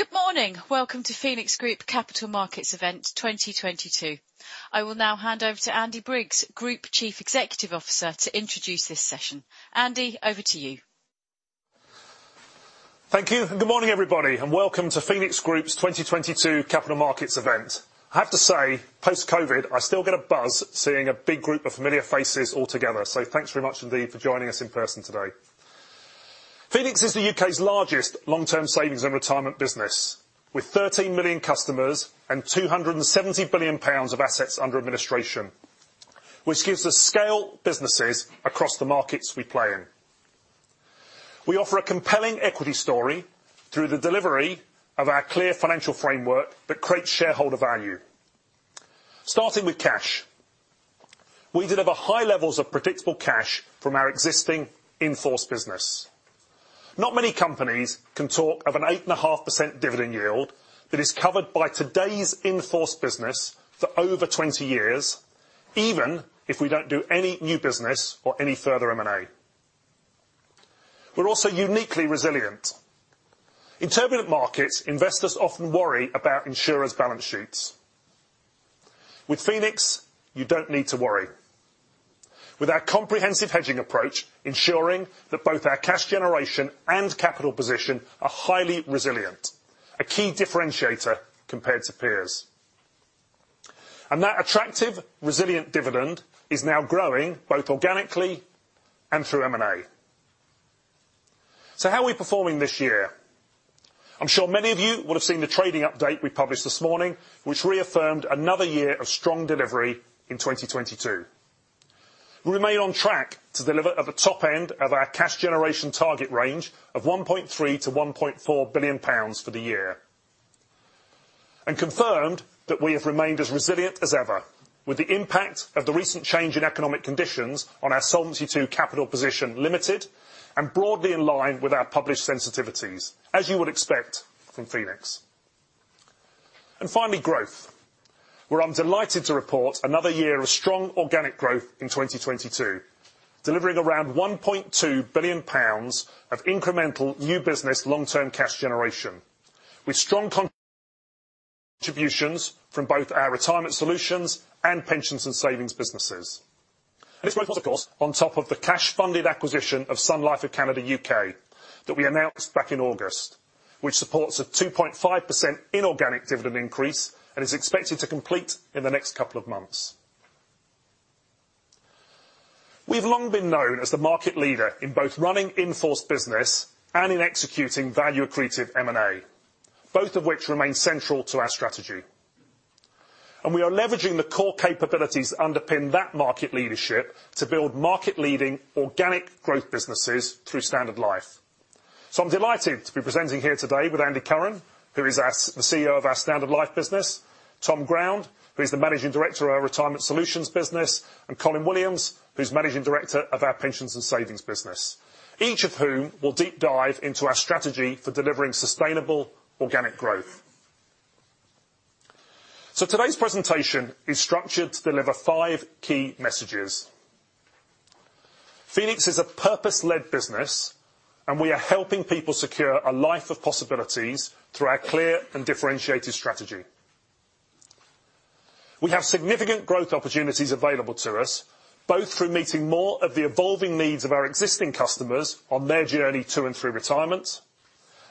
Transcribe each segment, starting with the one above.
Good morning. Welcome to Phoenix Group Capital Markets Event 2022. I will now hand over to Andy Briggs, Group Chief Executive Officer, to introduce this session. Andy, over to you. Thank you. Good morning, everybody, and welcome to Phoenix Group's 2022 Capital Markets Event. I have to say, post-COVID, I still get a buzz seeing a big group of familiar faces all together. Thanks very much indeed for joining us in person today. Phoenix is the U.K.'s largest long-term savings and retirement business, with 13 million customers and GBP 270 billion of assets under administration, which gives us scale businesses across the markets we play in. We offer a compelling equity story through the delivery of our clear financial framework that creates shareholder value. Starting with cash, we deliver high levels of predictable cash from our existing in-force business. Not many companies can talk of an 8.5% dividend yield that is covered by today's in-force business for over 20 years, even if we don't do any new business or any further M&A. We're also uniquely resilient. In turbulent markets, investors often worry about insurers' balance sheets. With Phoenix, you don't need to worry. With our comprehensive hedging approach, ensuring that both our cash generation and capital position are highly resilient, a key differentiator compared to peers. That attractive, resilient dividend is now growing both organically and through M&A. How are we performing this year? I'm sure many of you will have seen the trading update we published this morning, which reaffirmed another year of strong delivery in 2022. We remain on track to deliver at the top end of our cash generation target range of 1.3 billion-1.4 billion pounds for the year. Confirmed that we have remained as resilient as ever, with the impact of the recent change in economic conditions on our Solvency II capital position limited and broadly in line with our published sensitivities, as you would expect from Phoenix. Finally, growth, where I'm delighted to report another year of strong organic growth in 2022, delivering around 1.2 billion pounds of incremental new business long-term cash generation. With strong contributions from both our retirement solutions and pensions and savings businesses. This growth was of course on top of the cash-funded acquisition of Sun Life of Canada UK that we announced back in August, which supports a 2.5% inorganic dividend increase, and is expected to complete in the next couple of months. We've long been known as the market leader in both running in-force business and in executing value-accretive M&A, both of which remain central to our strategy. We are leveraging the core capabilities underpin that market leadership to build market-leading organic growth businesses through Standard Life. I'm delighted to be presenting here today with Andy Curran, who is the CEO of our Standard Life business, Tom Ground, who is the Managing Director of our Retirement Solutions business, and Colin Williams, who's Managing Director of our Pensions and Savings business, each of whom will deep dive into our strategy for delivering sustainable organic growth. Today's presentation is structured to deliver five key messages. Phoenix is a purpose-led business, and we are helping people secure a life of possibilities through our clear and differentiated strategy. We have significant growth opportunities available to us, both through meeting more of the evolving needs of our existing customers on their journey to and through retirement,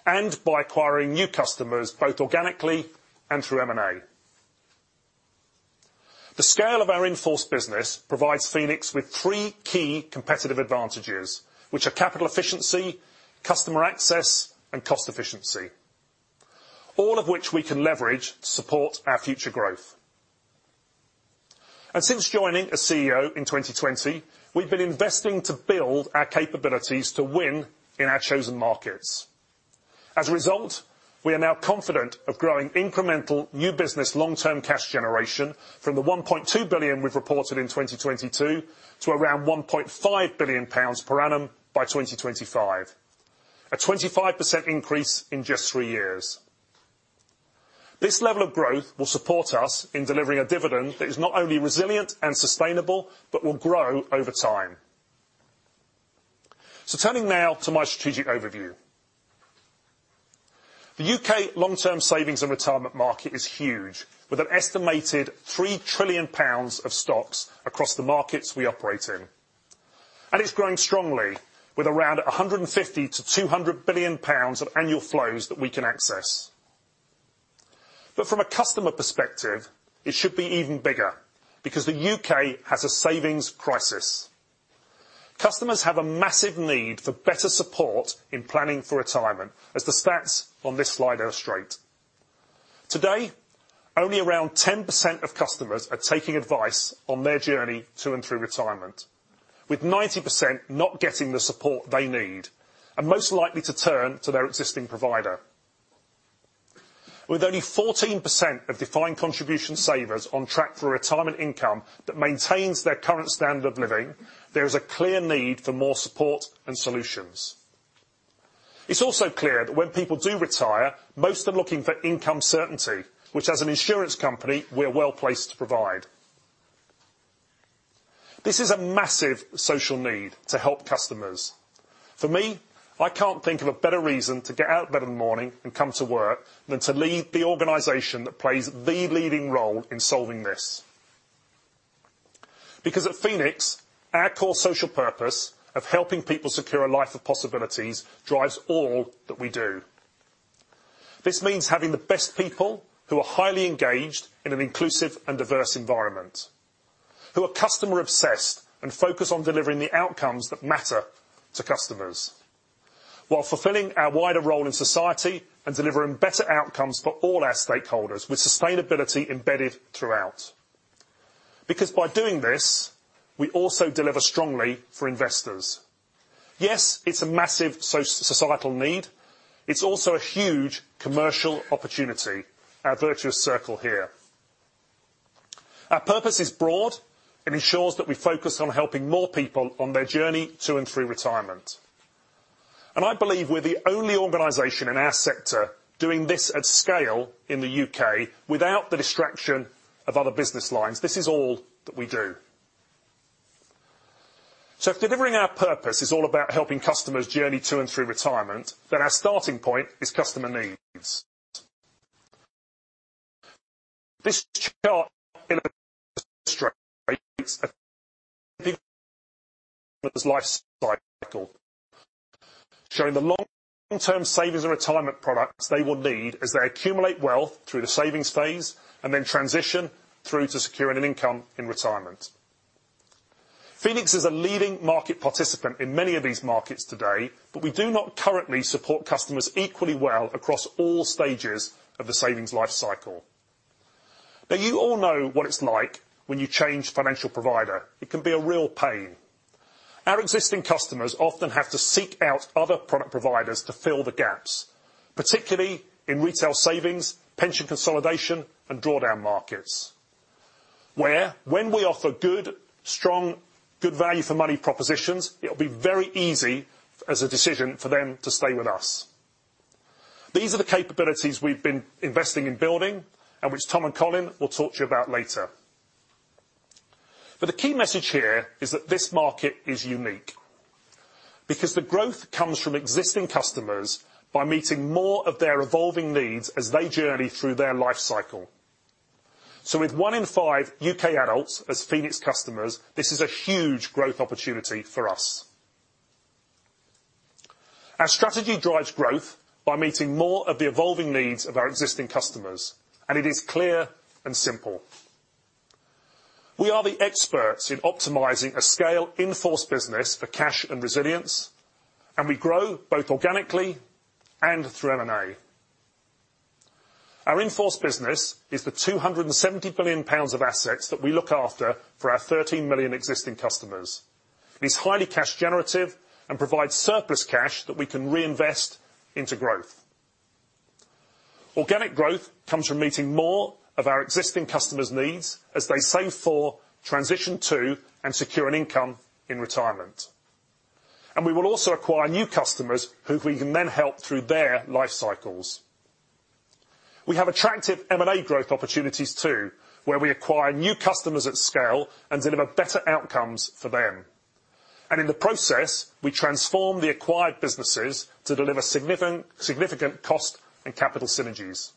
and by acquiring new customers, both organically and through M&A. The scale of our in-force business provides Phoenix with three key competitive advantages, which are capital efficiency, customer access, and cost efficiency, all of which we can leverage to support our future growth. Since joining as CEO in 2020, we've been investing to build our capabilities to win in our chosen markets. As a result, we are now confident of growing incremental new business long-term cash generation from 1.2 billion we've reported in 2022 to around 1.5 billion pounds per annum by 2025, a 25% increase in just three years. This level of growth will support us in delivering a dividend that is not only resilient and sustainable, but will grow over time. Turning now to my strategic overview. The U.K. long-term savings and retirement market is huge, with an estimated 3 trillion pounds of stocks across the markets we operate in. It's growing strongly, with around 150 billion-200 billion pounds of annual flows that we can access. From a customer perspective, it should be even bigger, because the U.K. has a savings crisis. Customers have a massive need for better support in planning for retirement, as the stats on this slide illustrate. Today, only around 10% of customers are taking advice on their journey to and through retirement, with 90% not getting the support they need, and most likely to turn to their existing provider. With only 14% of defined contribution savers on track for a retirement income that maintains their current standard of living, there is a clear need for more support and solutions. It's also clear that when people do retire, most are looking for income certainty, which as an insurance company, we're well placed to provide. This is a massive social need to help customers. For me, I can't think of a better reason to get out of bed in the morning and come to work than to lead the organization that plays the leading role in solving this. At Phoenix, our core social purpose of helping people secure a life of possibilities drives all that we do. This means having the best people who are highly engaged in an inclusive and diverse environment, who are customer-obsessed and focused on delivering the outcomes that matter to customers while fulfilling our wider role in society and delivering better outcomes for all our stakeholders with sustainability embedded throughout. By doing this, we also deliver strongly for investors. Yes, it's a massive societal need. It's also a huge commercial opportunity. Our virtuous circle here. Our purpose is broad and ensures that we focus on helping more people on their journey to and through retirement. I believe we're the only organization in our sector doing this at scale in the U.K. without the distraction of other business lines. This is all that we do. If delivering our purpose is all about helping customers journey to and through retirement, our starting point is customer needs. This chart illustrates lifecycle, showing the long-term savings and retirement products they will need as they accumulate wealth through the savings phase and transition through to securing an income in retirement. Phoenix is a leading market participant in many of these markets today, we do not currently support customers equally well across all stages of the savings lifecycle. You all know what it's like when you change financial provider. It can be a real pain. Our existing customers often have to seek out other product providers to fill the gaps, particularly in retail savings, pension consolidation, and drawdown markets. When we offer good, strong, good value for money propositions, it'll be very easy as a decision for them to stay with us. These are the capabilities we've been investing in building and which Tom and Colin will talk to you about later. The key message here is that this market is unique because the growth comes from existing customers by meeting more of their evolving needs as they journey through their life cycle. With one in five U.K. adults as Phoenix customers, this is a huge growth opportunity for us. Our strategy drives growth by meeting more of the evolving needs of our existing customers, it is clear and simple. We are the experts in optimizing a scale in-force business for cash and resilience, and we grow both organically and through M&A. Our in-force business is the 270 billion pounds of assets that we look after for our 13 million existing customers. It is highly cash generative and provides surplus cash that we can reinvest into growth. Organic growth comes from meeting more of our existing customers' needs as they save for, transition to, and secure an income in retirement. We will also acquire new customers who we can then help through their life cycles. We have attractive M&A growth opportunities too where we acquire new customers at scale and deliver better outcomes for them. In the process, we transform the acquired businesses to deliver significant cost and capital synergies.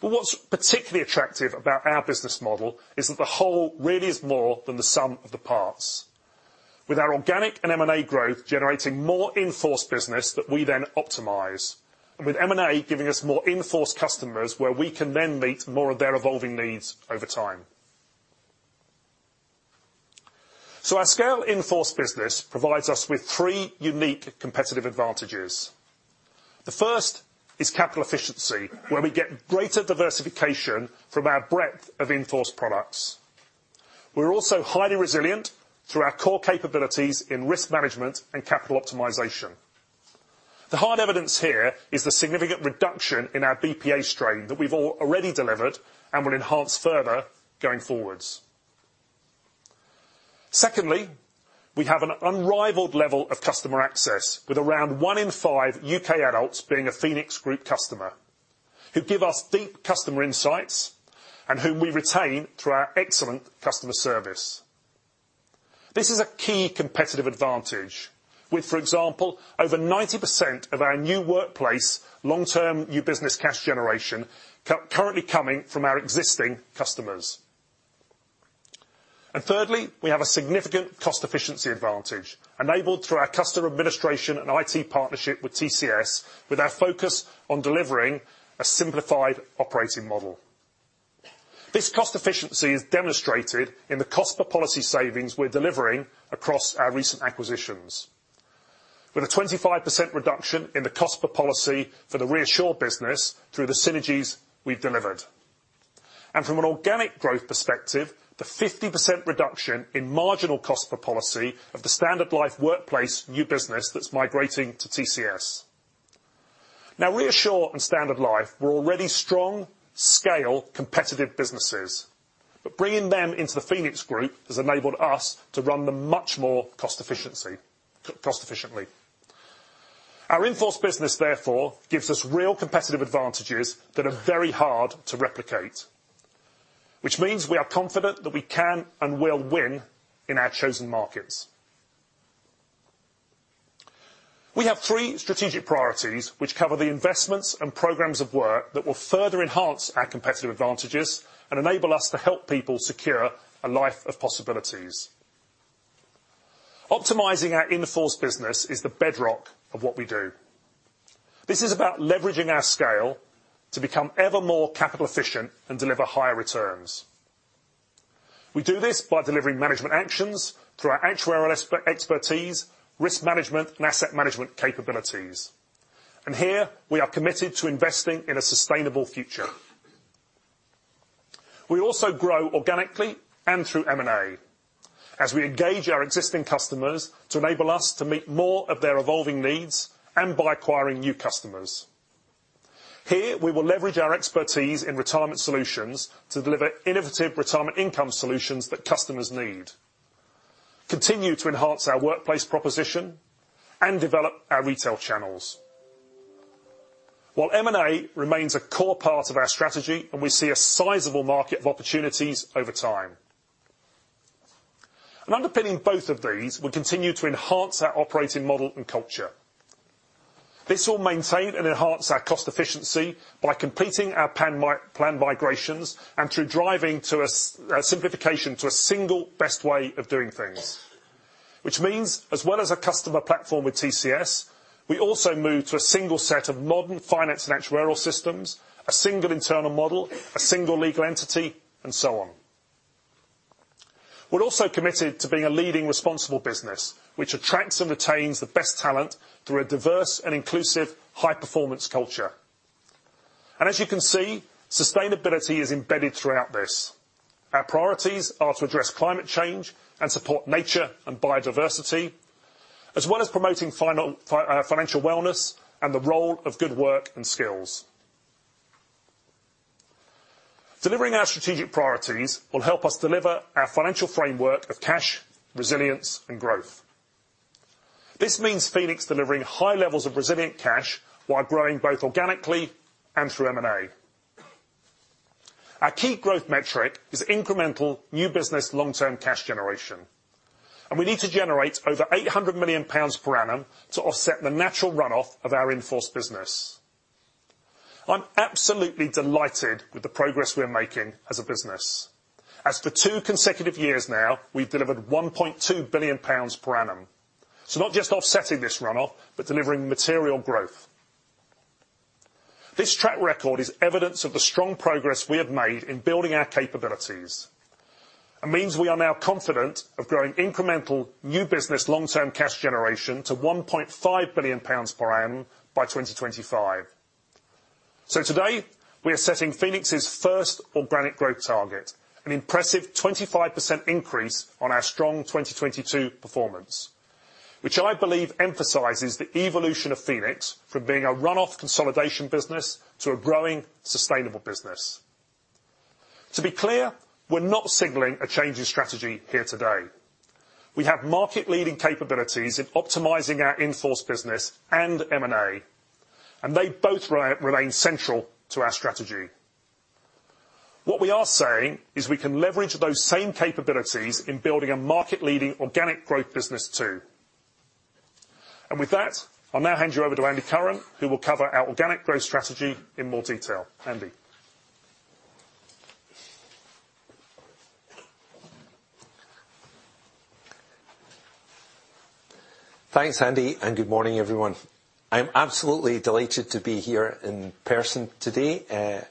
What's particularly attractive about our business model is that the whole really is more than the sum of the parts. With our organic and M&A growth generating more in-force business that we then optimize, and with M&A giving us more in-force customers where we can then meet more of their evolving needs over time. Our scale in-force business provides us with three unique competitive advantages. The first is capital efficiency, where we get greater diversification from our breadth of in-force products. We're also highly resilient through our core capabilities in risk management and capital optimization. The hard evidence here is the significant reduction in our BPA strain that we've already delivered and will enhance further going forwards. Secondly, we have an unrivaled level of customer access with around one in five U.K. adults being a Phoenix Group customer who give us deep customer insights and whom we retain through our excellent customer service. This is a key competitive advantage with, for example, over 90% of our new workplace long-term new business cash generation currently coming from our existing customers. Thirdly, we have a significant cost efficiency advantage enabled through our customer administration and IT partnership with TCS with our focus on delivering a simplified operating model. This cost efficiency is demonstrated in the cost per policy savings we're delivering across our recent acquisitions. With a 25% reduction in the cost per policy for the ReAssure business through the synergies we've delivered. From an organic growth perspective, the 50% reduction in marginal cost per policy of the Standard Life workplace new business that's migrating to TCS. Now, ReAssure and Standard Life were already strong scale competitive businesses, but bringing them into the Phoenix Group has enabled us to run them much more cost efficiently. Our in-force business therefore gives us real competitive advantages that are very hard to replicate. Which means we are confident that we can and will win in our chosen markets. We have three strategic priorities which cover the investments and programs of work that will further enhance our competitive advantages and enable us to help people secure a life of possibilities. Optimizing our in-force business is the bedrock of what we do. This is about leveraging our scale to become ever more capital efficient and deliver higher returns. We do this by delivering management actions through our actuarial expertise, risk management, and asset management capabilities. Here, we are committed to investing in a sustainable future. We also grow organically and through M&A as we engage our existing customers to enable us to meet more of their evolving needs and by acquiring new customers. Here, we will leverage our expertise in retirement solutions to deliver innovative retirement income solutions that customers need, continue to enhance our workplace proposition, and develop our retail channels. While M&A remains a core part of our strategy, we see a sizable market of opportunities over time. Underpinning both of these will continue to enhance our operating model and culture. This will maintain and enhance our cost efficiency by completing our plan migrations and through driving to a simplification to a single best way of doing things. Which means, as well as a customer platform with TCS, we also move to a single set of modern finance and actuarial systems, a single internal model, a single legal entity, and so on. We're also committed to being a leading responsible business, which attracts and retains the best talent through a diverse and inclusive high-performance culture. As you can see, sustainability is embedded throughout this. Our priorities are to address climate change and support nature and biodiversity, as well as promoting final financial wellness and the role of good work and skills. Delivering our strategic priorities will help us deliver our financial framework of cash, resilience, and growth. Phoenix delivering high levels of resilient cash while growing both organically and through M&A. Our key growth metric is incremental new business long-term cash generation. We need to generate over 800 million pounds per annum to offset the natural run-off of our in-force business. I'm absolutely delighted with the progress we are making as a business. For two consecutive years now, we've delivered 1.2 billion pounds per annum. Not just offsetting this run-off, but delivering material growth. This track record is evidence of the strong progress we have made in building our capabilities. It means we are now confident of growing incremental new business long-term cash generation to 1.5 billion pounds per annum by 2025. Today, we are setting Phoenix's first organic growth target, an impressive 25% increase on our strong 2022 performance. Which I believe emphasizes the evolution of Phoenix from being a run-off consolidation business to a growing sustainable business. To be clear, we're not signaling a change in strategy here today. We have market-leading capabilities in optimizing our in-force business and M&A, and they both remain central to our strategy. What we are saying is we can leverage those same capabilities in building a market-leading organic growth business too. With that, I'll now hand you over to Andy Curran, who will cover our organic growth strategy in more detail. Andy? Thanks, Andy, and good morning, everyone. I'm absolutely delighted to be here in person today,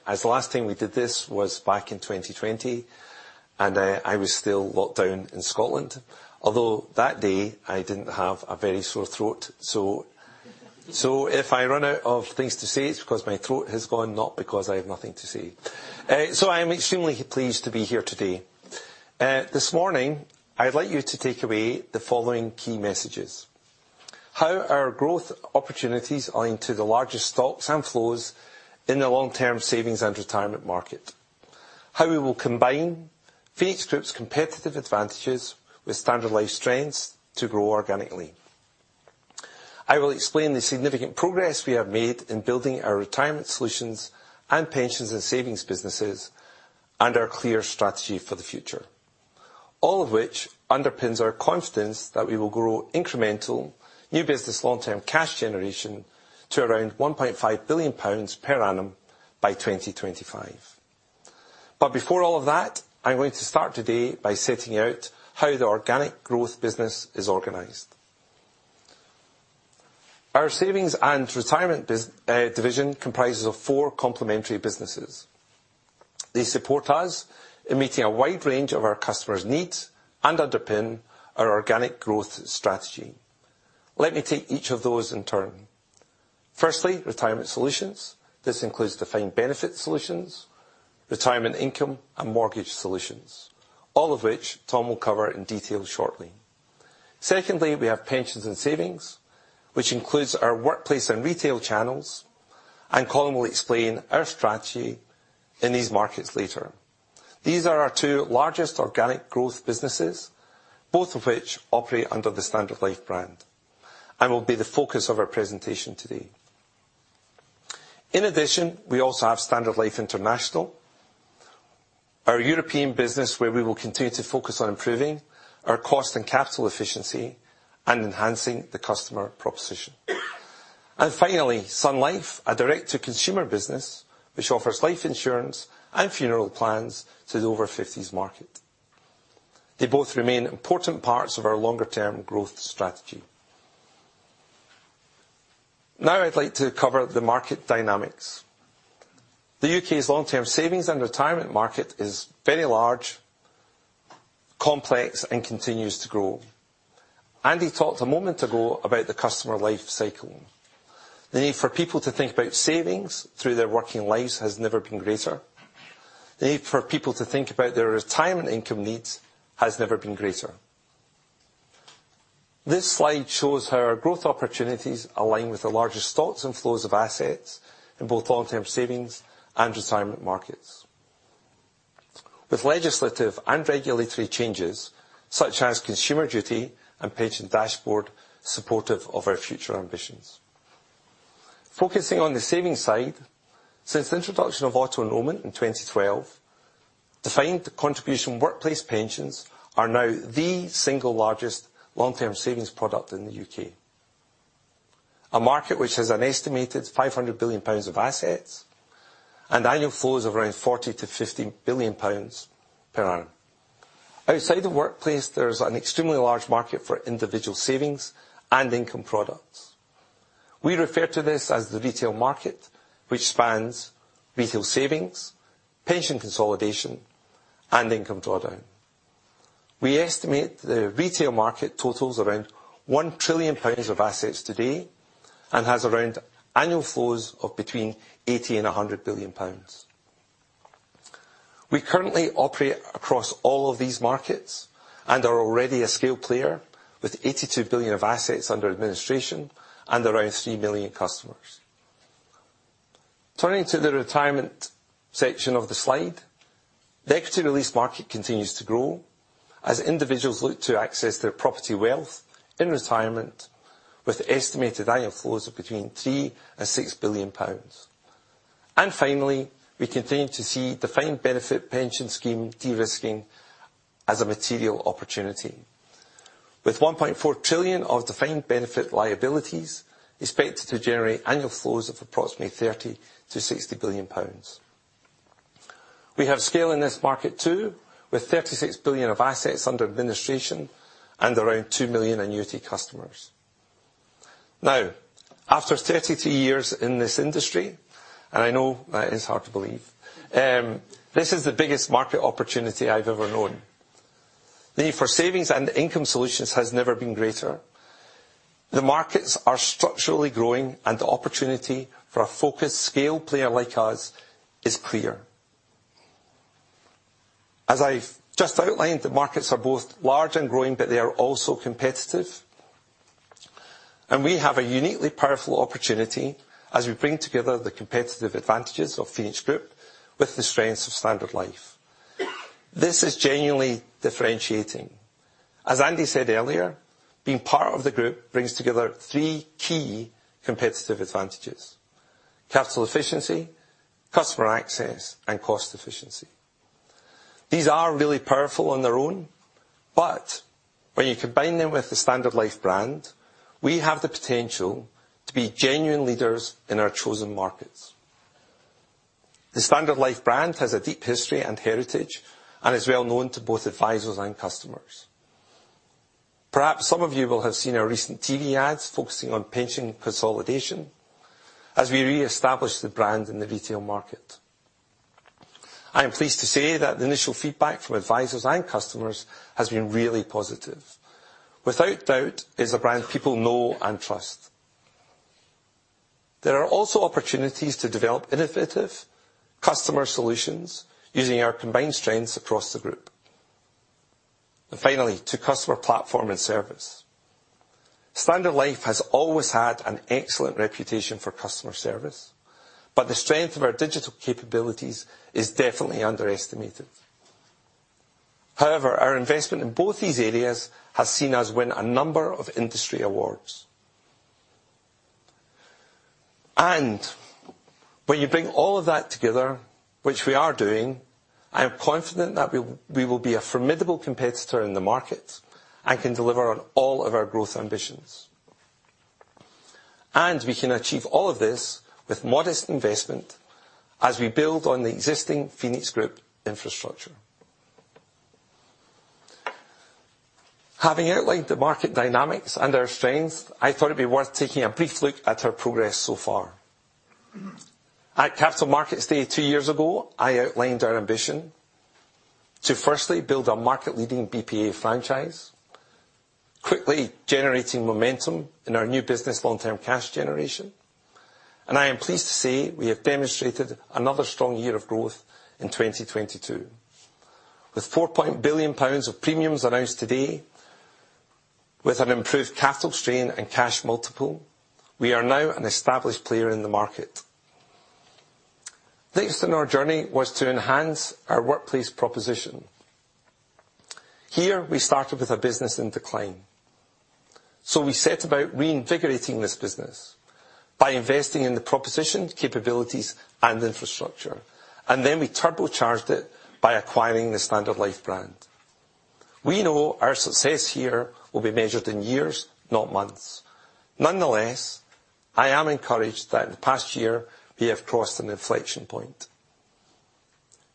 as last time we did this was back in 2020, and I was still locked down in Scotland. Although that day, I didn't have a very sore throat. If I run out of things to say, it's because my throat has gone, not because I have nothing to say. I am extremely pleased to be here today. This morning, I'd like you to take away the following key messages. How our growth opportunities align to the largest stocks and flows in the long-term savings and retirement market. How we will combine Phoenix Group's competitive advantages with Standard Life's strengths to grow organically. I will explain the significant progress we have made in building our retirement solutions and pensions and savings businesses, our clear strategy for the future. All of which underpins our confidence that we will grow incremental new business long-term cash generation to around 1.5 billion pounds per annum by 2025. Before all of that, I'm going to start today by setting out how the organic growth business is organized. Our savings and retirement division comprises of four complementary businesses. They support us in meeting a wide range of our customers' needs and underpin our organic growth strategy. Let me take each of those in turn. Firstly, retirement solutions. This includes defined benefit solutions, retirement income, and mortgage solutions, all of which Tom will cover in detail shortly. Secondly, we have pensions and savings, which includes our workplace and retail channels, and Colin will explain our strategy in these markets later. These are our two largest organic growth businesses. Both of which operate under the Standard Life brand and will be the focus of our presentation today. In addition, we also have Standard Life International, our European business, where we will continue to focus on improving our cost and capital efficiency and enhancing the customer proposition. Finally, SunLife, a direct-to-consumer business which offers life insurance and funeral plans to the over 50s market. They both remain important parts of our longer term growth strategy. Now I'd like to cover the market dynamics. The U.K.'s long-term savings and retirement market is very large, complex, and continues to grow. Andy talked a moment ago about the customer life cycle. The need for people to think about savings through their working lives has never been greater. The need for people to think about their retirement income needs has never been greater. This slide shows how our growth opportunities align with the largest stocks and flows of assets in both long-term savings and retirement markets. With legislative and regulatory changes, such as Consumer Duty and Pensions Dashboard supportive of our future ambitions. Focusing on the savings side, since the introduction of auto-enrolment in 2012, defined contribution workplace pensions are now the single largest long-term savings product in the U.K. A market which has an estimated 500 billion pounds of assets and annual flows of around 40 billion-50 billion pounds per annum. Outside the workplace, there's an extremely large market for individual savings and income products. We refer to this as the retail market, which spans retail savings, pension consolidation, and income drawdown. We estimate the retail market totals around 1 trillion pounds of assets today and has around annual flows of between 80 billion and 100 billion pounds. We currently operate across all of these markets and are already a scale player with 82 billion of assets under administration and around three million customers. Turning to the retirement section of the slide. The equity release market continues to grow as individuals look to access their property wealth in retirement with estimated annual flows of between 3 billion and 6 billion pounds. Finally, we continue to see defined benefit pension scheme de-risking as a material opportunity. With 1.4 trillion of defined benefit liabilities expected to generate annual flows of approximately 30 billion to 60 billion pounds. We have scale in this market too, with 36 billion of assets under administration and around two million annuity customers. After 32 years in this industry, and I know that is hard to believe, this is the biggest market opportunity I've ever known. The need for savings and income solutions has never been greater. The markets are structurally growing, the opportunity for a focused scale player like us is clear. As I've just outlined, the markets are both large and growing, they are also competitive. We have a uniquely powerful opportunity as we bring together the competitive advantages of Phoenix Group with the strengths of Standard Life. This is genuinely differentiating. As Andy said earlier, being part of the group brings together 3 key competitive advantages: capital efficiency, customer access, and cost efficiency. These are really powerful on their own. When you combine them with the Standard Life brand, we have the potential to be genuine leaders in our chosen markets. The Standard Life brand has a deep history and heritage and is well-known to both advisors and customers. Perhaps some of you will have seen our recent TV ads focusing on pension consolidation as we reestablish the brand in the retail market. I am pleased to say that the initial feedback from advisors and customers has been really positive. Without doubt, it's a brand people know and trust. There are also opportunities to develop innovative customer solutions using our combined strengths across the group. Finally, to customer platform and service. Standard Life has always had an excellent reputation for customer service, but the strength of our digital capabilities is definitely underestimated. However, our investment in both these areas has seen us win a number of industry awards. When you bring all of that together, which we are doing, I am confident that we will be a formidable competitor in the market and can deliver on all of our growth ambitions. We can achieve all of this with modest investment as we build on the existing Phoenix Group infrastructure. Having outlined the market dynamics and our strengths, I thought it'd be worth taking a brief look at our progress so far. At Capital Markets Day two years ago, I outlined our ambition to firstly build a market-leading BPA franchise, quickly generating momentum in our new business long-term cash generation. I am pleased to say we have demonstrated another strong year of growth in 2022. With 4 billion pounds of premiums announced today, with an improved capital strength and cash multiple, we are now an established player in the market. In our journey was to enhance our workplace proposition. Here, we started with a business in decline. We set about reinvigorating this business by investing in the proposition capabilities and infrastructure. We turbocharged it by acquiring the Standard Life brand. We know our success here will be measured in years, not months. Nonetheless, I am encouraged that in the past year we have crossed an inflection point,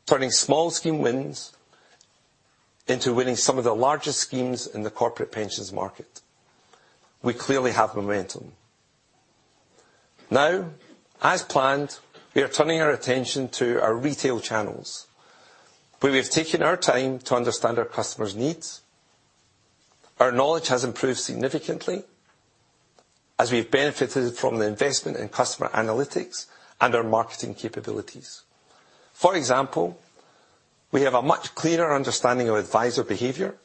turning small scheme wins into winning some of the largest schemes in the corporate pensions market. We clearly have momentum. As planned, we are turning our attention to our retail channels. We have taken our time to understand our customers' needs. Our knowledge has improved significantly as we have benefited from the investment in customer analytics and our marketing capabilities. For example, we have a much clearer understanding of advisor behavior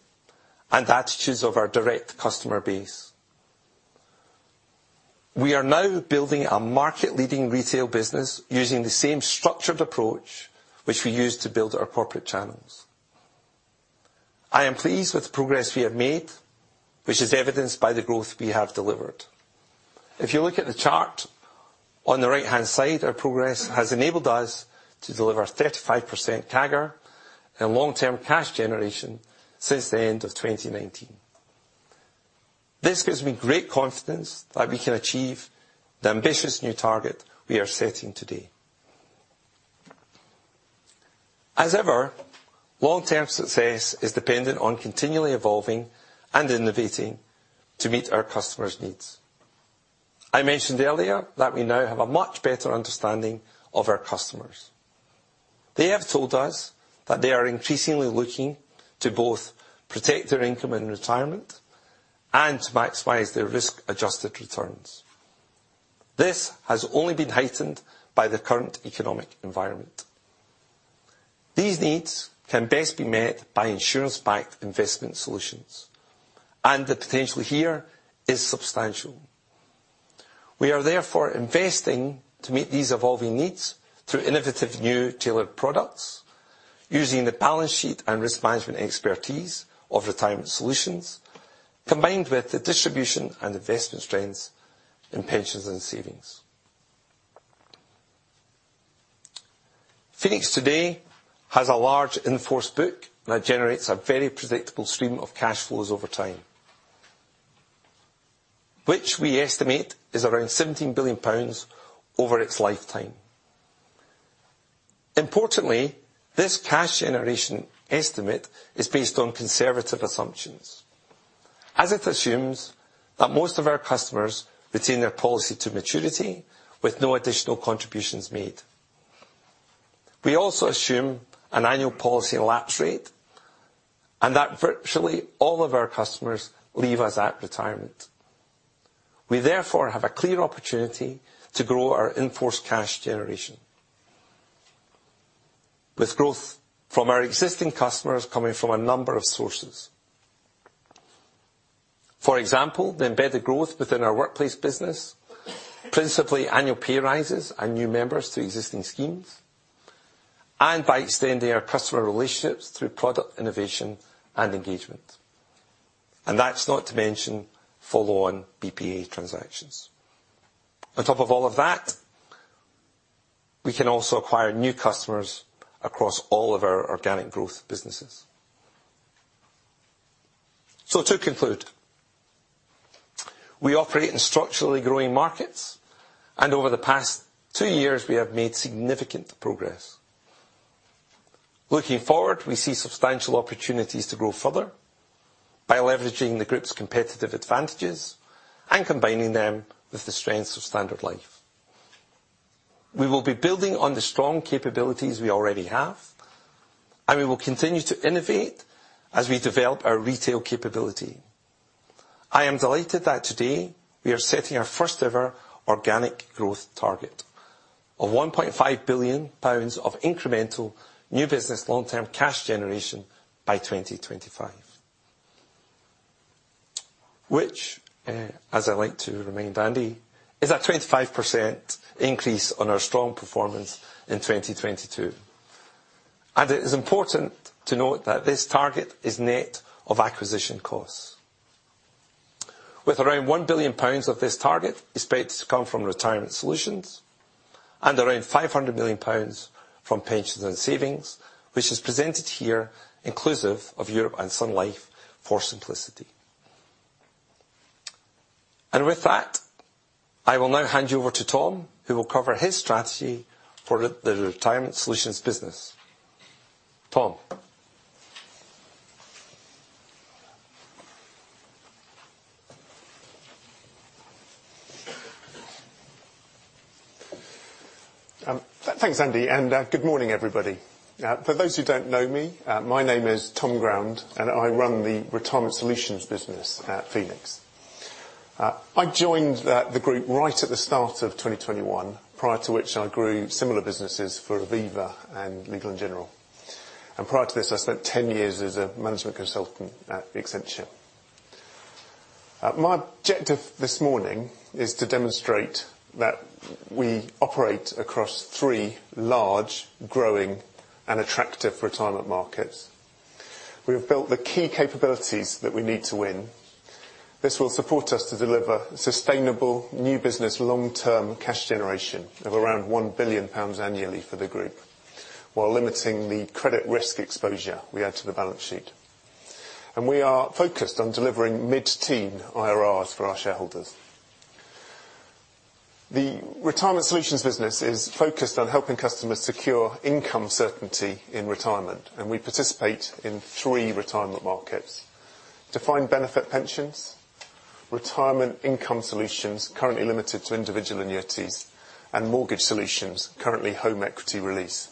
and the attitudes of our direct customer base. We are now building a market-leading retail business using the same structured approach which we use to build our corporate channels. I am pleased with the progress we have made, which is evidenced by the growth we have delivered. If you look at the chart on the right-hand side, our progress has enabled us to deliver 35% CAGR and long-term cash generation since the end of 2019. This gives me great confidence that we can achieve the ambitious new target we are setting today. As ever, long-term success is dependent on continually evolving and innovating to meet our customers' needs. I mentioned earlier that we now have a much better understanding of our customers. They have told us that they are increasingly looking to both protect their income in retirement and to maximize their risk-adjusted returns. This has only been heightened by the current economic environment. These needs can best be met by insurance-backed investment solutions, and the potential here is substantial. We are therefore investing to meet these evolving needs through innovative new tailored products using the balance sheet and risk management expertise of Retirement Solutions, combined with the distribution and investment strengths in Pensions and Savings. Phoenix today has a large in-force book that generates a very predictable stream of cash flows over time, which we estimate is around 17 billion pounds over its lifetime. Importantly, this cash generation estimate is based on conservative assumptions, as it assumes that most of our customers retain their policy to maturity with no additional contributions made. We also assume an annual policy lapse rate, and that virtually all of our customers leave us at retirement. We therefore have a clear opportunity to grow our in-force cash generation, with growth from our existing customers coming from a number of sources. For example, the embedded growth within our workplace business, principally annual pay rises and new members to existing schemes, and by extending our customer relationships through product innovation and engagement. That's not to mention follow-on BPA transactions. On top of all of that, we can also acquire new customers across all of our organic growth businesses. To conclude, we operate in structurally growing markets, and over the past two years we have made significant progress. Looking forward, we see substantial opportunities to grow further by leveraging the group's competitive advantages and combining them with the strengths of Standard Life. We will be building on the strong capabilities we already have. We will continue to innovate as we develop our retail capability. I am delighted that today we are setting our first-ever organic growth target of 1.5 billion pounds of incremental new business long-term cash generation by 2025. Which, as I like to remind Andy, is a 25% increase on our strong performance in 2022. It is important to note that this target is net of acquisition costs. With around 1 billion pounds of this target expected to come from Retirement Solutions and around 500 million pounds from Pensions and Savings, which is presented here inclusive of Europe and Sun Life for simplicity. With that, I will now hand you over to Tom, who will cover his strategy for the Retirement Solutions business. Tom? Thanks, Andy, good morning, everybody. For those who don't know me, my name is Tom Ground, and I run the Retirement Solutions business at Phoenix. I joined the group right at the start of 2021, prior to which I grew similar businesses for Aviva and Legal & General. Prior to this, I spent 10 years as a management consultant at Accenture. My objective this morning is to demonstrate that we operate across three large, growing, and attractive retirement markets. We have built the key capabilities that we need to win. This will support us to deliver sustainable new business long-term cash generation of around 1 billion pounds annually for the group while limiting the credit risk exposure we add to the balance sheet. We are focused on delivering mid-teen IRRs for our shareholders. The retirement solutions business is focused on helping customers secure income certainty in retirement, and we participate in three retirement markets: defined benefit pensions, retirement income solutions, currently limited to individual annuities, and mortgage solutions, currently home equity release.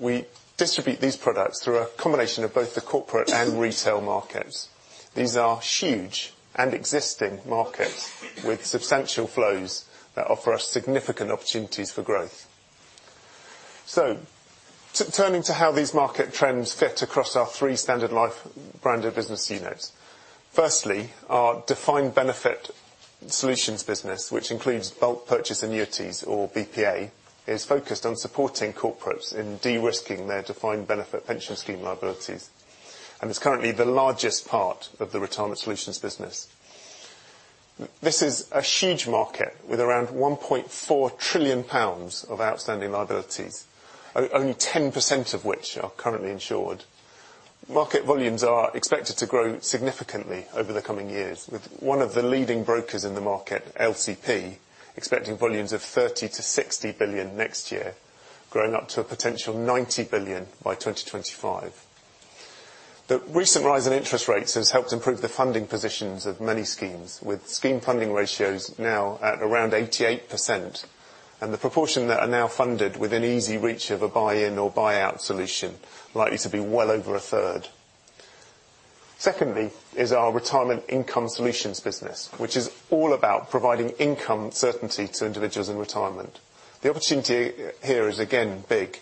We distribute these products through a combination of both the corporate and retail markets. These are huge and existing markets with substantial flows that offer us significant opportunities for growth. Turning to how these market trends fit across our three Standard Life brand of business units. Firstly, our defined benefit solutions business, which includes bulk purchase annuities or BPA, is focused on supporting corporates in de-risking their defined benefit pension scheme liabilities, and is currently the largest part of the retirement solutions business. This is a huge market with around 1.4 trillion pounds of outstanding liabilities, only 10% of which are currently insured. Market volumes are expected to grow significantly over the coming years with one of the leading brokers in the market, LCP, expecting volumes of 30 billion-60 billion next year, growing up to a potential 90 billion by 2025. The recent rise in interest rates has helped improve the funding positions of many schemes, with scheme funding ratios now at around 88%, and the proportion that are now funded within easy reach of a buy-in or buy-out solution likely to be well over a third. Our retirement income solutions business, which is all about providing income certainty to individuals in retirement. The opportunity here is again big,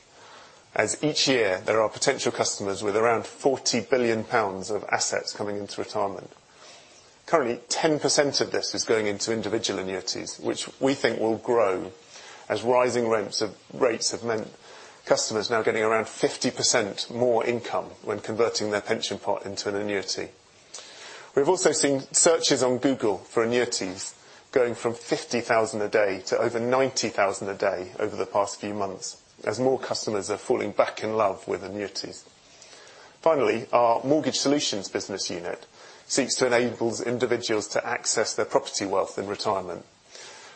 as each year there are potential customers with around 40 billion pounds of assets coming into retirement. Currently, 10% of this is going into individual annuities, which we think will grow as rising rates have meant customers now getting around 50% more income when converting their pension pot into an annuity. We've also seen searches on Google for annuities going from 50,000 a day to over 90,000 a day over the past few months as more customers are falling back in love with annuities. Finally, our mortgage solutions business unit seeks to enables individuals to access their property wealth in retirement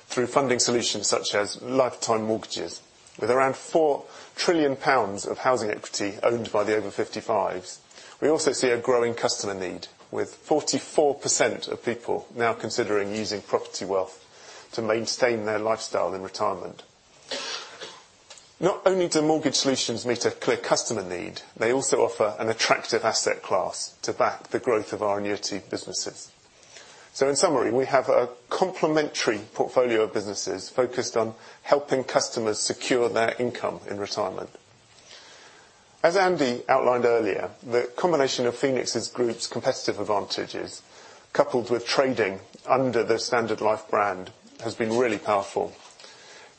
through funding solutions such as lifetime mortgages. With around 4 trillion pounds of housing equity owned by the over 55s, we also see a growing customer need, with 44% of people now considering using property wealth to maintain their lifestyle in retirement. Not only do mortgage solutions meet a clear customer need, they also offer an attractive asset class to back the growth of our annuity businesses. In summary, we have a complementary portfolio of businesses focused on helping customers secure their income in retirement. As Andy outlined earlier, the combination of Phoenix Group's competitive advantages, coupled with trading under the Standard Life brand, has been really powerful.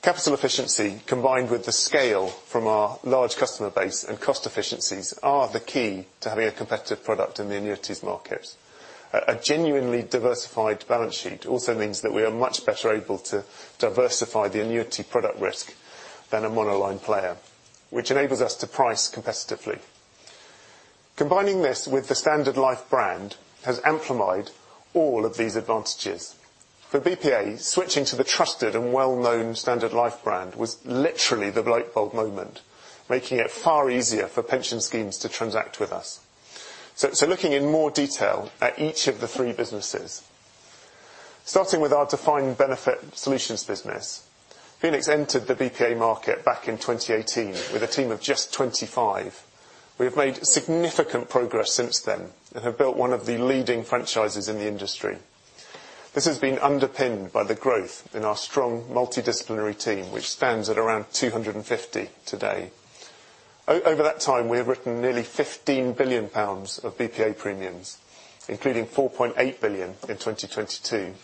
Capital efficiency combined with the scale from our large customer base and cost efficiencies are the key to having a competitive product in the annuities markets. A genuinely diversified balance sheet also means that we are much better able to diversify the annuity product risk than a monoline player, which enables us to price competitively. Combining this with the Standard Life brand has amplified all of these advantages. For BPA, switching to the trusted and well-known Standard Life brand was literally the light bulb moment, making it far easier for pension schemes to transact with us. Looking in more detail at each of the three businesses. Starting with our defined benefit solutions business. Phoenix entered the BPA market back in 2018 with a team of just 25. We have made significant progress since then and have built one of the leading franchises in the industry. This has been underpinned by the growth in our strong multidisciplinary team, which stands at around 250 today. Over that time, we have written nearly 15 billion pounds of BPA premiums, including 4.8 billion in 2022,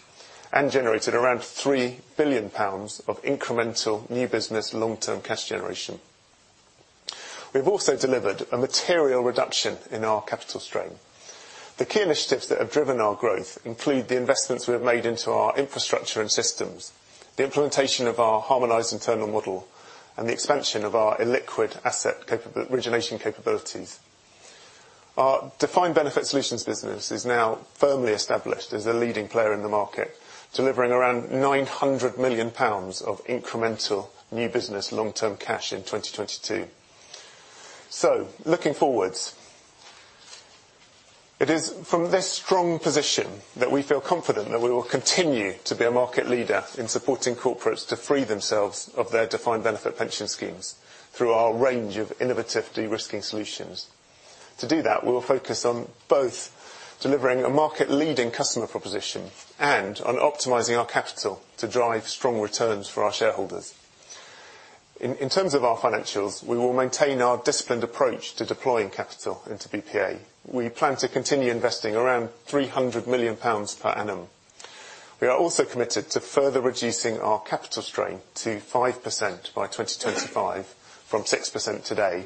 and generated around 3 billion pounds of incremental new business long-term cash generation. We've also delivered a material reduction in our capital strain. The key initiatives that have driven our growth include the investments we have made into our infrastructure and systems, the implementation of our harmonized internal model, and the expansion of our illiquid asset origination capabilities. Our defined benefit solutions business is now firmly established as the leading player in the market, delivering around 900 million pounds of incremental new business long-term cash in 2022. Looking forwards. It is from this strong position that we feel confident that we will continue to be a market leader in supporting corporates to free themselves of their defined benefit pension schemes through our range of innovative de-risking solutions. To do that, we will focus on both delivering a market-leading customer proposition and on optimizing our capital to drive strong returns for our shareholders. In terms of our financials, we will maintain our disciplined approach to deploying capital into BPA. We plan to continue investing around GBP 300 million per annum. We are also committed to further reducing our capital strain to 5% by 2025, from 6% today,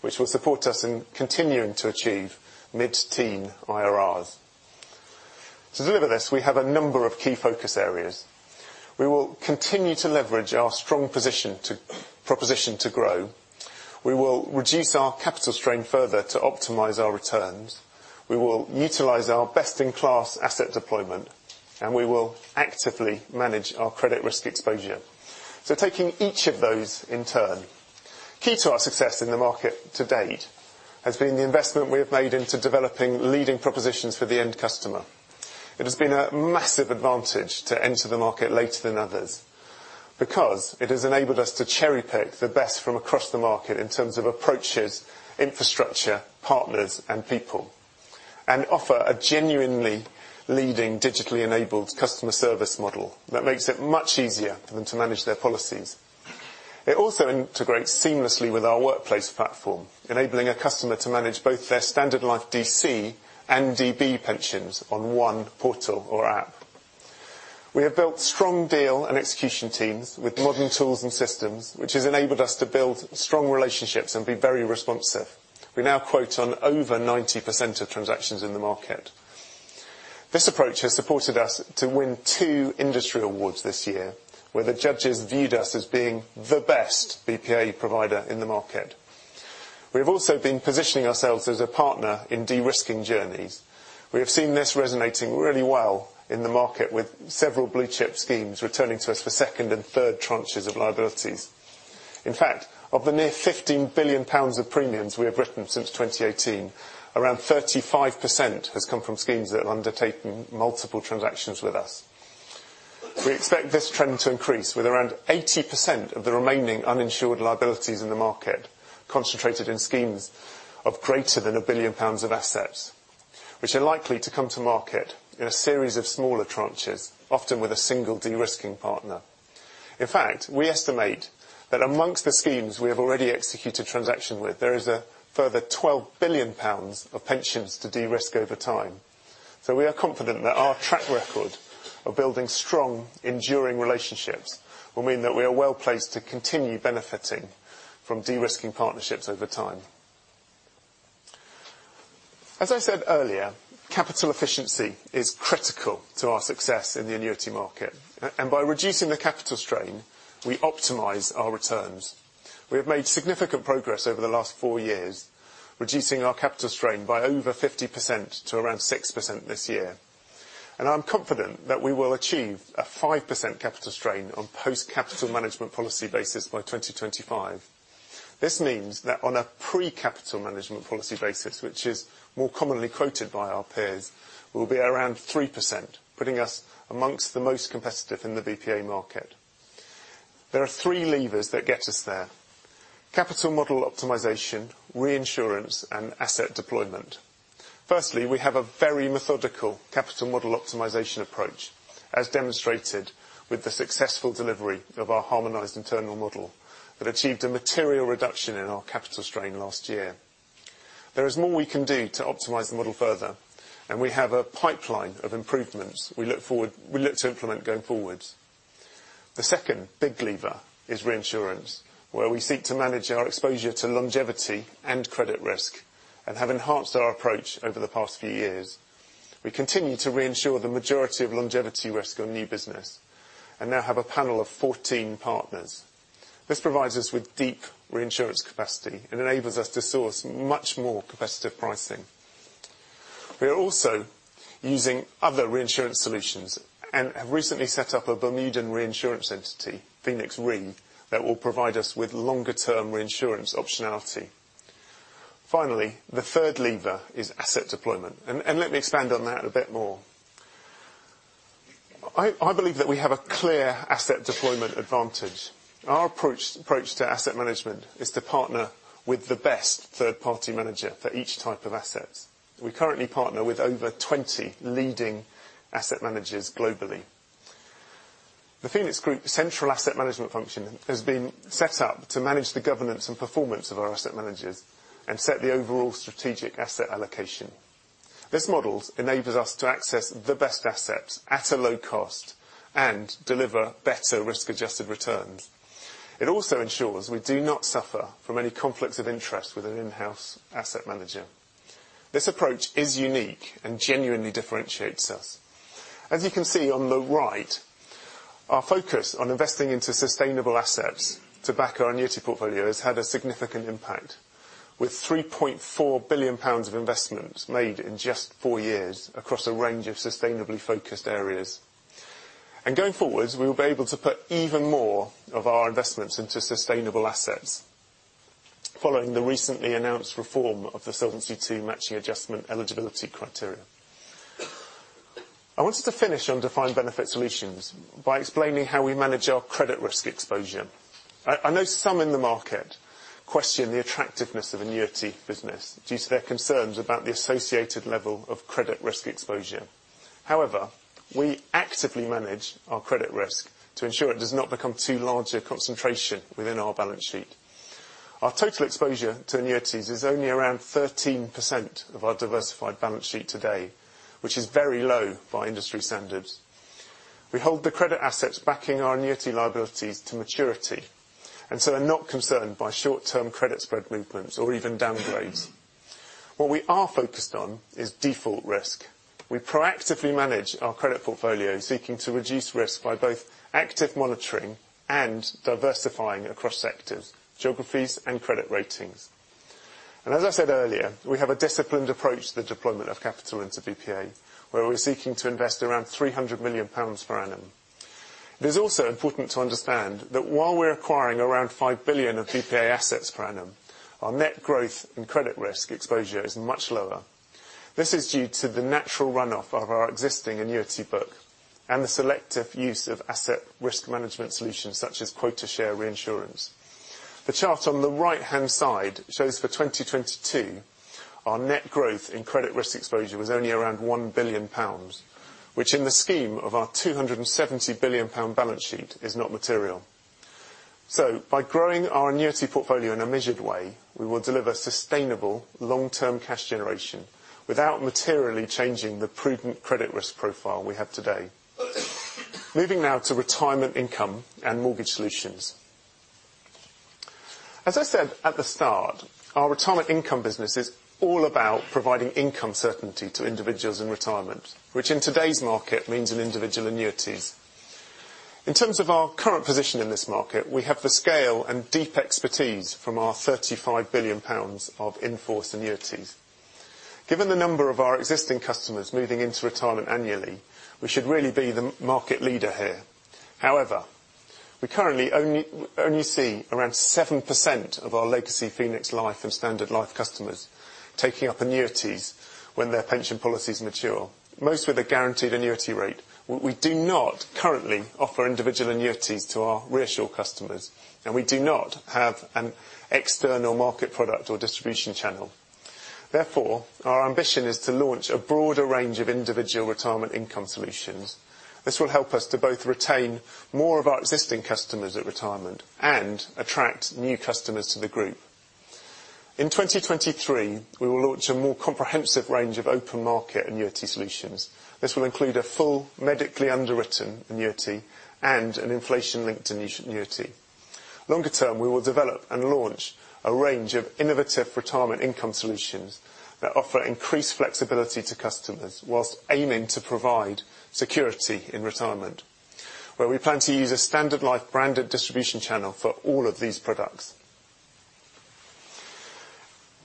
which will support us in continuing to achieve mid-teen IRRs. To deliver this, we have a number of key focus areas. We will continue to leverage our strong proposition to grow. We will reduce our capital strain further to optimize our returns. We will utilize our best-in-class asset deployment, and we will actively manage our credit risk exposure. Taking each of those in turn. Key to our success in the market to date has been the investment we have made into developing leading propositions for the end customer. It has been a massive advantage to enter the market later than others, because it has enabled us to cherry-pick the best from across the market in terms of approaches, infrastructure, partners, and people, and offer a genuinely leading digitally enabled customer service model that makes it much easier for them to manage their policies. It also integrates seamlessly with our workplace platform, enabling a customer to manage both their Standard Life DC and DB pensions on one portal or app. We have built strong deal and execution teams with modern tools and systems, which has enabled us to build strong relationships and be very responsive. We now quote on over 90% of transactions in the market. This approach has supported us to win two industry awards this year, where the judges viewed us as being the best BPA provider in the market. We have also been positioning ourselves as a partner in de-risking journeys. We have seen this resonating really well in the market, with several blue chip schemes returning to us for second and third tranches of liabilities. Of the near 15 billion pounds of premiums we have written since 2018, around 35% has come from schemes that have undertaken multiple transactions with us. We expect this trend to increase, with around 80% of the remaining uninsured liabilities in the market concentrated in schemes of greater than 1 billion pounds of assets, which are likely to come to market in a series of smaller tranches, often with a single de-risking partner. We estimate that amongst the schemes we have already executed transaction with, there is a further 12 billion pounds of pensions to de-risk over time. We are confident that our track record of building strong enduring relationships will mean that we are well-placed to continue benefiting from de-risking partnerships over time. As I said earlier, capital efficiency is critical to our success in the annuity market, and by reducing the capital strain, we optimize our returns. We have made significant progress over the last four years, reducing our capital strain by over 50% to around 6% this year. I'm confident that we will achieve a 5% capital strain on post capital management policy basis by 2025. This means that on a pre-capital management policy basis, which is more commonly quoted by our peers, we'll be around 3%, putting us amongst the most competitive in the BPA market. There are three levers that get us there. Capital model optimization, reinsurance, and asset deployment. We have a very methodical capital model optimization approach, as demonstrated with the successful delivery of our harmonized internal model that achieved a material reduction in our capital strain last year. There is more we can do to optimize the model further, and we have a pipeline of improvements we look to implement going forward. The second big lever is reinsurance, where we seek to manage our exposure to longevity and credit risk and have enhanced our approach over the past few years. We continue to reinsure the majority of longevity risk on new business and now have a panel of 14 partners. This provides us with deep reinsurance capacity and enables us to source much more competitive pricing. We are also using other reinsurance solutions and have recently set up a Bermudan reinsurance entity, PhoenixRE, that will provide us with longer term reinsurance optionality. Finally, the third lever is asset deployment. Let me expand on that a bit more. I believe that we have a clear asset deployment advantage. Our approach to asset management is to partner with the best third-party manager for each type of asset. We currently partner with over 20 leading asset managers globally. The Phoenix Group central asset management function has been set up to manage the governance and performance of our asset managers and set the overall strategic asset allocation. This model enables us to access the best assets at a low cost and deliver better risk-adjusted returns. It also ensures we do not suffer from any conflicts of interest with an in-house asset manager. This approach is unique and genuinely differentiates us. As you can see on the right, our focus on investing into sustainable assets to back our annuity portfolio has had a significant impact. With 3.4 billion pounds of investments made in just four years across a range of sustainably focused areas. Going forwards, we will be able to put even more of our investments into sustainable assets, following the recently announced reform of the Solvency II matching adjustment eligibility criteria. I wanted to finish on defined benefit solutions by explaining how we manage our credit risk exposure. I know some in the market question the attractiveness of annuity business due to their concerns about the associated level of credit risk exposure. However, we actively manage our credit risk to ensure it does not become too large a concentration within our balance sheet. Our total exposure to annuities is only around 13% of our diversified balance sheet today, which is very low by industry standards. We hold the credit assets backing our annuity liabilities to maturity, and so are not concerned by short-term credit spread movements or even downgrades. What we are focused on is default risk. We proactively manage our credit portfolio, seeking to reduce risk by both active monitoring and diversifying across sectors, geographies, and credit ratings. As I said earlier, we have a disciplined approach to the deployment of capital into BPA, where we're seeking to invest around 300 million pounds per annum. It is also important to understand that while we're acquiring around 5 billion of BPA assets per annum, our net growth in credit risk exposure is much lower. This is due to the natural runoff of our existing annuity book and the selective use of asset risk management solutions such as quota share reinsurance. The chart on the right-hand side shows for 2022, our net growth in credit risk exposure was only around 1 billion pounds, which in the scheme of our 270 billion pound balance sheet is not material. By growing our annuity portfolio in a measured way, we will deliver sustainable long-term cash generation without materially changing the prudent credit risk profile we have today. Moving now to retirement income and mortgage solutions. As I said at the start, our retirement income business is all about providing income certainty to individuals in retirement, which in today's market means in individual annuities. In terms of our current position in this market, we have the scale and deep expertise from our 35 billion pounds of in-force annuities. Given the number of our existing customers moving into retirement annually, we should really be the market leader here. However, we currently only see around 7% of our legacy Phoenix Life and Standard Life customers taking up annuities when their pension policies mature, most with a guaranteed annuity rate. We do not currently offer individual annuities to our ReAssure customers, and we do not have an external market product or distribution channel. Therefore, our ambition is to launch a broader range of individual retirement income solutions. This will help us to both retain more of our existing customers at retirement and attract new customers to the Group. In 2023, we will launch a more comprehensive range of open market annuity solutions. This will include a full medically underwritten annuity and an inflation-linked annuity. Longer term, we will develop and launch a range of innovative retirement income solutions that offer increased flexibility to customers whilst aiming to provide security in retirement, where we plan to use a Standard Life branded distribution channel for all of these products.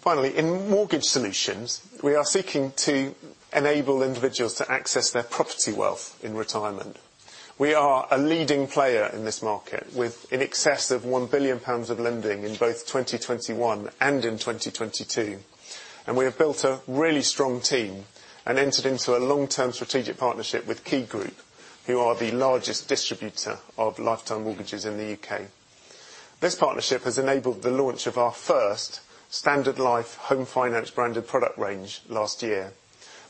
Finally, in mortgage solutions, we are seeking to enable individuals to access their property wealth in retirement. We are a leading player in this market with in excess of 1 billion pounds of lending in both 2021 and in 2022. We have built a really strong team and entered into a long-term strategic partnership with Key Group, who are the largest distributor of lifetime mortgages in the U.K. This partnership has enabled the launch of our first Standard Life Home Finance branded product range last year.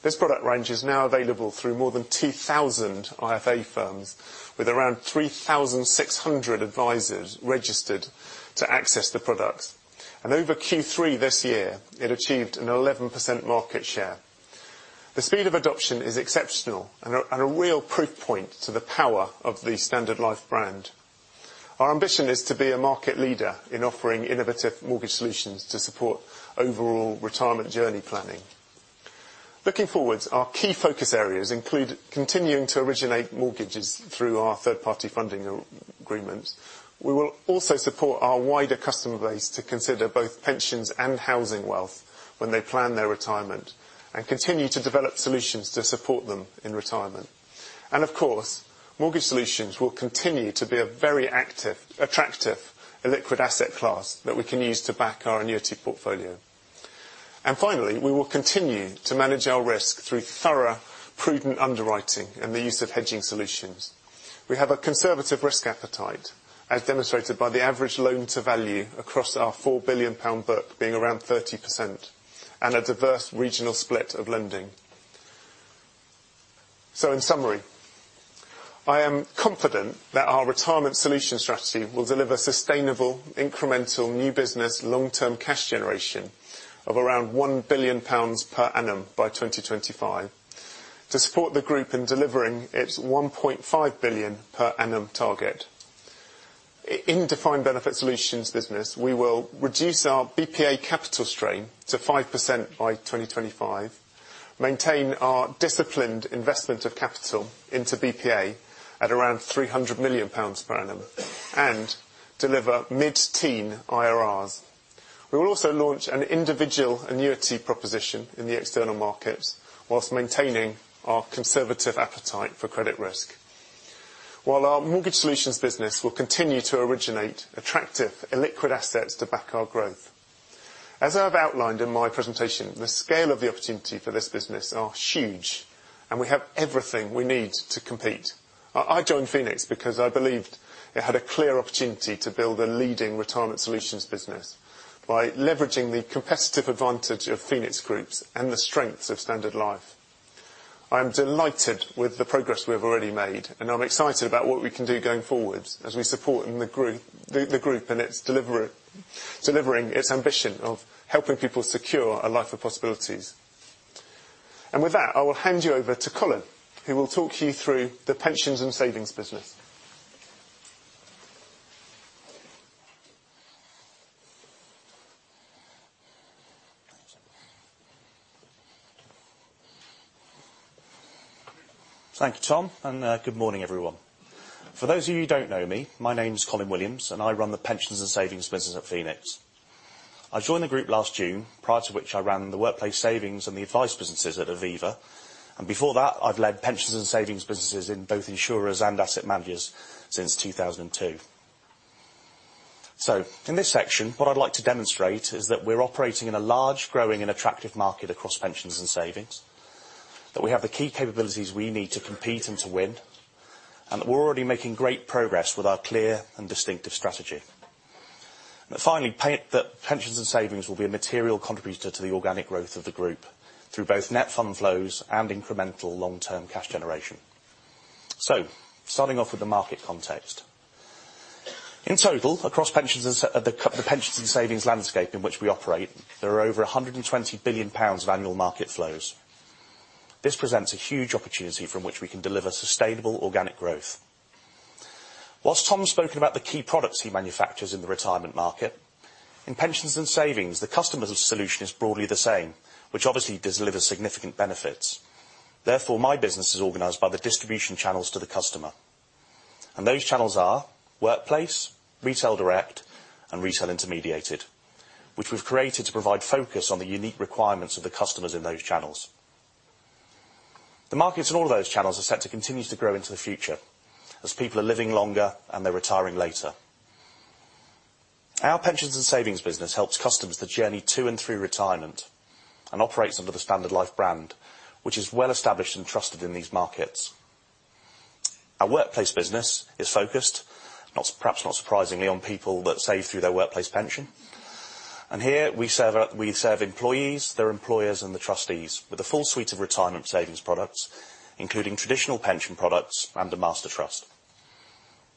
This product range is now available through more than 2,000 IFA firms with around 3,600 advisors registered to access the product. Over Q3 this year, it achieved an 11% market share. The speed of adoption is exceptional and a real proof point to the power of the Standard Life brand. Our ambition is to be a market leader in offering innovative mortgage solutions to support overall retirement journey planning. Looking forwards, our key focus areas include continuing to originate mortgages through our third-party funding agreement. We will also support our wider customer base to consider both pensions and housing wealth when they plan their retirement and continue to develop solutions to support them in retirement. Of course, mortgage solutions will continue to be a very attractive illiquid asset class that we can use to back our annuity portfolio. Finally, we will continue to manage our risk through thorough prudent underwriting and the use of hedging solutions. We have a conservative risk appetite, as demonstrated by the average loan to value across our 4 billion pound book being around 30% and a diverse regional split of lending. In summary, I am confident that our retirement solution strategy will deliver sustainable, incremental, new business long-term cash generation of around 1 billion pounds per annum by 2025 to support the group in delivering its 1.5 billion per annum target. In defined benefit solutions business, we will reduce our BPA capital strain to 5% by 2025, maintain our disciplined investment of capital into BPA at around 300 million pounds per annum, and deliver mid-teen IRRs. We will also launch an individual annuity proposition in the external markets while maintaining our conservative appetite for credit risk. Our mortgage solutions business will continue to originate attractive illiquid assets to back our growth. As I have outlined in my presentation, the scale of the opportunity for this business are huge, and we have everything we need to compete. I joined Phoenix because I believed it had a clear opportunity to build a leading retirement solutions business by leveraging the competitive advantage of Phoenix Group's and the strengths of Standard Life. I am delighted with the progress we have already made, and I'm excited about what we can do going forward as we support the group and its delivering its ambition of helping people secure a life of possibilities. With that, I will hand you over to Colin, who will talk you through the pensions and savings business. Thank you, Tom. Good morning, everyone. For those of you who don't know me, my name's Colin Williams. I run the pensions and savings business at Phoenix. I joined the group last June, prior to which I ran the workplace savings and the advice businesses at Aviva. Before that, I've led pensions and savings businesses in both insurers and asset managers since 2002. In this section, what I'd like to demonstrate is that we're operating in a large, growing and attractive market across pensions and savings, that we have the key capabilities we need to compete and to win, that we're already making great progress with our clear and distinctive strategy. Finally, that pensions and savings will be a material contributor to the organic growth of the group through both net fund flows and incremental long-term cash generation. Starting off with the market context. In total, across the pensions and savings landscape in which we operate, there are over 120 billion pounds of annual market flows. This presents a huge opportunity from which we can deliver sustainable organic growth. Whilst Tom's spoken about the key products he manufactures in the retirement market, in pensions and savings, the customers of solution is broadly the same, which obviously delivers significant benefits. My business is organized by the distribution channels to the customer. Those channels are workplace, retail direct and retail intermediated, which we've created to provide focus on the unique requirements of the customers in those channels. The markets in all of those channels are set to continue to grow into the future as people are living longer and they're retiring later. Our pensions and savings business helps customers the journey to and through retirement and operates under the Standard Life brand, which is well-established and trusted in these markets. Our workplace business is focused, perhaps not surprisingly, on people that save through their workplace pension. Here we serve employees, their employers and the trustees with a full suite of retirement savings products, including traditional pension products and a master trust.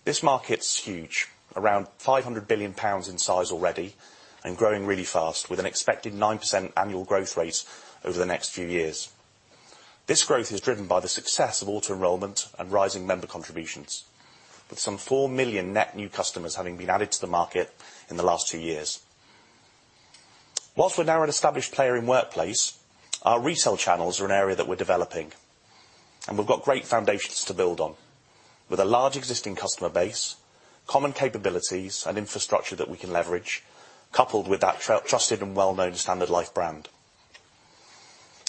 This market's huge, around 500 billion pounds in size already and growing really fast with an expected 9% annual growth rate over the next few years. This growth is driven by the success of auto-enrolment and rising member contributions, with some four million net new customers having been added to the market in the last two years. Whilst for now an established player in workplace, our retail channels are an area that we're developing, and we've got great foundations to build on. With a large existing customer base, common capabilities and infrastructure that we can leverage, coupled with that trusted and well-known Standard Life brand.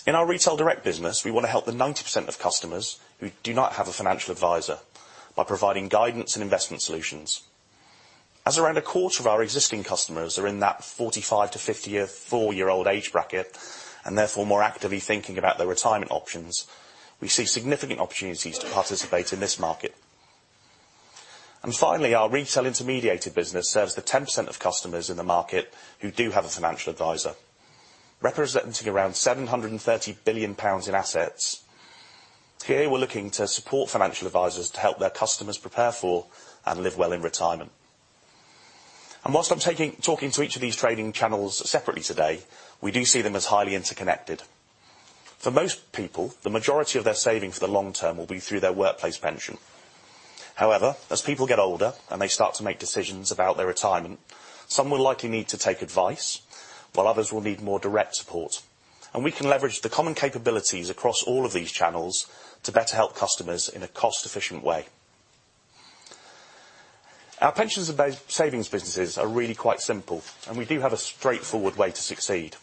In our retail direct business, we want to help the 90% of customers who do not have a financial advisor by providing guidance and investment solutions. As around a quarter of our existing customers are in that 45 to 50-year-old age bracket, and therefore more actively thinking about their retirement options, we see significant opportunities to participate in this market. Finally, our retail intermediated business serves the 10% of customers in the market who do have a financial advisor, representing around 730 billion pounds in assets. Here, we're looking to support financial advisors to help their customers prepare for and live well in retirement. Whilst I'm talking to each of these trading channels separately today, we do see them as highly interconnected. For most people, the majority of their saving for the long term will be through their workplace pension. However, as people get older and they start to make decisions about their retirement, some will likely need to take advice, while others will need more direct support. We can leverage the common capabilities across all of these channels to better help customers in a cost-efficient way. Our pensions and savings businesses are really quite simple, We do have a straightforward way to succeed.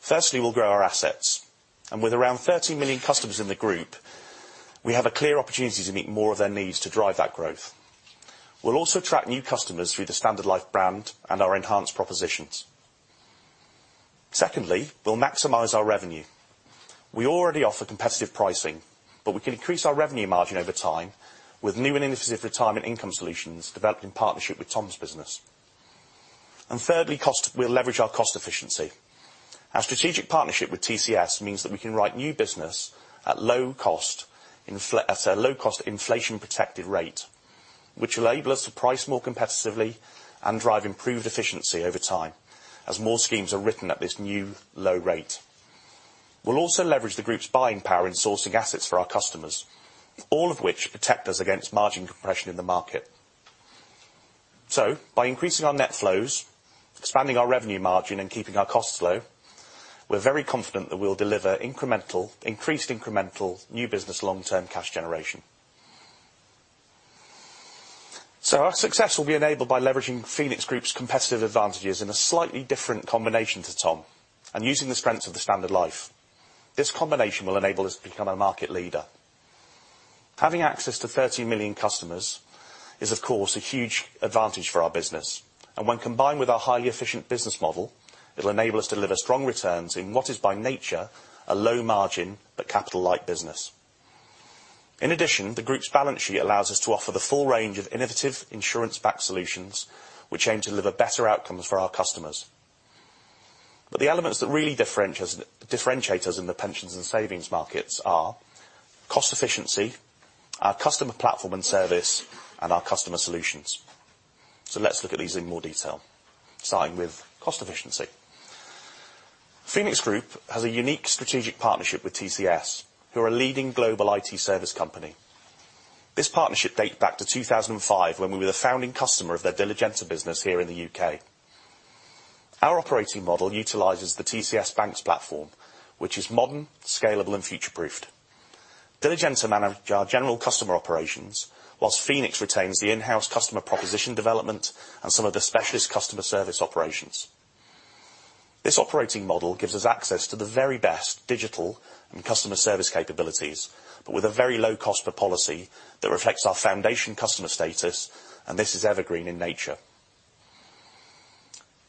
Firstly, we'll grow our assets. With around 30 million customers in the group, we have a clear opportunity to meet more of their needs to drive that growth. We'll also attract new customers through the Standard Life brand and our enhanced propositions. Secondly, we'll maximize our revenue. We already offer competitive pricing, but we can increase our revenue margin over time with new and innovative retirement income solutions developed in partnership with Tom's business. Thirdly, we'll leverage our cost efficiency. Our strategic partnership with TCS means that we can write new business at a low-cost inflation-protected rate, which will enable us to price more competitively and drive improved efficiency over time as more schemes are written at this new low rate. We'll also leverage the group's buying power in sourcing assets for our customers, all of which protect us against margin compression in the market. By increasing our net flows, expanding our revenue margin and keeping our costs low, we're very confident that we'll deliver increased incremental new business long-term cash generation. Our success will be enabled by leveraging Phoenix Group's competitive advantages in a slightly different combination to Tom and using the strengths of the Standard Life. This combination will enable us to become a market leader. Having access to 30 million customers is of course a huge advantage for our business. When combined with our highly efficient business model, it'll enable us to deliver strong returns in what is by nature a low margin but capital light business. In addition, the group's balance sheet allows us to offer the full range of innovative insurance-backed solutions which aim to deliver better outcomes for our customers. The elements that really differentiates us in the pensions and savings markets are cost efficiency, our customer platform and service, and our customer solutions. Let's look at these in more detail, starting with cost efficiency. Phoenix Group has a unique strategic partnership with TCS, who are a leading global IT service company. This partnership date back to 2005, when we were the founding customer of their Diligenta business here in the UK. Our operating model utilizes the TCS BaNCS platform, which is modern, scalable, and future-proofed. Diligenta manage our general customer operations, whilst PhoenixREtains the in-house customer proposition development and some of the specialist customer service operations. This operating model gives us access to the very best digital and customer service capabilities, but with a very low cost per policy that reflects our foundation customer status, and this is evergreen in nature.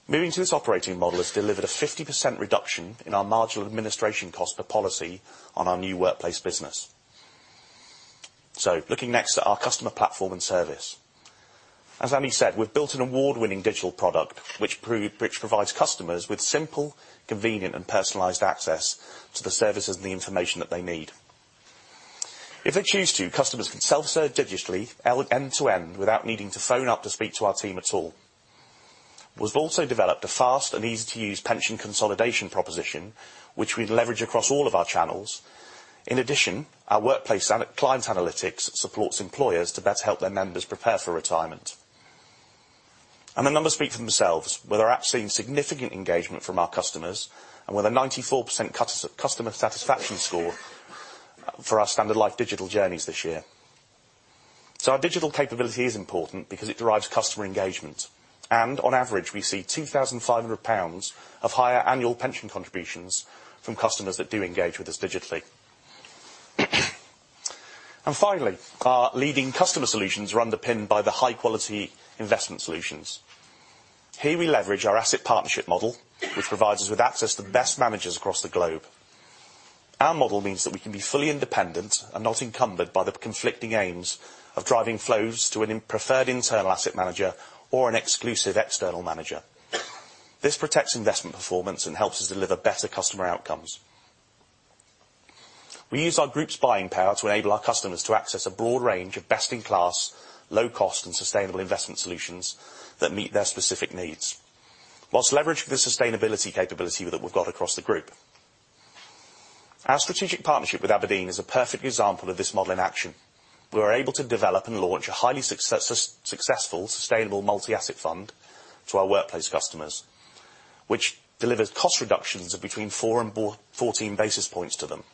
Moving to this operating model has delivered a 50% reduction in our marginal administration cost per policy on our new workplace business. Looking next at our customer platform and service. As Andy Curran said, we've built an award-winning digital product, which provides customers with simple, convenient, and personalized access to the services and the information that they need. If they choose to, customers can self-serve digitally end-to-end without needing to phone up to speak to our team at all. We've also developed a fast and easy-to-use pension consolidation proposition, which we leverage across all of our channels. In addition, our workplace client analytics supports employers to better help their members prepare for retirement. The numbers speak for themselves. With our app seeing significant engagement from our customers, and with a 94% customer satisfaction score for our Standard Life digital journeys this year. Our digital capability is important because it drives customer engagement. On average, we see 2,500 pounds of higher annual pension contributions from customers that do engage with us digitally. Finally, our leading customer solutions are underpinned by the high-quality investment solutions. Here we leverage our asset partnership model, which provides us with access to the best managers across the globe. Our model means that we can be fully independent and not encumbered by the conflicting aims of driving flows to a preferred internal asset manager or an exclusive external manager. This protects investment performance and helps us deliver better customer outcomes. We use our group's buying power to enable our customers to access a broad range of best-in-class, low-cost, and sustainable investment solutions that meet their specific needs whilst leveraging the sustainability capability that we've got across the group. Our strategic partnership with Aberdeen is a perfect example of this model in action. We were able to develop and launch a highly successful, sustainable multi-asset fund to our workplace customers, which delivers cost reductions of between four and 14 basis points to them.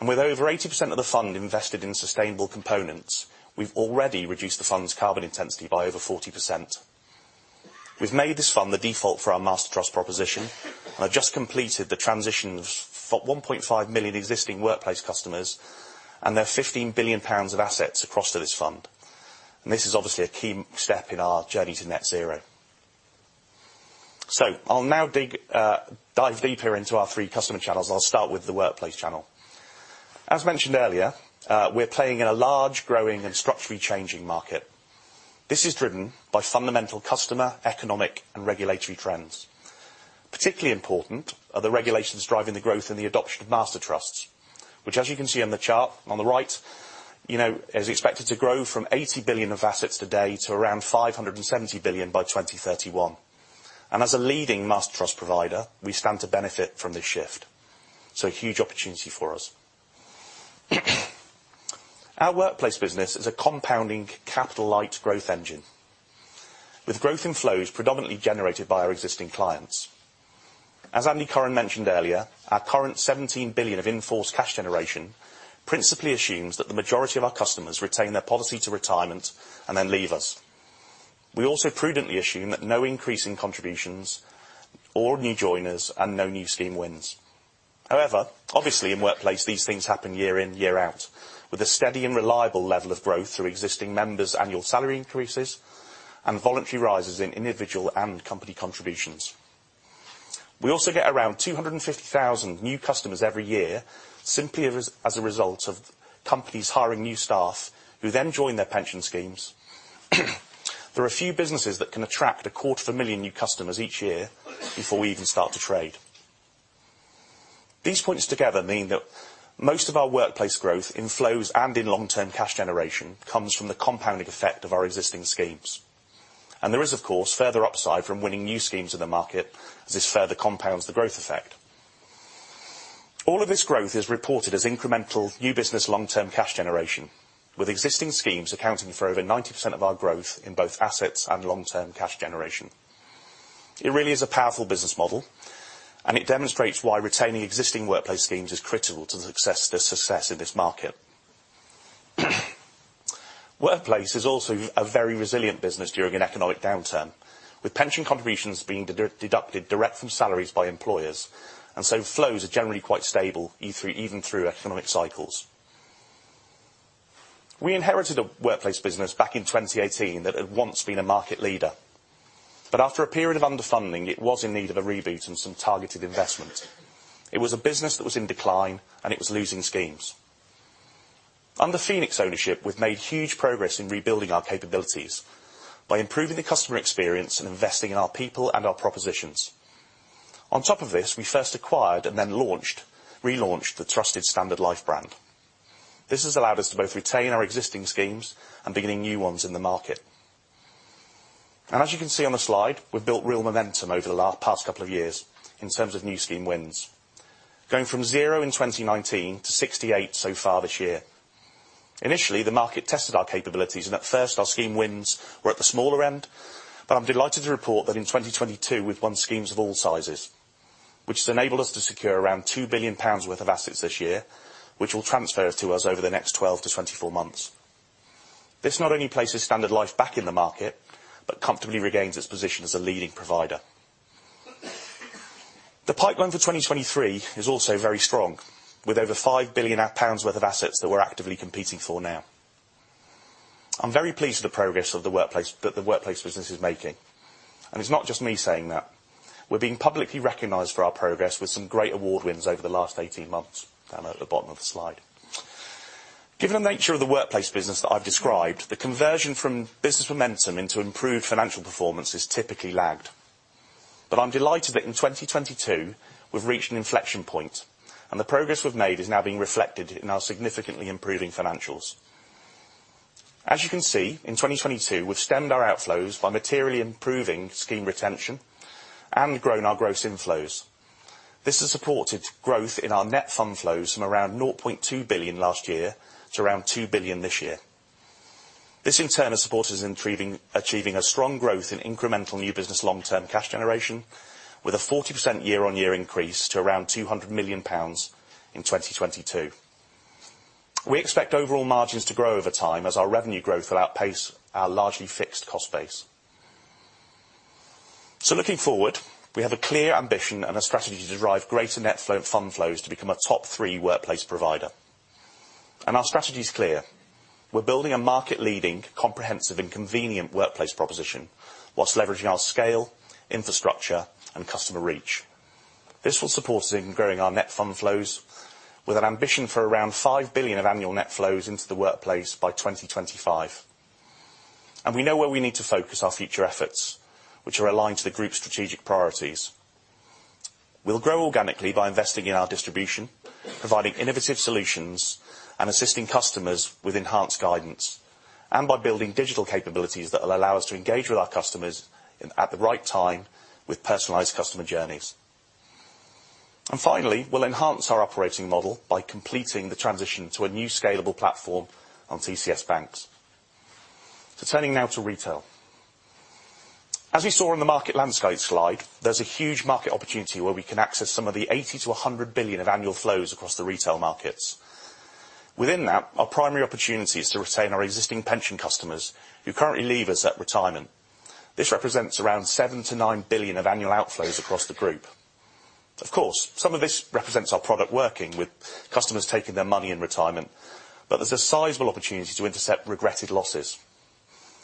With over 80% of the fund invested in sustainable components, we've already reduced the fund's carbon intensity by over 40%. We've made this fund the default for our master trust proposition, and have just completed the transition of 1.5 million existing workplace customers and their GBP 15 billion of assets across to this fund. This is obviously a key step in our journey to net zero. I'll now dig, dive deeper into our three customer channels, and I'll start with the workplace channel. As mentioned earlier, we're playing in a large, growing, and structurally changing market. This is driven by fundamental customer, economic, and regulatory trends. Particularly important are the regulations driving the growth in the adoption of master trusts, which as you can see on the chart on the right, you know, is expected to grow from 80 billion of assets today to around 570 billion by 2031. As a leading master trust provider, we stand to benefit from this shift. A huge opportunity for us. Our workplace business is a compounding capital-light growth engine, with growth in flows predominantly generated by our existing clients. As Andy Curran mentioned earlier, our current 17 billion of in-force cash generation principally assumes that the majority of our customers retain their policy to retirement and then leave us. We also prudently assume that no increase in contributions or new joiners and no new scheme wins. However, obviously in workplace, these things happen year in, year out, with a steady and reliable level of growth through existing members' annual salary increases and voluntary rises in individual and company contributions. We also get around 250,000 new customers every year simply as a result of companies hiring new staff who then join their pension schemes. There are few businesses that can attract a quarter of a million new customers each year before we even start to trade. These points together mean that most of our workplace growth in flows and in long-term cash generation comes from the compounding effect of our existing schemes. There is, of course, further upside from winning new schemes in the market as this further compounds the growth effect. All of this growth is reported as incremental new business long-term cash generation, with existing schemes accounting for over 90% of our growth in both assets and long-term cash generation. It really is a powerful business model, it demonstrates why retaining existing workplace schemes is critical to the success in this market. Workplace is also a very resilient business during an economic downturn, with pension contributions being deducted direct from salaries by employers, so flows are generally quite stable even through economic cycles. We inherited a workplace business back in 2018 that had once been a market leader. After a period of underfunding, it was in need of a reboot and some targeted investment. It was a business that was in decline, it was losing schemes. Under Phoenix ownership, we've made huge progress in rebuilding our capabilities by improving the customer experience and investing in our people and our propositions. On top of this, we first acquired and then relaunched the trusted Standard Life brand. This has allowed us to both retain our existing schemes and beginning new ones in the market. As you can see on the slide, we've built real momentum over the last past couple of years in terms of new scheme wins, going from zero in 2019 to 68 so far this year. Initially, the market tested our capabilities, and at first, our scheme wins were at the smaller end. I'm delighted to report that in 2022, we've won schemes of all sizes, which has enabled us to secure around 2 billion pounds worth of assets this year, which will transfer to us over the next 12-24 months. This not only places Standard Life back in the market but comfortably regains its position as a leading provider. The pipeline for 2023 is also very strong, with over 5 billion pounds worth of assets that we're actively competing for now. I'm very pleased with the progress of the workplace business is making, and it's not just me saying that. We're being publicly recognized for our progress with some great award wins over the last 18 months, down at the bottom of the slide. Given the nature of the workplace business that I've described, the conversion from business momentum into improved financial performance has typically lagged. I'm delighted that in 2022, we've reached an inflection point, and the progress we've made is now being reflected in our significantly improving financials. As you can see, in 2022, we've stemmed our outflows by materially improving scheme retention and grown our gross inflows. This has supported growth in our net fund flows from around 0.2 billion last year to around 2 billion this year. This in turn has supported us in achieving a strong growth in incremental new business long-term cash generation with a 40% year-on-year increase to around 200 million pounds in 2022. We expect overall margins to grow over time as our revenue growth will outpace our largely fixed cost base. Looking forward, we have a clear ambition and a strategy to derive greater net fund flows to become a top three workplace provider. Our strategy is clear. We're building a market-leading comprehensive and convenient workplace proposition while leveraging our scale, infrastructure, and customer reach. This will support in growing our net fund flows with an ambition for around 5 billion of annual net flows into the workplace by 2025. We know where we need to focus our future efforts, which are aligned to the group's strategic priorities. We'll grow organically by investing in our distribution, providing innovative solutions, and assisting customers with enhanced guidance, and by building digital capabilities that will allow us to engage with our customers at the right time with personalized customer journeys. Finally, we'll enhance our operating model by completing the transition to a new scalable platform on TCS BaNCS. Turning now to retail. As we saw in the market landscape slide, there's a huge market opportunity where we can access some of the 80 billion-100 billion of annual flows across the retail markets. Within that, our primary opportunity is to retain our existing pension customers who currently leave us at retirement. This represents around 7 billion-9 billion of annual outflows across the group. Of course, some of this represents our product working with customers taking their money in retirement, but there's a sizable opportunity to intercept regretted losses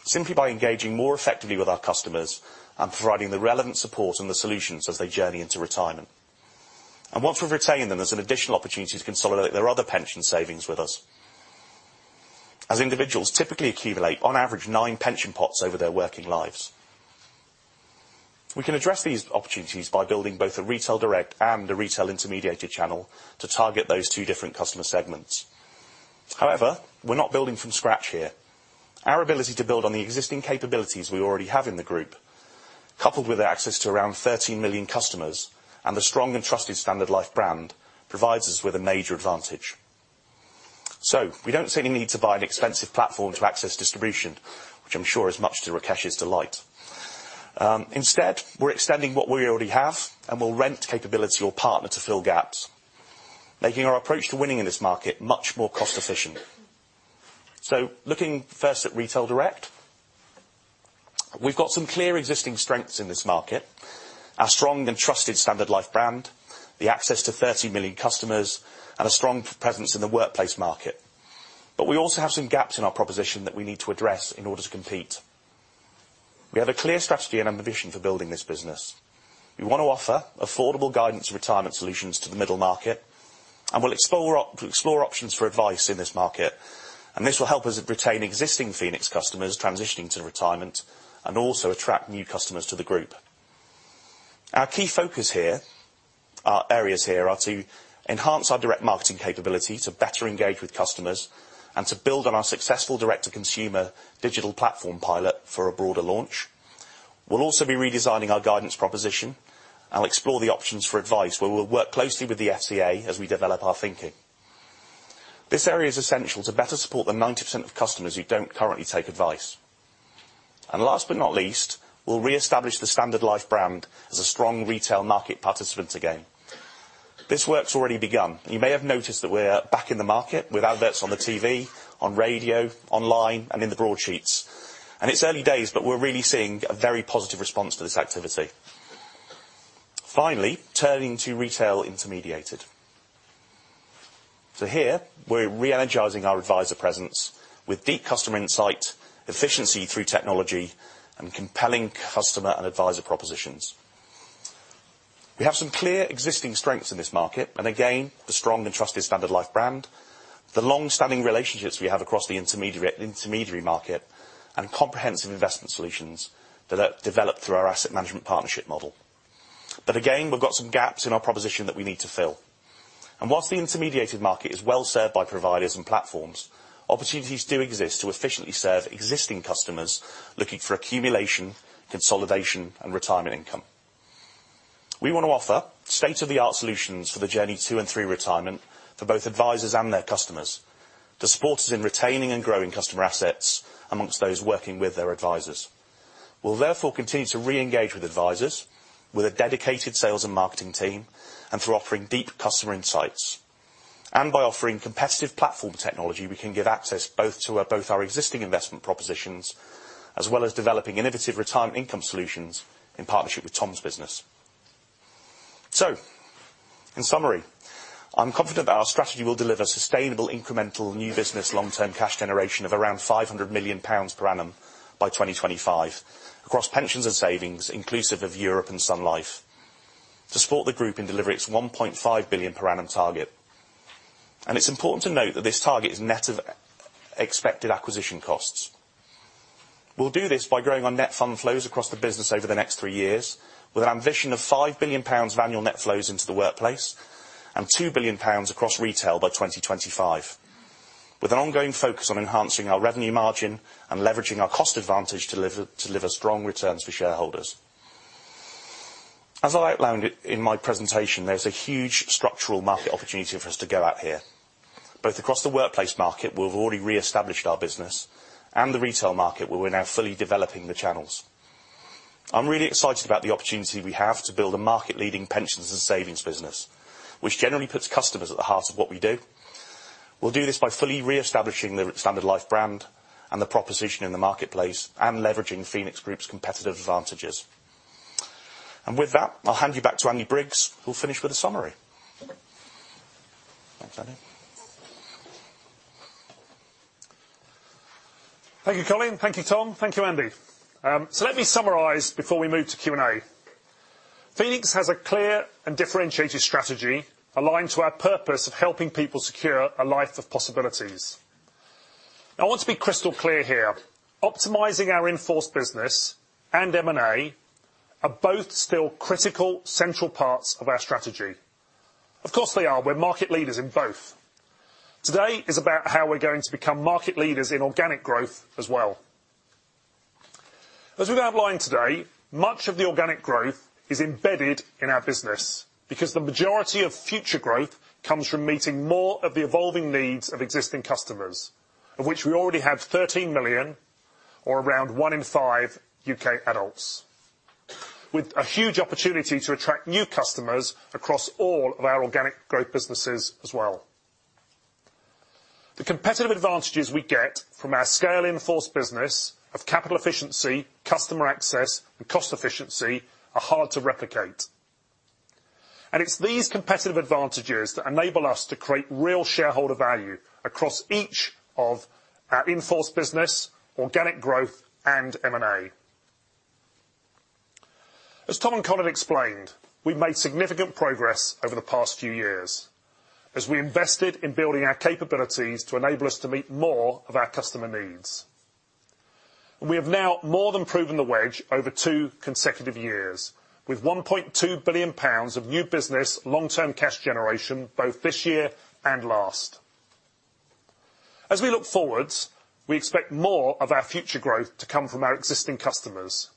simply by engaging more effectively with our customers and providing the relevant support and the solutions as they journey into retirement. Once we've retained them, there's an additional opportunity to consolidate their other pension savings with us, as individuals typically accumulate on average nine pension pots over their working lives. We can address these opportunities by building both a retail direct and a retail intermediated channel to target those two different customer segments. We're not building from scratch here. Our ability to build on the existing capabilities we already have in the group, coupled with access to around 13 million customers and the strong and trusted Standard Life brand, provides us with a major advantage. We don't see any need to buy an expensive platform to access distribution, which I'm sure is much to Rakesh's delight. Instead, we're extending what we already have, and we'll rent capability or partner to fill gaps, making our approach to winning in this market much more cost-efficient. Looking first at retail direct. We've got some clear existing strengths in this market, our strong and trusted Standard Life brand, the access to 13 million customers, and a strong presence in the workplace market. We also have some gaps in our proposition that we need to address in order to compete. We have a clear strategy and ambition for building this business. We wanna offer affordable guidance retirement solutions to the middle market, we'll explore options for advice in this market. This will help us retain existing Phoenix customers transitioning to retirement and also attract new customers to the group. Our key focus here areas here are to enhance our direct marketing capability to better engage with customers and to build on our successful direct-to-consumer digital platform pilot for a broader launch. We'll also be redesigning our guidance proposition and explore the options for advice where we'll work closely with the FCA as we develop our thinking. This area is essential to better support the 90% of customers who don't currently take advice. Last but not least, we'll reestablish the Standard Life brand as a strong retail market participant again. This work's already begun. You may have noticed that we're back in the market with adverts on the TV, on radio, online, and in the broadsheets. It's early days, but we're really seeing a very positive response to this activity. Finally, turning to retail intermediated. Here we're re-energizing our advisor presence with deep customer insight, efficiency through technology, and compelling customer and advisor propositions. We have some clear existing strengths in this market, and again, the strong and trusted Standard Life brand, the long-standing relationships we have across the intermediary market, and comprehensive investment solutions developed through our asset management partnership model. Again, we've got some gaps in our proposition that we need to fill. Whilst the intermediated market is well served by providers and platforms, opportunities do exist to efficiently serve existing customers looking for accumulation, consolidation, and retirement income. We wanna offer state-of-the-art solutions for the journey 2 and 3 retirement for both advisors and their customers to support us in retaining and growing customer assets amongst those working with their advisors. We'll therefore continue to re-engage with advisors with a dedicated sales and marketing team and through offering deep customer insights. By offering competitive platform technology, we can give access both to both our existing investment propositions as well as developing innovative retirement income solutions in partnership with Tom's business. In summary, I'm confident that our strategy will deliver sustainable incremental new business long-term cash generation of around 500 million pounds per annum by 2025 across pensions and savings, inclusive of Europe and Sun Life to support the group in delivering its 1.5 billion per annum target. It's important to note that this target is net of expected acquisition costs. We'll do this by growing our net fund flows across the business over the next three years with an ambition of 5 billion pounds of annual net flows into the workplace and 2 billion pounds across retail by 2025, with an ongoing focus on enhancing our revenue margin and leveraging our cost advantage to deliver strong returns for shareholders. As I outlined in my presentation, there's a huge structural market opportunity for us to go out here, both across the workplace market, where we've already re-established our business, and the retail market, where we're now fully developing the channels. I'm really excited about the opportunity we have to build a market-leading pensions and savings business, which generally puts customers at the heart of what we do. We'll do this by fully re-establishing the Standard Life brand and the proposition in the marketplace and leveraging Phoenix Group's competitive advantages. With that, I'll hand you back to Andy Briggs, who'll finish with a summary. Thanks, Andy. Thank you, Colin. Thank you, Tom. Thank you, Andy. Let me summarize before we move to Q&A. Phoenix has a clear and differentiated strategy aligned to our purpose of helping people secure a life of possibilities. Now I want to be crystal clear here. Optimizing our in-force business and M&A are both still critical central parts of our strategy. Of course they are. We're market leaders in both. Today is about how we're going to become market leaders in organic growth as well. As we've outlined today, much of the organic growth is embedded in our business because the majority of future growth comes from meeting more of the evolving needs of existing customers, of which we already have 13 million or around one in five U.K. adults, with a huge opportunity to attract new customers across all of our organic growth businesses as well. The competitive advantages we get from our scale in-force business of capital efficiency, customer access, and cost efficiency are hard to replicate. It's these competitive advantages that enable us to create real shareholder value across each of our in-force business, organic growth, and M&A. As Tom and Colin explained, we've made significant progress over the past few years as we invested in building our capabilities to enable us to meet more of our customer needs. We have now more than proven the wedge over two consecutive years, with 1.2 billion pounds of new business long-term cash generation both this year and last. As we look forward, we expect more of our future growth to come from our existing customers.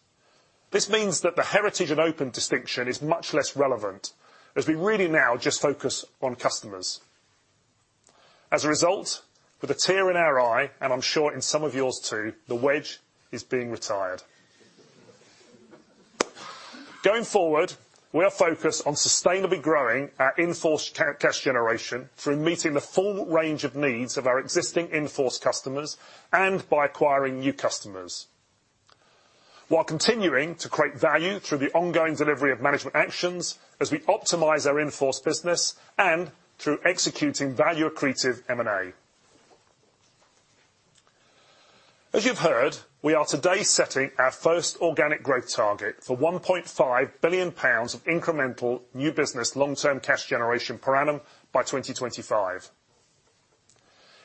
This means that the heritage and open distinction is much less relevant as we really now just focus on customers. As a result, with a tear in our eye, and I'm sure in some of yours too, the wedge is being retired. Going forward, we are focused on sustainably growing our in-force cash generation through meeting the full range of needs of our existing in-force customers and by acquiring new customers while continuing to create value through the ongoing delivery of management actions as we optimize our in-force business and through executing value-accretive M&A. As you've heard, we are today setting our first organic growth target for 1.5 billion pounds of incremental new business long-term cash generation per annum by 2025.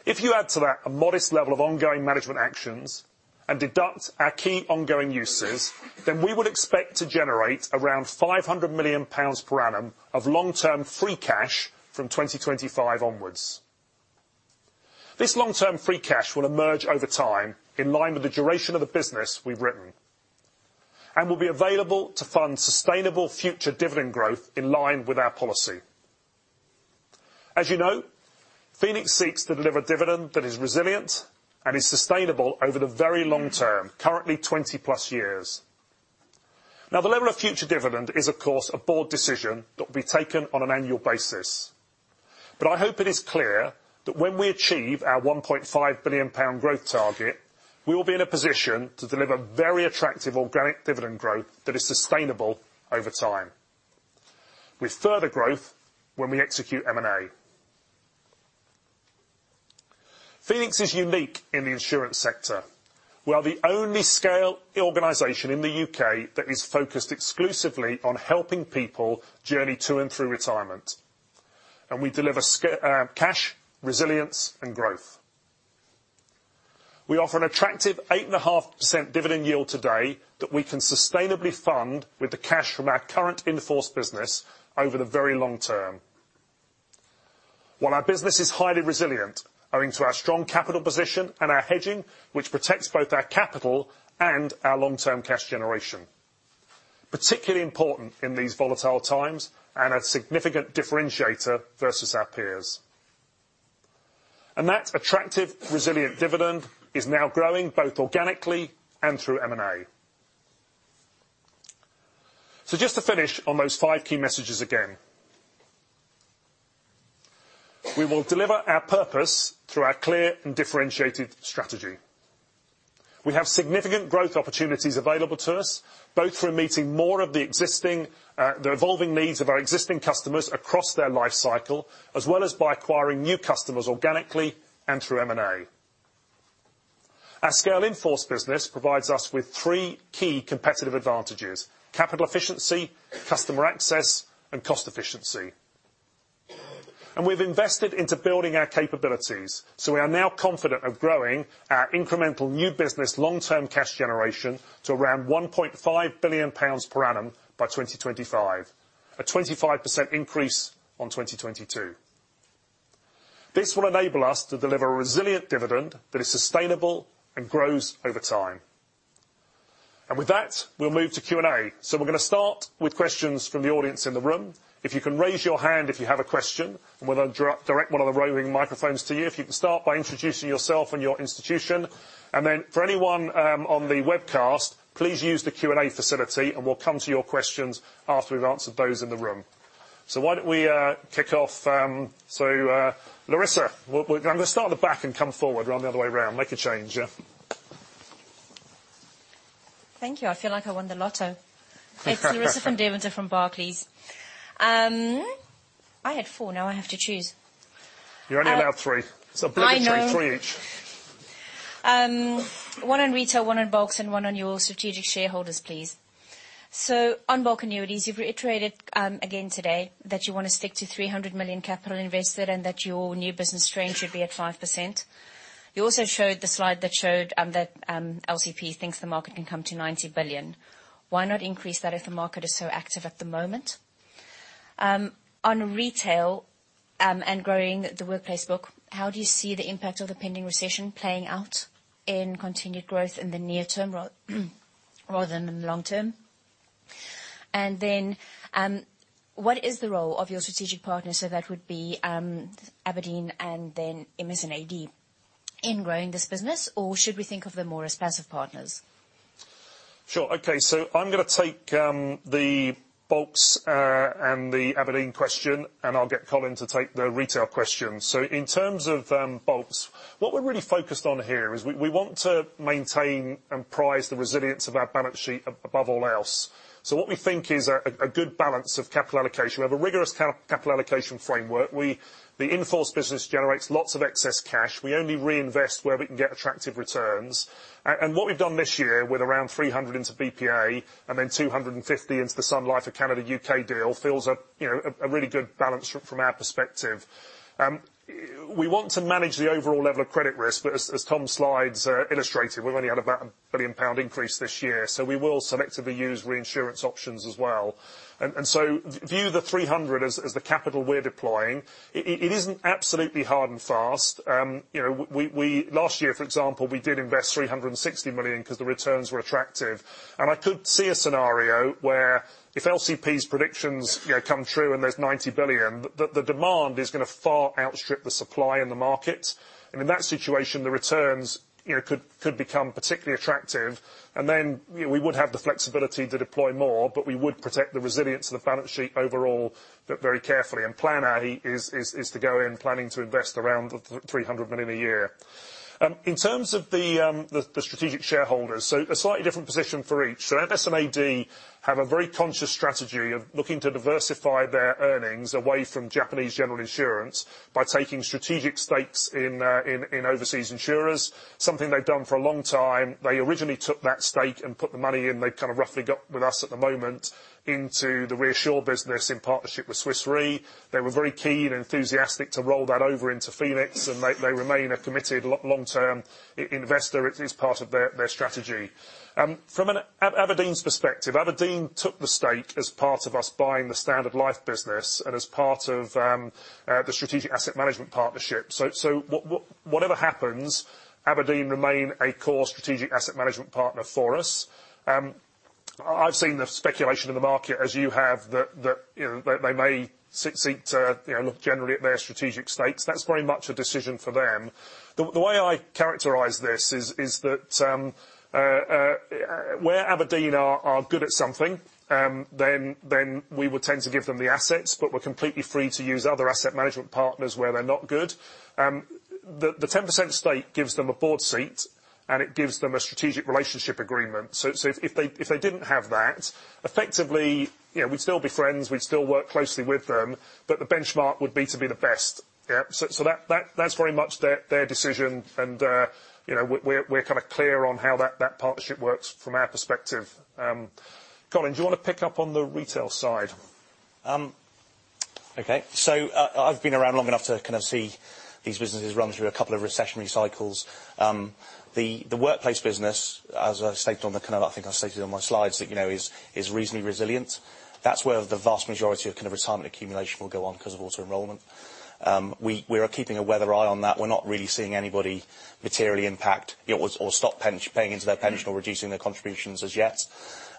If you add to that a modest level of ongoing management actions and deduct our key ongoing uses, then we would expect to generate around 500 million pounds per annum of long-term free cash from 2025 onwards. This long-term free cash will emerge over time in line with the duration of the business we've written and will be available to fund sustainable future dividend growth in line with our policy. As you know, Phoenix seeks to deliver dividend that is resilient and is sustainable over the very long term, currently 20+ years. The level of future dividend is, of course, a board decision that will be taken on an annual basis. I hope it is clear that when we achieve our 1.5 billion pound growth target, we will be in a position to deliver very attractive organic dividend growth that is sustainable over time, with further growth when we execute M&A. Phoenix is unique in the insurance sector. We are the only scale organization in the UK that is focused exclusively on helping people journey to and through retirement, we deliver cash, resilience and growth. We offer an attractive 8.5% dividend yield today that we can sustainably fund with the cash from our current in-force business over the very long term. While our business is highly resilient, owing to our strong capital position and our hedging, which protects both our capital and our long-term cash generation, particularly important in these volatile times, and a significant differentiator versus our peers. That attractive, resilient dividend is now growing both organically and through M&A. Just to finish on those five key messages again. We will deliver our purpose through our clear and differentiated strategy. We have significant growth opportunities available to us, both through meeting more of the existing, the evolving needs of our existing customers across their life cycle, as well as by acquiring new customers organically and through M&A. Our scale in-force business provides us with three key competitive advantages: capital efficiency, customer access, and cost efficiency. We've invested into building our capabilities, so we are now confident of growing our incremental new business long-term cash generation to around GBP 1.5 billion per annum by 2025. A 25% increase on 2022. This will enable us to deliver a resilient dividend that is sustainable and grows over time. With that, we'll move to Q&A. We're gonna start with questions from the audience in the room. If you can raise your hand if you have a question, and we'll then direct one of the roaming microphones to you. If you can start by introducing yourself and your institution. Then for anyone on the webcast, please use the Q&A facility, and we'll come to your questions after we've answered those in the room. Why don't we kick off. Larissa. We're gonna start in the back and come forward, run the other way around. Make a change, yeah. Thank you. I feel like I won the lotto. It's Larissa van Deventer, from Barclays. I had four, now I have to choose. You're only allowed three. I know. It's obligatory, three each. One on retail, one on bulks and one on your strategic shareholders, please. On bulk annuities, you've reiterated again today that you wanna stick to 300 million capital invested and that your new business strain should be at 5%. You also showed the slide that showed that LCP thinks the market can come to 90 billion. Why not increase that if the market is so active at the moment? On retail, and growing the workplace book, how do you see the impact of the pending recession playing out in continued growth in the near term rather than long term? What is the role of your strategic partner, so that would be Aberdeen and then MS&AD, in growing this business? Should we think of them more as passive partners? Sure. Okay. I'm gonna take the bulks and the Aberdeen question, and I'll get Colin to take the retail question. In terms of bulks, what we're really focused on here is we want to maintain and prize the resilience of our balance sheet above all else. What we think is a good balance of capital allocation. We have a rigorous capital allocation framework. The in-force business generates lots of excess cash. We only reinvest where we can get attractive returns. What we've done this year with around 300 into BPA and then 250 into the Sun Life of Canada UK deal feels a really good balance from our perspective. We want to manage the overall level of credit risk, but as Tom's slides illustrated, we've only had about a 1 billion pound increase this year, so we will selectively use reinsurance options as well. So view the 300 as the capital we're deploying. It isn't absolutely hard and fast. you know, we last year, for example, we did invest 360 million 'cause the returns were attractive. I could see a scenario where if LCP's predictions, you know, come true and there's 90 billion, the demand is gonna far outstrip the supply in the market. In that situation, the returns, you know, could become particularly attractive. Then, you know, we would have the flexibility to deploy more, but we would protect the resilience of the balance sheet overall, but very carefully. Plan A is to go in planning to invest around 300 million a year. In terms of the strategic shareholders, so a slightly different position for each. MS&AD have a very conscious strategy of looking to diversify their earnings away from Japanese general insurance by taking strategic stakes in overseas insurers, something they've done for a long time. They originally took that stake and put the money in, they've kind of roughly got with us at the moment, into the ReAssure business in partnership with Swiss Re. They were very keen and enthusiastic to roll that over into Phoenix, and they remain a committed long-term investor. It is part of their strategy. From Aberdeen's perspective, Aberdeen took the stake as part of us buying the Standard Life business and as part of the strategic asset management partnership. Whatever happens, Aberdeen remain a core strategic asset management partner for us. I've seen the speculation in the market as you have that, you know, that they may seek to, you know, look generally at their strategic stakes. That's very much a decision for them. The way I characterize this is that where Aberdeen are good at something, then we would tend to give them the assets, but we're completely free to use other asset management partners where they're not good. The 10% stake gives them a board seat, and it gives them a strategic relationship agreement. If they didn't have that, effectively, you know, we'd still be friends, we'd still work closely with them, but the benchmark would be to be the best. Yeah. That's very much their decision and, you know, we're kind of clear on how that partnership works from our perspective. Colin, do you wanna pick up on the retail side? Okay. I've been around long enough to kind of see these businesses run through a couple of recessionary cycles. The workplace business, I think I stated on my slides that, you know, is reasonably resilient. That's where the vast majority of kind of retirement accumulation will go on 'cause of auto-enrolment. We are keeping a weather eye on that. We're not really seeing anybody materially impact it or stop paying into their pension or reducing their contributions as yet.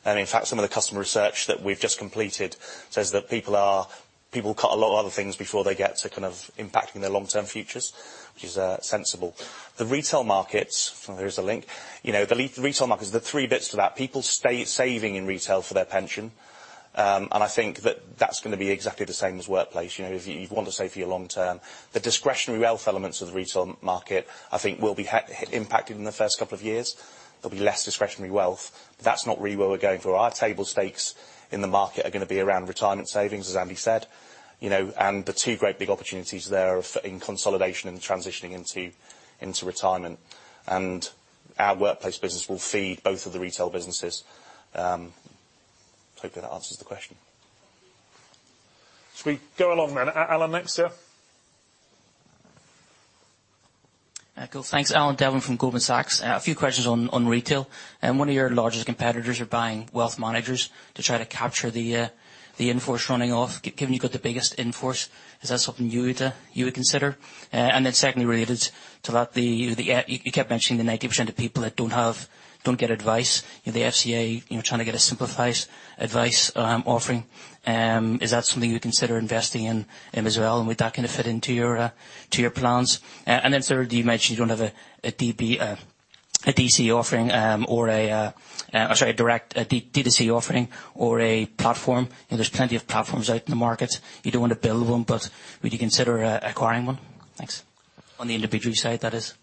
In fact, some of the customer research that we've just completed says that people cut a lot of other things before they get to kind of impacting their long-term futures, which is sensible. The retail markets, there is a link. You know, the re-retail markets, the three bits to that, people stay saving in retail for their pension. I think that that's gonna be exactly the same as workplace, you know, if you want to save for your long term. The discretionary wealth elements of the retail market, I think will be impacted in the first couple of years. There'll be less discretionary wealth. That's not really where we're going for. Our table stakes in the market are gonna be around retirement savings, as Andy said. You know, the two great big opportunities there are in consolidation and transitioning into retirement. Our workplace business will feed both of the retail businesses. Hopefully that answers the question. Should we go along then? Alan next, yeah. Cool, thanks. A few questions on retail. One of your largest competitors are buying wealth managers to try to capture the in-force running off. Given you've got the biggest in-force, is that something you would consider? Secondly, related to that, you kept mentioning the 90% of people that don't get advice. The FCA, you know, trying to get a simplified advice offering. Is that something you consider investing in as well? Would that kind of fit into your plans? Sir, you mentioned you don't have a DB offering, or a, sorry, a direct D2C offering or a platform. You know, there's plenty of platforms out in the market. You don't want to build one, but would you consider acquiring one? Thanks. On the individual side, that is. Sure,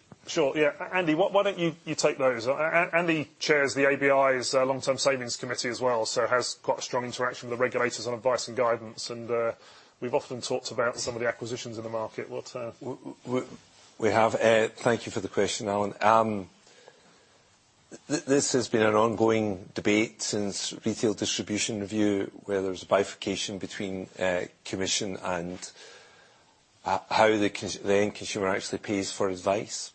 yeah. Andy, why don't you take those? Andy chairs the ABI's long-term savings committee as well, so has quite a strong interaction with the regulators on advice and guidance. We've often talked about some of the acquisitions in the market. What. We have. Thank you for the question, Alan. This has been an ongoing debate since Retail Distribution Review, where there's a bifurcation between commission and how the end consumer actually pays for advice.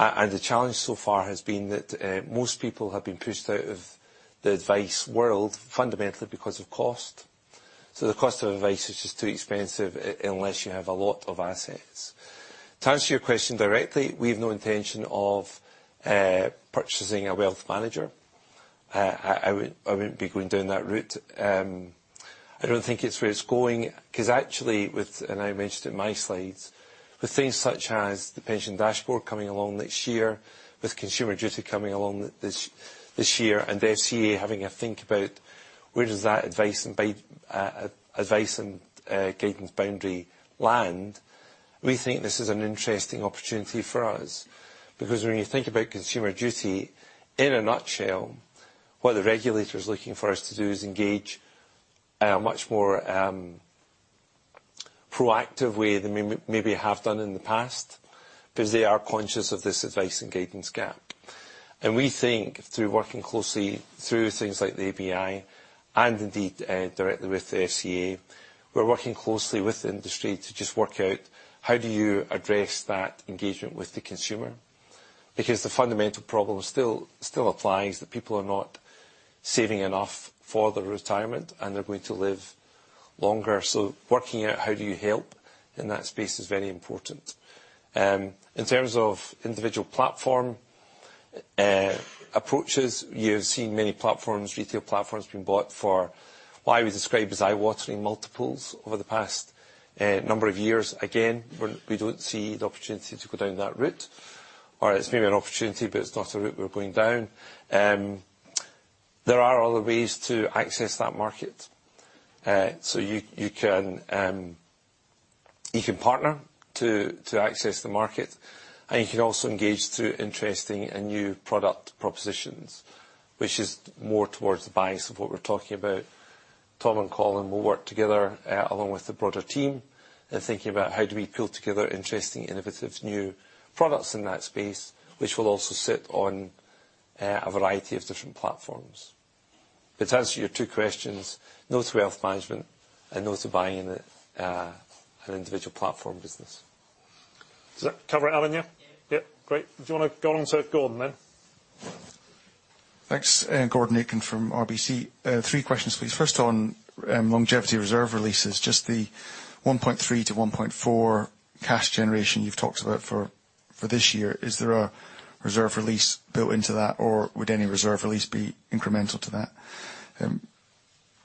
The challenge so far has been that most people have been pushed out of the advice world fundamentally because of cost. The cost of advice is just too expensive unless you have a lot of assets. To answer your question directly, we have no intention of purchasing a wealth manager. I wouldn't be going down that route. I don't think it's where it's going, 'cause actually, with... I mentioned in my slides, with things such as the Pensions Dashboard coming along next year, with Consumer Duty coming along this year, and the FCA having a think about where does that advice and guidance boundary land, we think this is an interesting opportunity for us. When you think about Consumer Duty, in a nutshell, what the regulator is looking for us to do is engage in a much more proactive way than we maybe have done in the past, 'cause they are conscious of this advice and guidance gap. We think through working closely through things like the ABI, and indeed, directly with the FCA, we're working closely with the industry to just work out how do you address that engagement with the consumer. The fundamental problem still applies, that people are not saving enough for their retirement, and they're going to live longer. Working out how do you help in that space is very important. In terms of individual platform approaches, you've seen many platforms, retail platforms being bought for what I would describe as eye-watering multiples over the past number of years. Again, we don't see the opportunity to go down that route. It's maybe an opportunity, but it's not a route we're going down. There are other ways to access that market. you can partner to access the market, and you can also engage through interesting and new product propositions, which is more towards the bias of what we're talking about. Tom and Colin will work together, along with the broader team in thinking about how do we pull together interesting, innovative new products in that space, which will also sit on a variety of different platforms. To answer your two questions, no to wealth management and no to buying an individual platform business. Does that cover it, Alan, yeah? Yeah. Yep, great. Do you wanna go on to Gordon, then? Thanks. Gordon Aitken from RBC. three questions, please. First on, longevity reserve releases. Just the 1.3-1.4 cash generation you've talked about for this year, is there a reserve release built into that, or would any reserve release be incremental to that?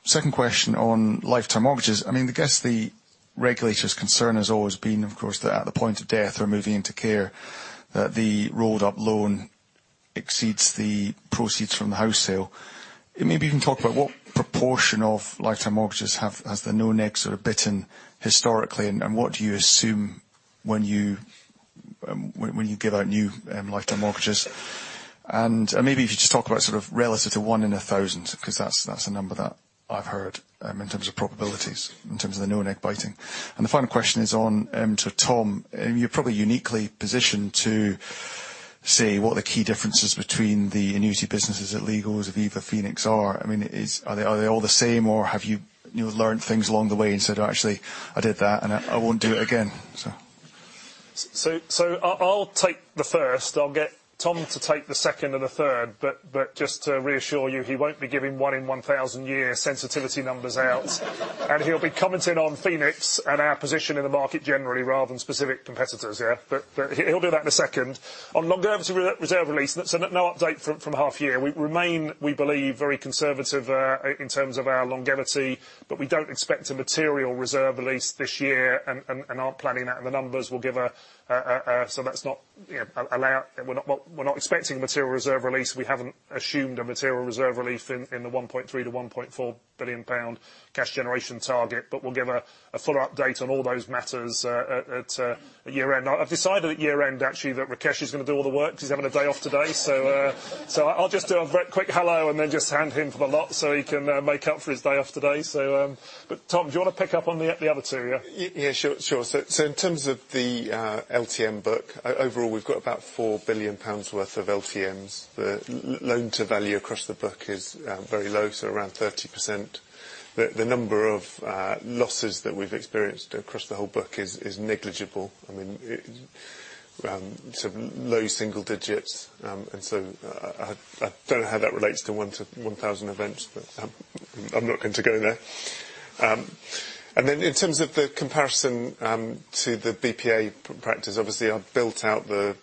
Second question on lifetime mortgages. I mean, I guess the regulator's concern has always been, of course, that at the point of death or moving into care, that the rolled-up loan exceeds the proceeds from the house sale. Maybe you can talk about what proportion of lifetime mortgages has the no nick sort of bitten historically, and what do you assume when you give out new lifetime mortgages? Maybe if you just talk about sort of relative to one in 1,000, 'cause that's a number that I've heard in terms of probabilities, in terms of the no nick biting. The final question is on to Tom. You're probably uniquely positioned to say what the key difference is between the annuity businesses at Legal & General, Aviva, Phoenix are. I mean, Are they all the same, or have you know, learned things along the way and said, "Actually, I did that and I won't do it again"? I'll take the first. I'll get Tom to take the second and the third, just to ReAssure you, he won't be giving one in 1,000 year sensitivity numbers out. He'll be commenting on Phoenix and our position in the market generally rather than specific competitors, yeah. He'll do that in a second. On longevity re-reserve release, there's no update from half year. We remain, we believe, very conservative, in terms of our longevity, but we don't expect a material reserve release this year and aren't planning that. That's not, you know, We're not, well, we're not expecting material reserve release. We haven't assumed a material reserve release in the 1.3 billion-1.4 billion pound cash generation target. We'll give a full update on all those matters at year-end. I've decided at year-end, actually, that Rakesh is gonna do all the work. He's having a day off today. I'll just do a very quick hello and then just hand him the lot so he can make up for his day off today. Tom, do you wanna pick up on the other two, yeah? Yeah, sure. In terms of the LTM book, overall, we've got about 4 billion pounds worth of LTMs. The loan to value across the book is very low, so around 30%. The number of losses that we've experienced across the whole book is negligible. I mean, it, sort of low single digits, and so I don't know how that relates to 1 to 1,000 events, but I'm not going to go there. In terms of the comparison to the BPA practice, obviously, I've built out the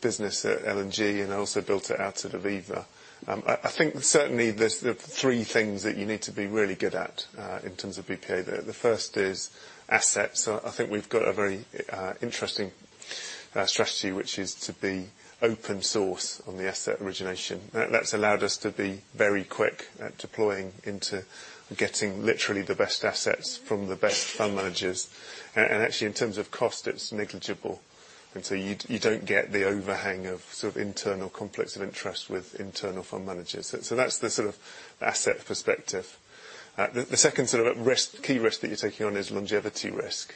business at L&G, and I also built it out at Aviva. I think certainly there's three things that you need to be really good at in terms of BPA there. The first is assets. I think we've got a very interesting strategy, which is to be open source on the asset origination. That's allowed us to be very quick at deploying into getting literally the best assets from the best fund managers. Actually, in terms of cost, it's negligible. You don't get the overhang of sort of internal conflicts of interest with internal fund managers. That's the sort of asset perspective. The second sort of risk, key risk that you're taking on is longevity risk.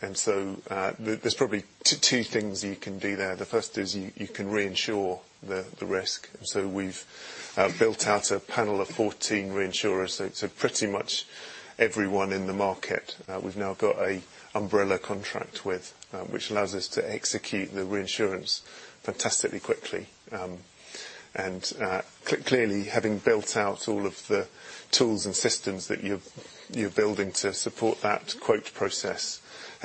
There's probably two things you can do there. The first is you can reinsure the risk. We've built out a panel of 14 reinsurers, pretty much everyone in the market, we've now got a umbrella contract with, which allows us to execute the reinsurance fantastically quickly. Clearly, having built out all of the tools and systems that you're building to support that quote process,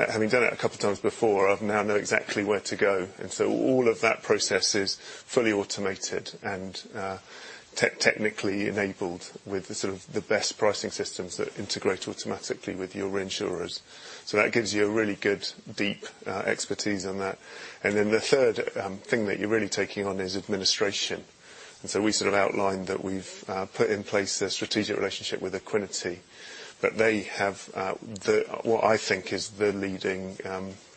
having done it a couple times before, I now know exactly where to go. All of that process is fully automated and technically enabled with the sort of the best pricing systems that integrate automatically with your reinsurers. That gives you a really good, deep expertise on that. The third thing that you're really taking on is administration. We sort of outlined that we've put in place a strategic relationship with Equiniti, that they have the, what I think is the leading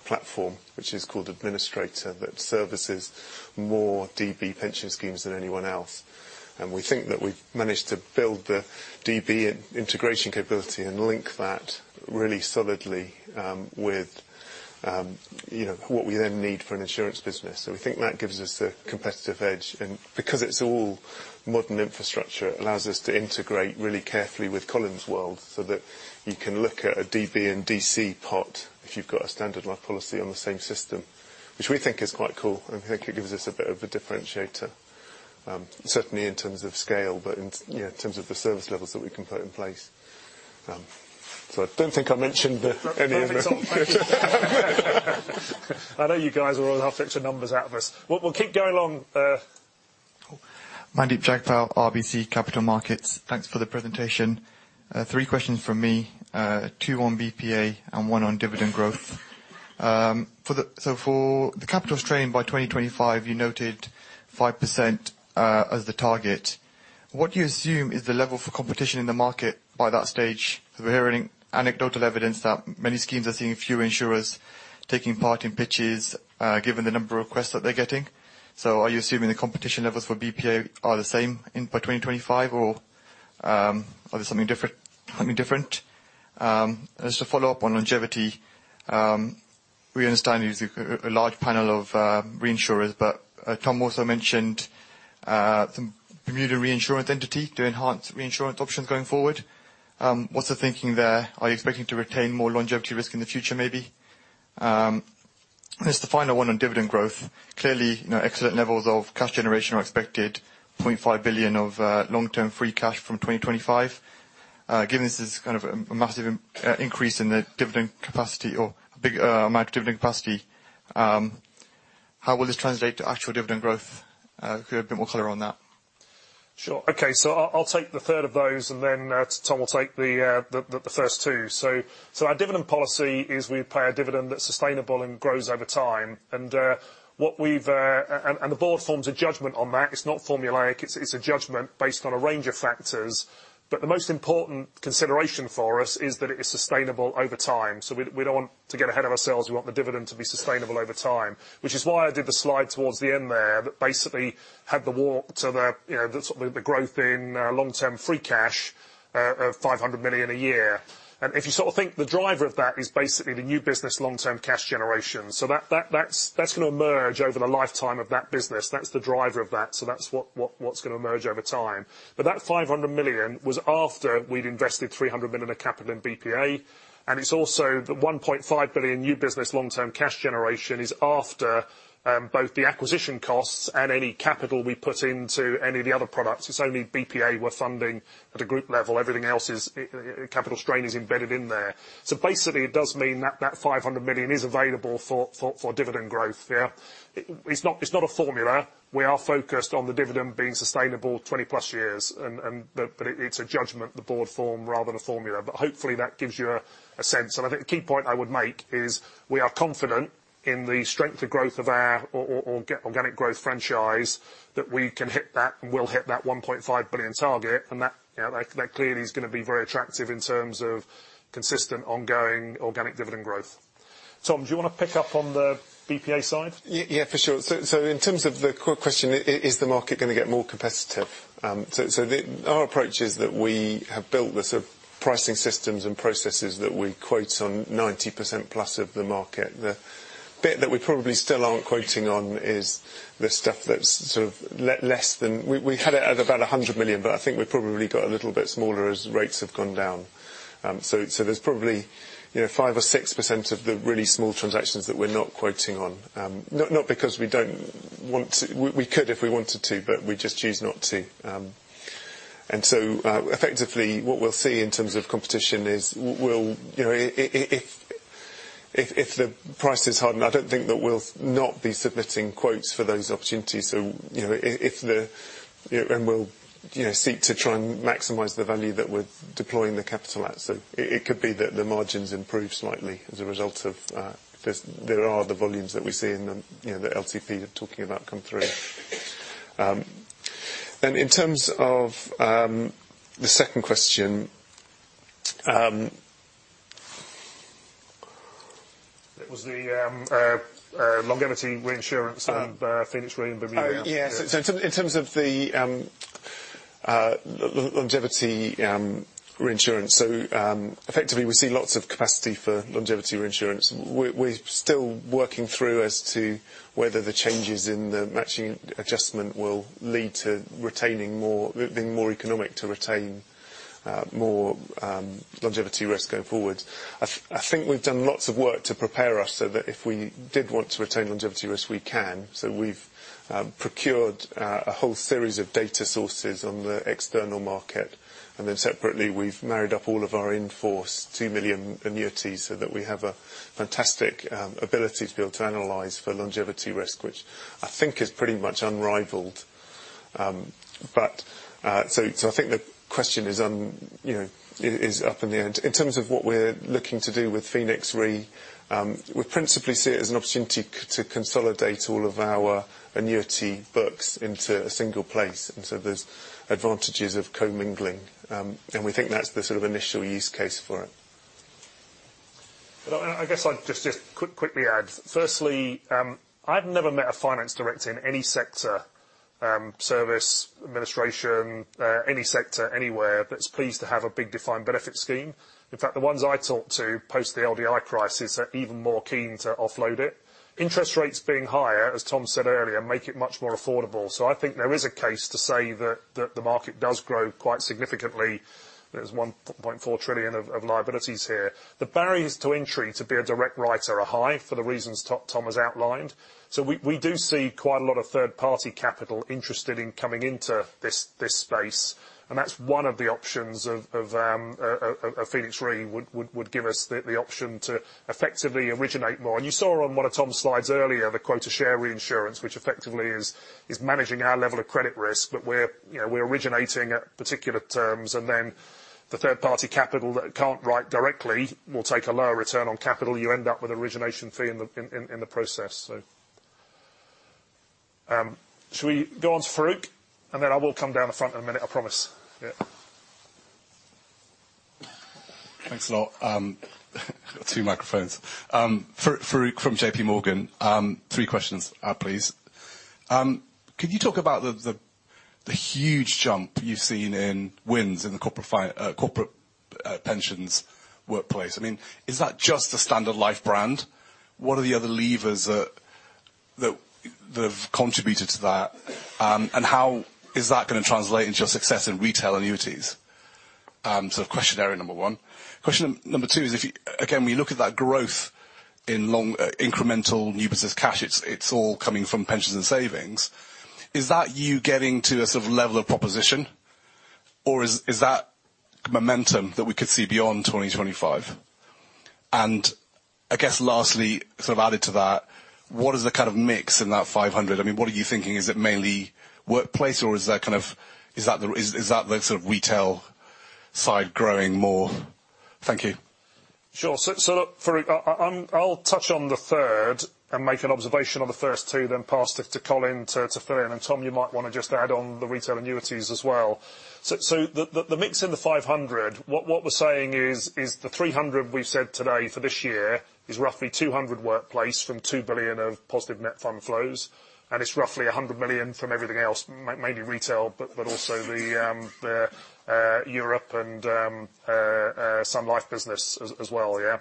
platform, which is called Administrator, that services more DB pension schemes than anyone else. We think that we've managed to build the DB integration capability and link that really solidly with, you know, what we then need for an insurance business. We think that gives us a competitive edge. Because it's all modern infrastructure, it allows us to integrate really carefully with Colin's world so that you can look at a DB and DC pot if you've got a Standard Life policy on the same system, which we think is quite cool, and we think it gives us a bit of a differentiator, certainly in terms of scale, but in, you know, in terms of the service levels that we can put in place. I don't think I mentioned the, any of the. Perfect, Tom. Thank you. I know you guys will help fix the numbers out for us. We'll keep going on. Thanks for the presentation. Three questions from me, two on BPA and one on dividend growth. For the capital strain by 2025, you noted 5% as the target. What do you assume is the level for competition in the market by that stage? We're hearing anecdotal evidence that many schemes are seeing fewer insurers taking part in pitches, given the number of requests that they're getting. Are you assuming the competition levels for BPA are the same in, by 2025, or are there something different? Just to follow up on longevity, we understand you use a large panel of reinsurers, but Tom also mentioned Bermuda reinsurance entity to enhance reinsurance options going forward. What's the thinking there? Are you expecting to retain more longevity risk in the future, maybe? Just the final one on dividend growth. Clearly, you know, excellent levels of cash generation are expected, 0.5 billion of long-term free cash from 2025. Given this is kind of a massive increase in the dividend capacity or big amount of dividend capacity, how will this translate to actual dividend growth? If you have a bit more color on that. Sure. Okay. I'll take the third of those, and then Tom will take the first two. Our dividend policy is we pay a dividend that's sustainable and grows over time. What we've. The board forms a judgment on that. It's not formulaic. It's a judgment based on a range of factors. The most important consideration for us is that it is sustainable over time. We don't want to get ahead of ourselves. We want the dividend to be sustainable over time. Which is why I did the slide towards the end there, that basically had the walk to the, you know, the sort of the growth in long-term free cash of 500 million a year. If you sort of think the driver of that is basically the new business long-term cash generation. That's gonna merge over the lifetime of that business. That's the driver of that's what's gonna merge over time. That 500 million was after we'd invested 300 million of capital in BPA, and it's also the 1.5 billion new business long-term cash generation is after both the acquisition costs and any capital we put into any of the other products. It's only BPA we're funding at a group level. Everything else is capital strain is embedded in there. Basically, it does mean that that 500 million is available for dividend growth. Yeah. It's not, it's not a formula. We are focused on the dividend being sustainable 20+ years, and the... It's a judgment the board form rather than a formula. Hopefully that gives you a sense. I think the key point I would make is we are confident in the strength of growth of our organic growth franchise, that we can hit that and will hit that 1.5 billion target. That, you know, that clearly is gonna be very attractive in terms of consistent ongoing organic dividend growth. Tom, do you wanna pick up on the BPA side? Yeah, for sure. In terms of the question, is the market gonna get more competitive? Our approach is that we have built the sort of pricing systems and processes that we quote on 90% plus of the market. The bit that we probably still aren't quoting on is the stuff that's sort of less than. We had it at about 100 million, but I think we've probably got a little bit smaller as rates have gone down. There's probably, you know, 5% or 6% of the really small transactions that we're not quoting on. Not because we don't want to. We could if we wanted to, but we just choose not to. Effectively, what we'll see in terms of competition is we'll if the price is hardened, I don't think that we'll not be submitting quotes for those opportunities. We'll seek to try and maximize the value that we're deploying the capital at. It could be that the margins improve slightly as a result of There are the volumes that we see in the the LTP you're talking about come through. In terms of the second question. It was the longevity reinsurance and PhoenixRE in Bermuda. Yeah. In terms of the longevity reinsurance. Effectively, we see lots of capacity for longevity reinsurance. We're still working through as to whether the changes in the matching adjustment will lead to be more economic to retain more longevity risks going forward. I think we've done lots of work to prepare us so that if we did want to retain longevity risk, we can. We've procured a whole series of data sources on the external market. Separately, we've married up all of our in-force two million annuities so that we have a fantastic ability to be able to analyze for longevity risk, which I think is pretty much unrivaled. I think the question is, you know, is up in the air. In terms of what we're looking to do with PhoenixRE, we principally see it as an opportunity to consolidate all of our annuity books into a single place. There's advantages of commingling, and we think that's the sort of initial use case for it. I guess I'd quickly add. Firstly, I've never met a finance director in any sector, service, administration, any sector anywhere that's pleased to have a big defined benefit scheme. In fact, the ones I talk to post the LDI crisis are even more keen to offload it. Interest rates being higher, as Tom said earlier, make it much more affordable. I think there is a case to say that the market does grow quite significantly. There's 1.4 trillion of liabilities here. The barriers to entry to be a direct writer are high for the reasons Tom has outlined. We do see quite a lot of third-party capital interested in coming into this space, and that's one of the options of PhoenixRE would give us the option to effectively originate more. You saw on one of Tom's slides earlier, the quota share reinsurance, which effectively is managing our level of credit risk. We're, you know, we're originating at particular terms, then the third-party capital that can't write directly will take a lower return on capital. You end up with origination fee in the process. Shall we go on to Farooq? Then I will come down the front in a minute, I promise. Yeah. Thanks a lot. Two microphones. Farooq from J.P. Morgan. Three questions, please. Could you talk about the huge jump you've seen in wins in the corporate pensions workplace? I mean, is that just the Standard Life brand? What are the other levers that have contributed to that? How is that gonna translate into your success in retail annuities? Question area number one. Question number two is if you again, when you look at that growth in long incremental new business cash, it's all coming from pensions and savings. Is that you getting to a sort of level of proposition? Or is that momentum that we could see beyond 2025? I guess lastly, sort of added to that, what is the kind of mix in that 500 million? I mean, what are you thinking? Is it mainly workplace, or is that kind of? Is that the sort of retail side growing more? Thank you. Sure. So look, Farooq, I'll touch on the third and make an observation on the first two, then pass it to Colin to fill in. Tom, you might wanna just add on the retail annuities as well. So the mix in the 500, what we're saying is the 300 we've said today for this year is roughly 200 workplace from 2 billion of positive net fund flows, and it's roughly 100 million from everything else, mainly retail, but also the Europe and some life business as well, yeah?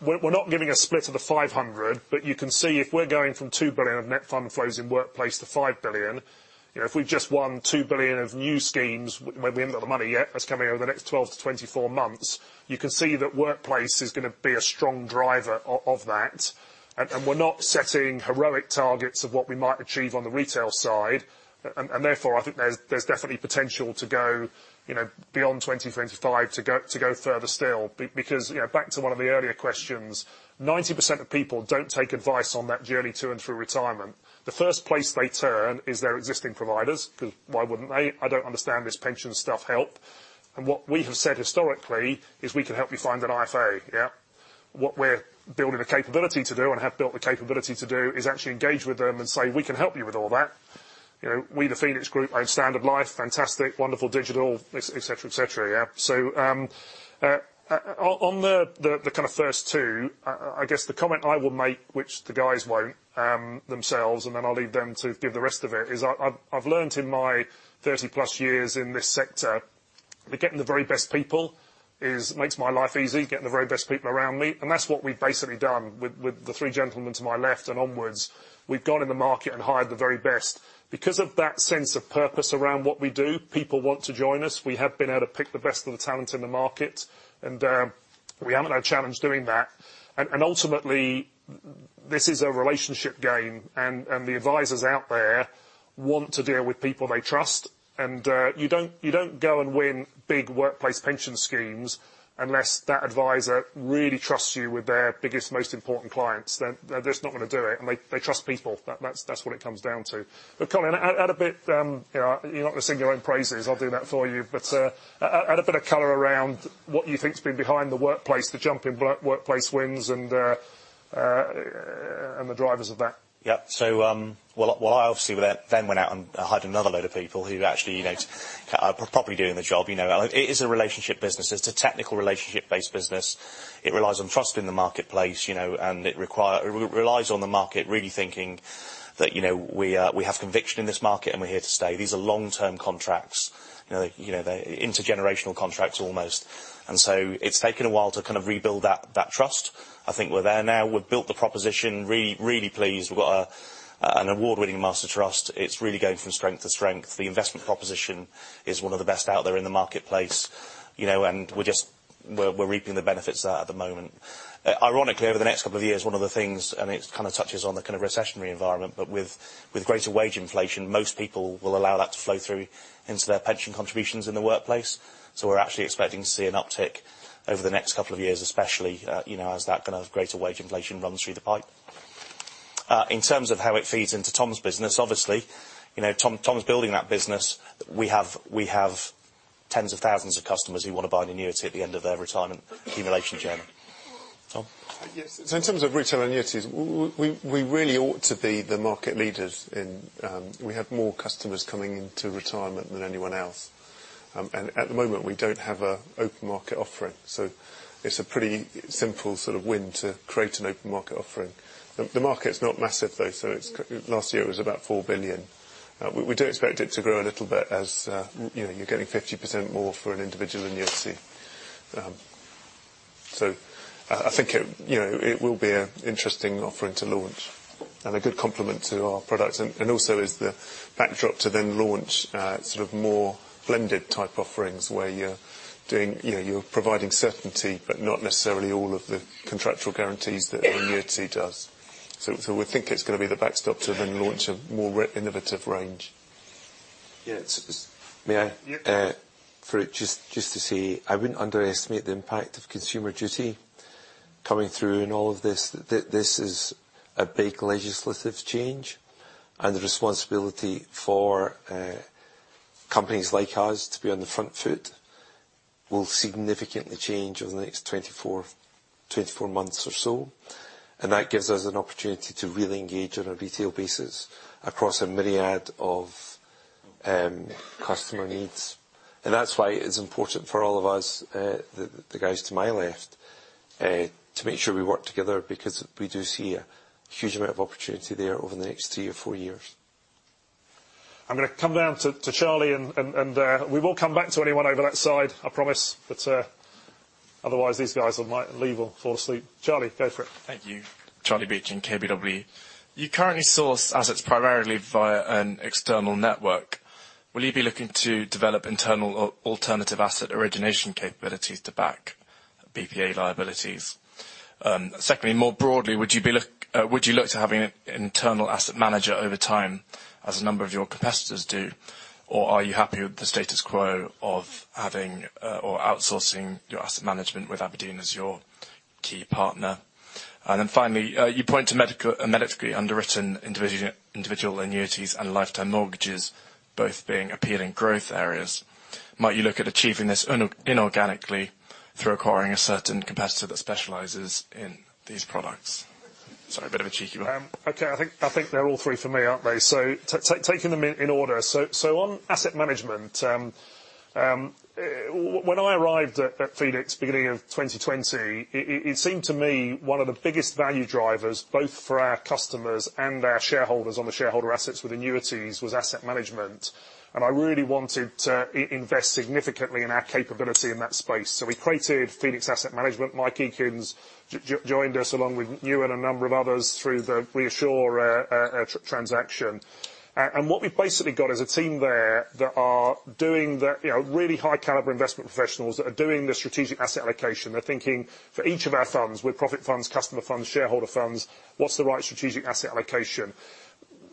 We're not giving a split of the 500, but you can see if we're going from 2 billion of net fund flows in workplace to 5 billion, you know, if we've just won 2 billion of new schemes when we haven't got the money yet, that's coming over the next 12-24 months, you can see that workplace is gonna be a strong driver of that. We're not setting heroic targets of what we might achieve on the retail side. Therefore, I think there's definitely potential to go, you know, beyond 2025 to go further still. Because, you know, back to one of the earlier questions, 90% of people don't take advice on that journey to and through retirement. The first place they turn is their existing providers, 'cause why wouldn't they? I don't understand this pension stuff, help? What we have said historically is, we can help you find an IFA, yeah? What we're building the capability to do and have built the capability to do is actually engage with them and say, "We can help you with all that." You know, we, the Phoenix Group, own Standard Life, fantastic, wonderful digital, et cetera, et cetera, yeah? On the kind of first two, I guess the comment I would make, which the guys won't themselves, and then I'll leave them to give the rest of it, is. Makes my life easy, getting the very best people around me, and that's what we've basically done with the three gentlemen to my left and onwards. We've gone in the market and hired the very best. Because of that sense of purpose around what we do, people want to join us. We have been able to pick the best of the talent in the market, we haven't had a challenge doing that. Ultimately, this is a relationship game, the advisors out there want to deal with people they trust. You don't go and win big workplace pension schemes unless that advisor really trusts you with their biggest, most important clients. They're just not gonna do it, and they trust people. That's what it comes down to. Colin, add a bit. You know, you're not gonna sing your own praises. I'll do that for you. Add a bit of color around what you think's been behind the workplace, the jump in workplace wins and the drivers of that. Well, I obviously went out and hired another load of people who actually, you know, are properly doing the job. You know, it is a relationship business. It's a technical relationship-based business. It relies on trust in the marketplace, you know, and it relies on the market really thinking that, you know, we have conviction in this market and we're here to stay. These are long-term contracts. You know, they're intergenerational contracts almost. It's taken a while to kind of rebuild that trust. I think we're there now. We've built the proposition. Really pleased. We've got an award-winning master trust. It's really going from strength to strength. The investment proposition is one of the best out there in the marketplace, you know, and we're just reaping the benefits of that at the moment. Ironically, over the next couple of years, one of the things, and it kind of touches on the kind of recessionary environment, but with greater wage inflation, most people will allow that to flow through into their pension contributions in the workplace. We're actually expecting to see an uptick over the next couple of years, especially, you know, as that kind of greater wage inflation runs through the pipe. In terms of how it feeds into Tom's business, obviously, you know, Tom's building that business. We have tens of thousands of customers who wanna buy an annuity at the end of their retirement accumulation journey. Tom? Yes. In terms of retail annuities, we really ought to be the market leaders in. We have more customers coming into retirement than anyone else. At the moment, we don't have a open market offering. It's a pretty simple sort of win to create an open market offering. The market's not massive, though. Last year, it was about 4 billion. We do expect it to grow a little bit as, you know, you're getting 50% more for an individual annuity. I think it, you know, it will be a interesting offering to launch and a good complement to our products. Also as the backdrop to then launch sort of more blended-type offerings where you're doing. You know, you're providing certainty, but not necessarily all of the contractual guarantees that an annuity does. We think it's gonna be the backstop to then launch a more innovative range. Yeah. May I? Yeah. Farooq, just to say, I wouldn't underestimate the impact of Consumer Duty coming through in all of this. This is a big legislative change. The responsibility for companies like ours to be on the front foot will significantly change over the next 24 months or so, and that gives us an opportunity to really engage on a retail basis across a myriad of customer needs. That's why it's important for all of us, the guys to my left, to make sure we work together because we do see a huge amount of opportunity there over the next three or four years. I'm gonna come down to Charlie and we will come back to anyone over that side, I promise. Otherwise, these guys will might leave or fall asleep. Charlie, go for it. Thank you. Charlie in KBW. You currently source assets primarily via an external network. Will you be looking to develop internal or alternative asset origination capabilities to back BPA liabilities? Secondly, more broadly, would you look to having an internal asset manager over time as a number of your competitors do? Or are you happy with the status quo of having or outsourcing your asset management with Aberdeen as your key partner? Finally, you point to medically underwritten individual annuities and lifetime mortgages, both being appealing growth areas. Might you look at achieving this inorganically through acquiring a certain competitor that specializes in these products? Sorry, a bit of a cheeky one. Okay. I think they're all three for me, aren't they? Taking them in order. On asset management, when I arrived at Phoenix beginning of 2020, it seemed to me one of the biggest value drivers, both for our customers and our shareholders on the shareholder assets with annuities, was asset management. I really wanted to invest significantly in our capability in that space. We created Phoenix Asset Management. Michael Eakins's joined us, along with you and a number of others through the ReAssure transaction. What we basically got is a team there that are doing the, you know, really high caliber investment professionals that are doing the strategic asset allocation. They're thinking for each of our funds, we're profit funds, customer funds, shareholder funds, what's the right strategic asset allocation?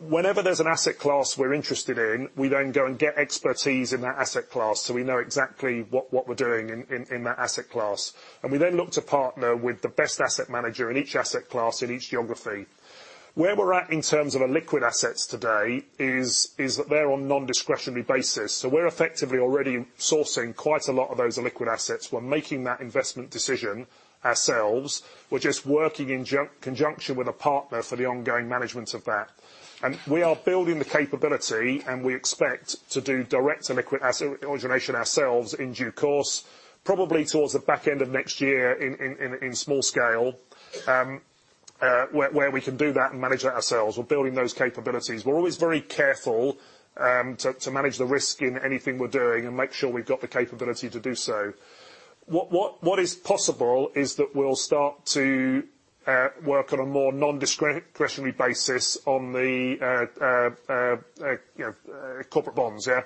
Whenever there's an asset class we're interested in, we then go and get expertise in that asset class, so we know exactly what we're doing in that asset class. We then look to partner with the best asset manager in each asset class in each geography. Where we're at in terms of illiquid assets today is that they're on non-discretionary basis. We're effectively already sourcing quite a lot of those illiquid assets. We're making that investment decision ourselves. We're just working in conjunction with a partner for the ongoing management of that. We are building the capability, and we expect to do direct illiquid asset origination ourselves in due course, probably towards the back end of next year in small scale, where we can do that and manage that ourselves. We're building those capabilities. We're always very careful to manage the risk in anything we're doing and make sure we've got the capability to do so. What is possible is that we'll start to work on a more non-discretionary basis on the, you know, corporate bonds. Yeah.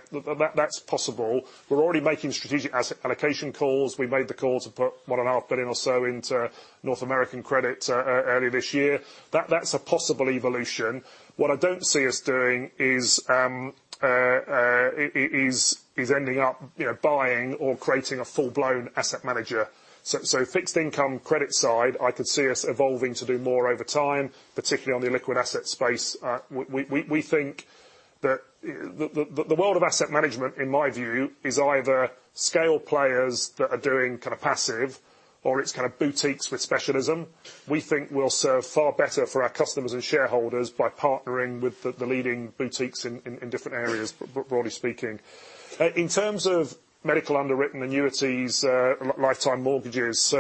That's possible. We're already making strategic asset allocation calls. We made the call to put 1.5 billion or so into North American credit early this year. That's a possible evolution. What I don't see us doing is ending up, you know, buying or creating a full-blown asset manager. So fixed income credit side, I could see us evolving to do more over time, particularly on the illiquid asset space. We think that the world of asset management, in my view, is either scale players that are doing kind of passive or it's kind of boutiques with specialism. We think we'll serve far better for our customers and shareholders by partnering with the leading boutiques in different areas, broadly speaking. In terms of medical underwritten annuities, lifetime mortgages.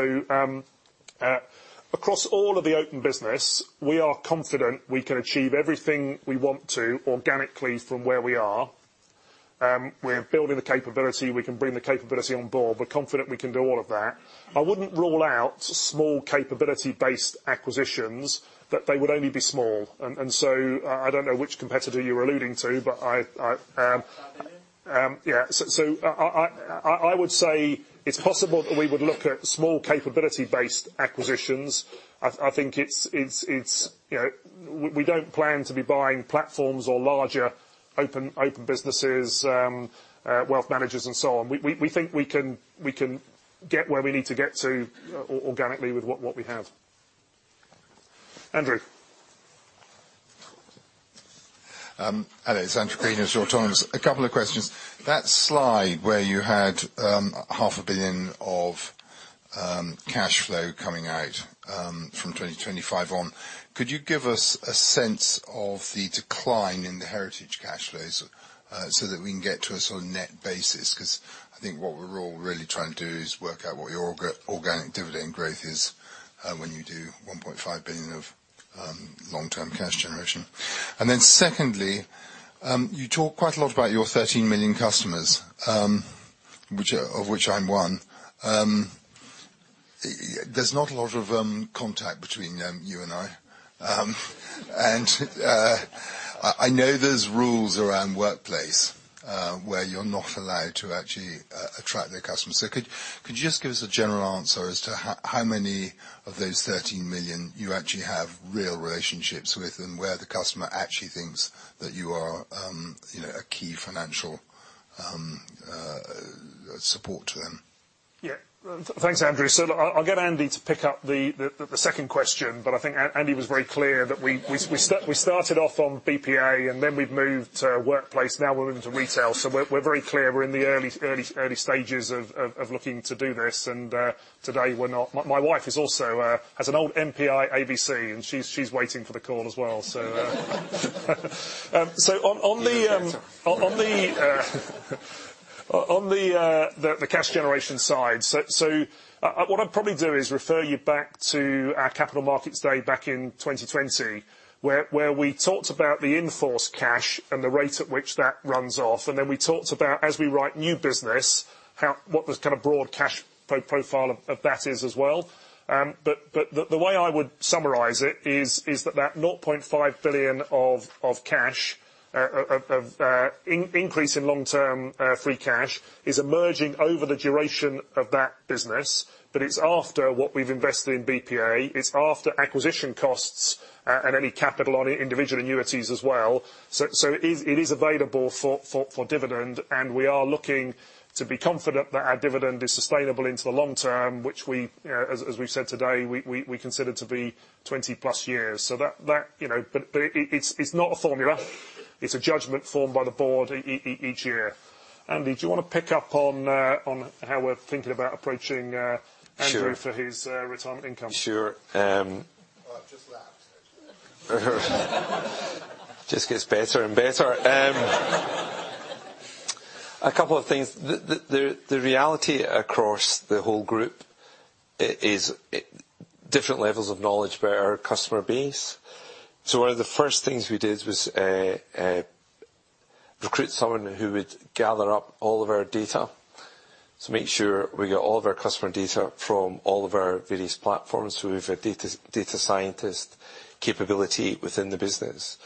Across all of the open business, we are confident we can achieve everything we want to organically from where we are. We're building the capability. We can bring the capability on board. We're confident we can do all of that. I wouldn't rule out small capability-based acquisitions, but they would only be small. I don't know which competitor you were alluding to, but I, Aberdeen. Yeah. I would say it's possible that we would look at small capability-based acquisitions. I think it's, you know. We don't plan to be buying platforms or larger open businesses, wealth managers and so on. We think we can get where we need to get to organically with what we have. Andrew. Hello. It's Andrew Crean, Autonomous. A couple of questions. That slide where you had GBP half a billion of cash flow coming out from 2025 on, could you give us a sense of the decline in the heritage cash flows so that we can get to a sort of net basis? I think what we're all really trying to do is work out what your organic dividend growth is when you do 1.5 billion of long-term cash generation. Secondly, you talk quite a lot about your 13 million customers, of which I'm one. There's not a lot of contact between you and I. I know there's rules around workplace where you're not allowed to actually attract their customers. Could you just give us a general answer as to how many of those 13 million you actually have real relationships with and where the customer actually thinks that you are, you know, a key financial support to them? Yeah. Thanks, Andrew. Look, I'll get Andy to pick up the second question, but I think Andy was very clear that we started off on BPA and then we've moved to workplace. Now we're moving to retail, so we're very clear. We're in the early stages of looking to do this. Today we're not. My wife is also has an old NPI ABC, and she's waiting for the call as well. On the cash generation side. What I'd probably do is refer you back to our capital markets day back in 2020, where we talked about the in-force cash and the rate at which that runs off. We talked about, as we write new business, what the kind of broad cash profile of that is as well. The way I would summarize it is that 0.5 billion of cash, of increase in long-term free cash is emerging over the duration of that business, but it's after what we've invested in BPA, it's after acquisition costs, and any capital on individual annuities as well. It is available for dividend, and we are looking to be confident that our dividend is sustainable into the long term, which we as we've said today, we consider to be 20+ years. That, you know, it's not a formula. It's a judgment formed by the board each year. Andy, do you wanna pick up on how we're thinking about approaching? Sure. Andrew for his retirement income? Sure. Oh, I've just lapsed, actually. Just gets better and better. A couple of things. The reality across the whole group is different levels of knowledge about our customer base. One of the first things we did was recruit someone who would gather up all of our data to make sure we get all of our customer data from all of our various platforms. We've a data scientist capability within the business,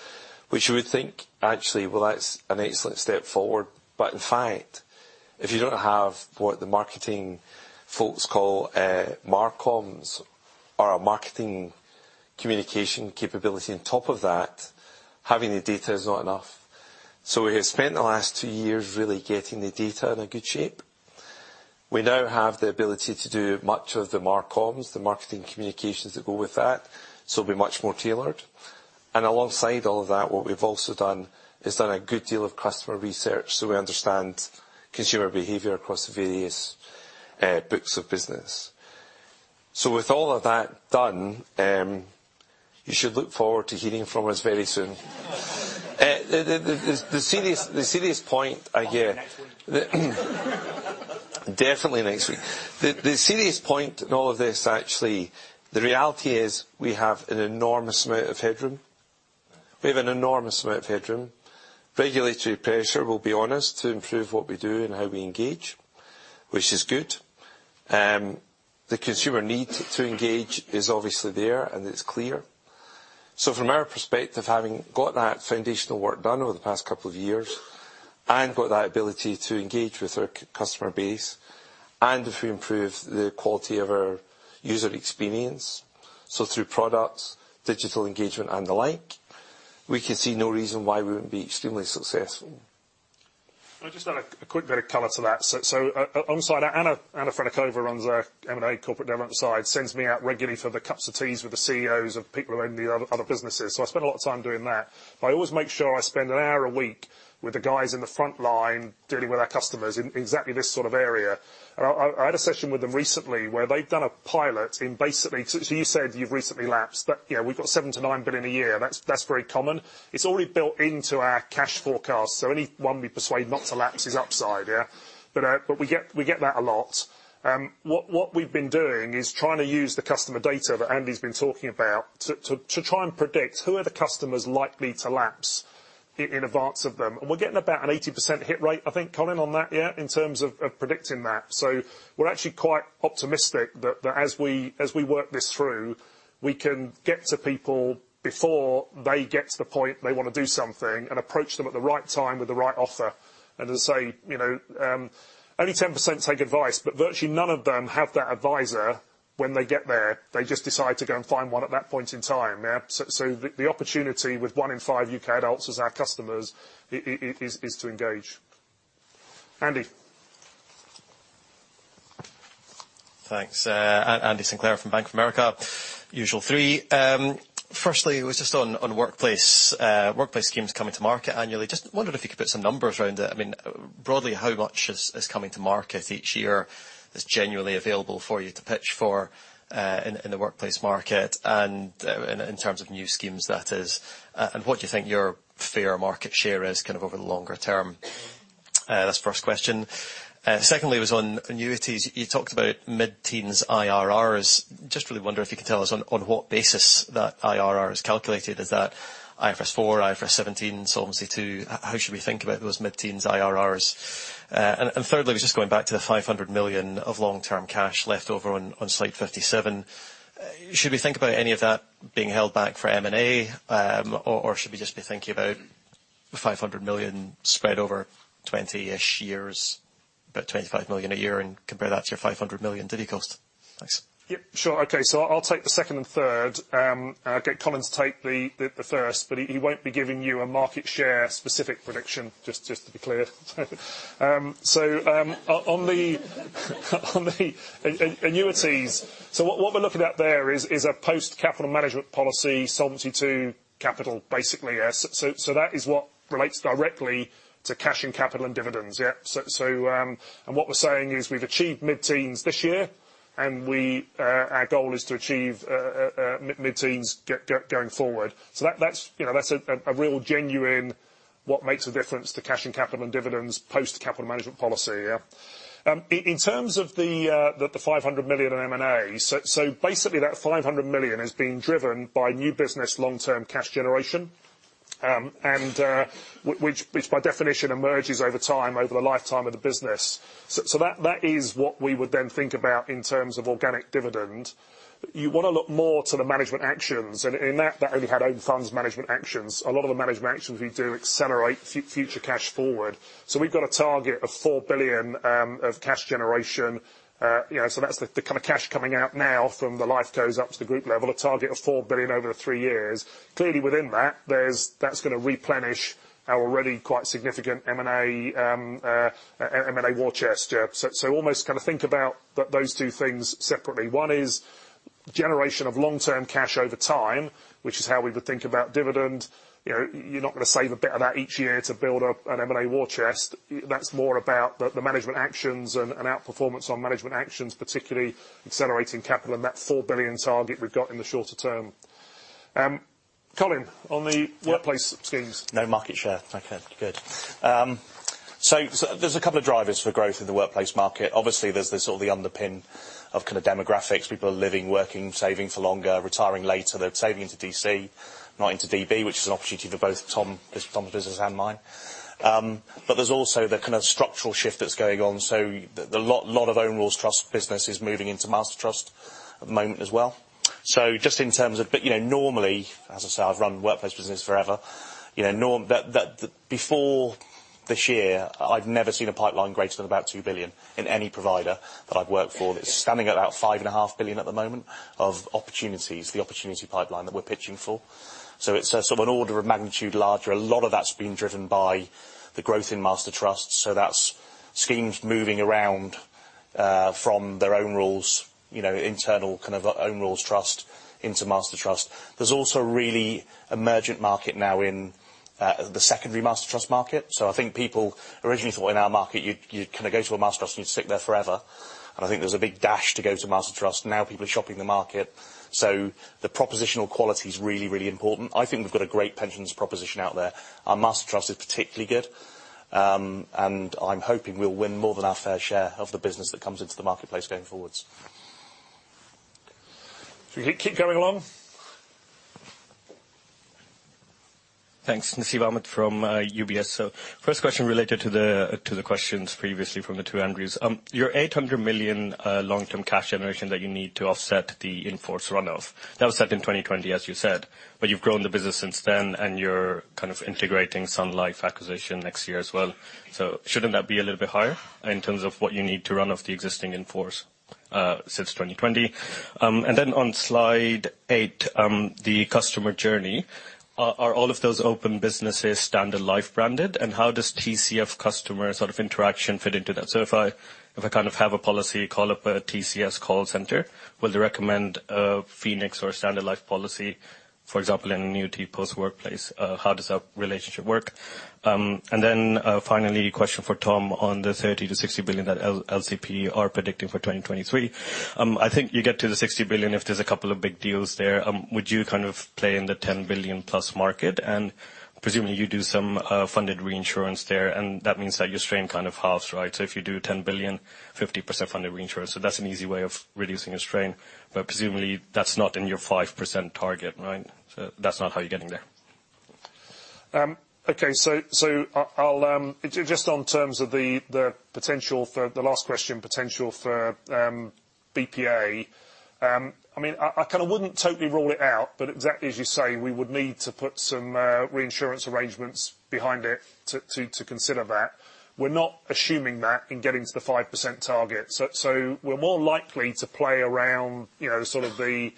which you would think, actually, well, that's an excellent step forward. In fact, if you don't have what the marketing folks call marcomms or a marketing communication capability on top of that, having the data is not enough. We have spent the last two years really getting the data in a good shape. We now have the ability to do much of the marcomms, the marketing communications that go with that, so it'll be much more tailored. Alongside all of that, what we've also done is done a good deal of customer research, so we understand consumer behavior across the various books of business. With all of that done, you should look forward to hearing from us very soon. The serious point I hear- Probably next week. Definitely next week. The serious point in all of this, actually, the reality is we have an enormous amount of headroom. We have an enormous amount of headroom. Regulatory pressure will be on us to improve what we do and how we engage, which is good. The consumer need to engage is obviously there, and it's clear. From our perspective, having got that foundational work done over the past couple of years, and got that ability to engage with our customer base, and if we improve the quality of our user experience, so through products, digital engagement, and the like, we can see no reason why we wouldn't be extremely successful. Can I just add a quick bit of color to that? On the side, Anna Troup runs our M&A corporate dev ops side, sends me out regularly for the cups of teas with the CEOs of people who own the other businesses, so I spend a lot of time doing that. I always make sure I spend an hour a week with the guys in the front line dealing with our customers in exactly this sort of area. I had a session with them recently where they've done a pilot in, basically. You said you've recently lapsed, but, you know, we've got 7 billion-9 billion a year. That's very common. It's already built into our cash forecast, so anyone we persuade not to lapse is upside, yeah? We get that a lot. What we've been doing is trying to use the customer data that Andy's been talking about to try and predict who are the customers likely to lapse in advance of them. We're getting about an 80% hit rate, I think, Colin, on that, yeah, in terms of predicting that. We're actually quite optimistic that as we work this through, we can get to people before they get to the point they wanna do something and approach them at the right time with the right offer. As I say, you know, only 10% take advice, but virtually none of them have that advisor when they get there. They just decide to go and find one at that point in time, yeah? The opportunity with one in five U.K. adults as our customers is to engage. Andy? Thanks. Andrew Sinclair from Bank of America. Usual three. Firstly, it was just on workplace. Workplace schemes coming to market annually. Just wondered if you could put some numbers around it. I mean, broadly, how much is coming to market each year that's genuinely available for you to pitch for, in the workplace market and, in terms of new schemes, that is. What do you think your fair market share is kind of over the longer term? That's the first question. Secondly was on annuities. You talked about mid-teens IRRs. Just really wonder if you could tell us on what basis that IRR is calculated. Is that IFRS 4, IFRS 17, Solvency II? How should we think about those mid-teens IRRs? Thirdly, just going back to the 500 million of long-term cash left over on slide 57. Should we think about any of that being held back for M&A, or should we just be thinking about the 500 million spread over 20-ish years, about 25 million a year and compare that to your 500 million divvy cost? Thanks. Yep, sure. Okay. I'll take the second and third. I'll get Colin to take the first. He won't be giving you a market share specific prediction, just to be clear. On the annuities, what we're looking at there is a post capital management policy, Solvency II capital, basically, yeah. That is what relates directly to cash and capital and dividends, yeah. What we're saying is we've achieved mid-teens this year. We, our goal is to achieve mid-teens going forward. That's, you know, that's a real genuine what makes a difference to cash and capital and dividends post capital management policy, yeah. In terms of the 500 million in M&A, basically that 500 million is being driven by new business long-term cash generation. Which, which by definition emerges over time over the lifetime of the business. That is what we would then think about in terms of organic dividend. You wanna look more to the management actions. In that only had own funds management actions. A lot of the management actions we do accelerate future cash forward. We've got a target of 4 billion of cash generation. You know, that's the kind of cash coming out now from the Life goes up to the group level, a target of 4 billion over the three years. Clearly within that's gonna replenish our already quite significant M&A war chest, yeah. Almost kind of think about those two things separately. One is generation of long-term cash over time, which is how we would think about dividend. You know, you're not gonna save a bit of that each year to build up an M&A war chest. That's more about the management actions and outperformance on management actions, particularly accelerating capital and that 4 billion target we've got in the shorter term. Colin. Yeah. Workplace schemes. No market share. Okay, good. There's a couple of drivers for growth in the workplace market. Obviously, there's the sort of the underpin of kind of demographics. People are living, working, saving for longer, retiring later. They're saving into DC, not into DB, which is an opportunity for both Tom's business and mine. There's also the kind of structural shift that's going on. The lot of own rules trust business is moving into master trust at the moment as well. Just in terms of you know, normally, as I say, I've run the workplace business forever. You know, before this year, I'd never seen a pipeline greater than about 2 billion in any provider that I've worked for. It's standing at about 5.5 Billion at the moment of opportunities, the opportunity pipeline that we're pitching for. It's sort of an order of magnitude larger. A lot of that's been driven by the growth in master trust. That's schemes moving around, you know, internal kind of own rules trust into master trust. There's also a really emergent market now in the secondary master trust market. I think people originally thought in our market, you'd kind of go to a master trust and you'd stick there forever. I think there's a big dash to go to master trust. Now people are shopping the market. The propositional quality is really, really important. I think we've got a great pensions proposition out there. Our master trust is particularly good. I'm hoping we'll win more than our fair share of the business that comes into the marketplace going forward. Should we keep going along? Thanks. Nasib Ahmed from UBS. First question related to the questions previously from the two Andrews. Your 800 million long-term cash generation that you need to offset the in-force run-off, that was set in 2020, as you said, but you've grown the business since then, and you're kind of integrating some Life acquisition next year as well. Shouldn't that be a little bit higher in terms of what you need to run off the existing in-force since 2020? On slide eight, the customer journey. Are all of those open businesses Standard Life branded, and how does TCF customer sort of interaction fit into that? If I kind of have a policy, call up a TCS call center, will they recommend a Phoenix or Standard Life policy, for example, in annuity post-workplace? How does that relationship work? Finally, question for Tom on the 30 billion-60 billion that LCP are predicting for 2023. I think you get to the 60 billion if there's a couple of big deals there. Would you kind of play in the +10 billion market? Presumably you do some funded reinsurance there, and that means that your strain kind of halves, right? If you do 10 billion, 50% funded reinsurance, that's an easy way of reducing your strain. Presumably that's not in your 5% target, right? That's not how you're getting there. Okay. I'll just on terms of the potential for the last question, potential for BPA. I mean, I kind of wouldn't totally rule it out, but exactly as you say, we would need to put some reinsurance arrangements behind it to consider that. We're not assuming that in getting to the 5% target. We're more likely to play around, you know, sort of the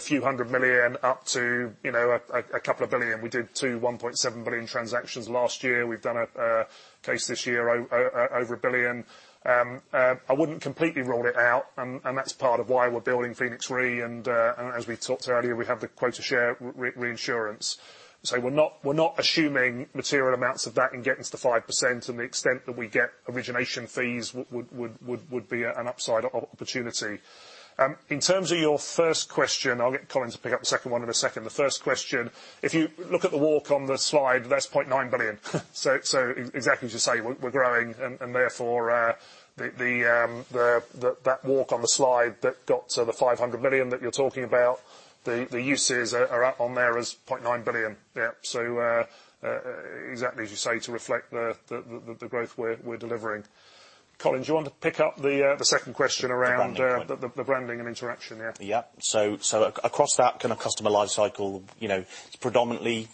few hundred million up to, you know, a couple of billion. We did two 1.7 billion transactions last year. We've done a case this year over 1 billion. I wouldn't completely rule it out, and that's part of why we're building PhoenixRE. As we talked earlier, we have the quota share reinsurance. We're not assuming material amounts of that in getting to the 5%, and the extent that we get origination fees would be an upside opportunity. In terms of your first question, I'll get Colin to pick up the second one in a second. The first question, if you look at the walk on the slide, that's 0.9 billion. Exactly as you say, we're growing and therefore, the walk on the slide that got to the 500 million that you're talking about, the uses are on there as 0.9 billion. Yeah. Exactly as you say, to reflect the growth we're delivering. Colin, do you want to pick up the second question around. The branding point. The branding and interaction? Yeah. Yeah. Across that kind of customer life cycle, you know, it's predominantly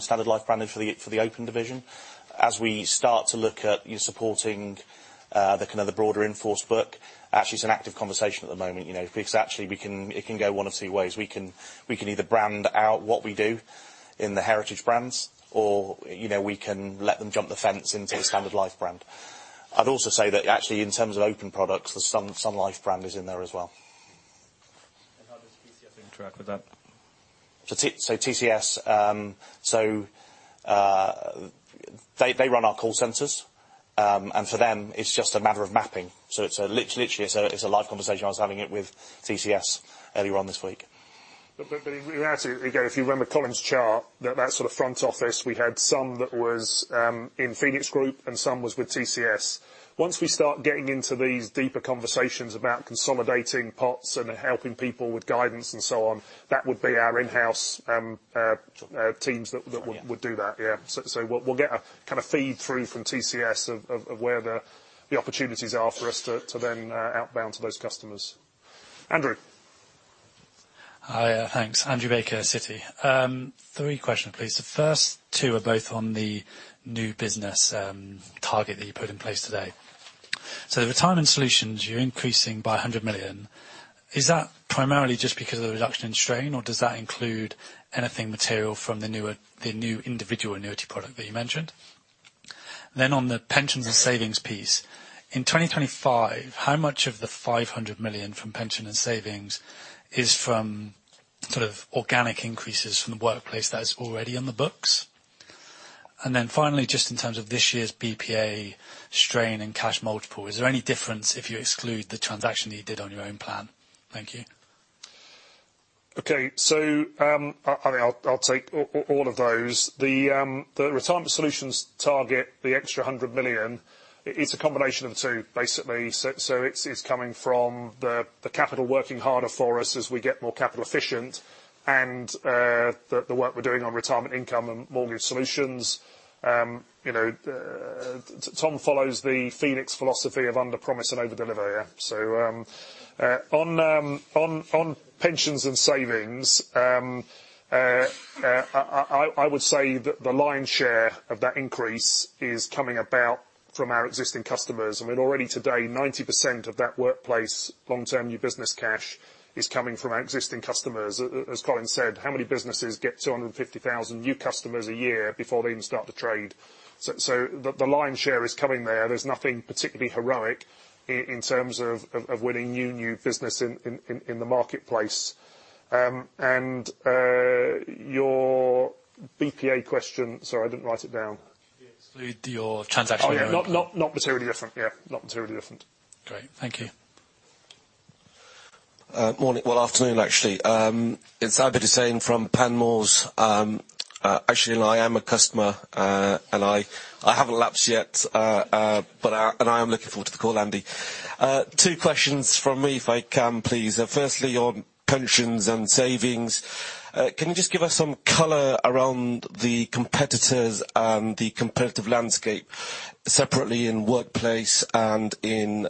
Standard Life branding for the, for the open division. As we start to look at you supporting the kind of the broader in-force book, actually it's an active conversation at the moment, you know. Because actually it can go one of two ways. We can either brand out what we do in the heritage brands or, you know, we can let them jump the fence into the Standard Life brand. I'd also say that actually in terms of open products, the Sun Life brand is in there as well. TCS interact with that. TCS, they run our call centers. For them, it's just a matter of mapping. Literally, it's a live conversation. I was having it with TCS earlier on this week. In reality, again, if you remember Colin's chart, that sort of front office, we had some that was in Phoenix Group and some was with TCS. Once we start getting into these deeper conversations about consolidating pots and helping people with guidance and so on, that would be our in-house teams that would do that. Yeah. We'll get a kind of feed through from TCS of where the opportunities are for us to then outbound to those customers. Andrew. Hi. Thanks. Andrew Baker, Citi. three question, please. The first two are both on the new business target that you put in place today. The Retirement Solutions, you're increasing by 100 million. Is that primarily just because of the reduction in strain, or does that include anything material from the new individual annuity product that you mentioned? On the Pensions and Savings piece, in 2025, how much of the 500 million from Pensions and Savings is from sort of organic increases from the workplace that is already on the books? Finally, just in terms of this year's BPA strain and cash multiple, is there any difference if you exclude the transaction that you did on your own plan? Thank you. Okay. I mean, I'll take all of those. The retirement solutions target the extra 100 million. It's a combination of the two, basically. It's coming from the capital working harder for us as we get more capital efficient and the work we're doing on retirement income and mortgage solutions. You know, Tom follows the Phoenix philosophy of under promise and overdeliver. On pensions and savings, I would say that the lion's share of that increase is coming about from our existing customers. I mean, already today, 90% of that workplace long-term new business cash is coming from our existing customers. As Colin said, how many businesses get 250,000 new customers a year before they even start the trade? The lion's share is coming there. There's nothing particularly heroic in terms of winning new business in the marketplace. Your BPA question... Sorry, I didn't write it down. Exclude your transaction. Not materially different. Yeah. Not materially different. Great. Thank you. Morning. Well, afternoon, actually. It's Abid Hussain from Panmure. Actually, I am a customer, and I haven't lapsed yet, but I am looking forward to the call, Andy. Two questions from me if I can, please. Firstly, on pensions and savings, can you just give us some color around the competitors and the competitive landscape separately in workplace and in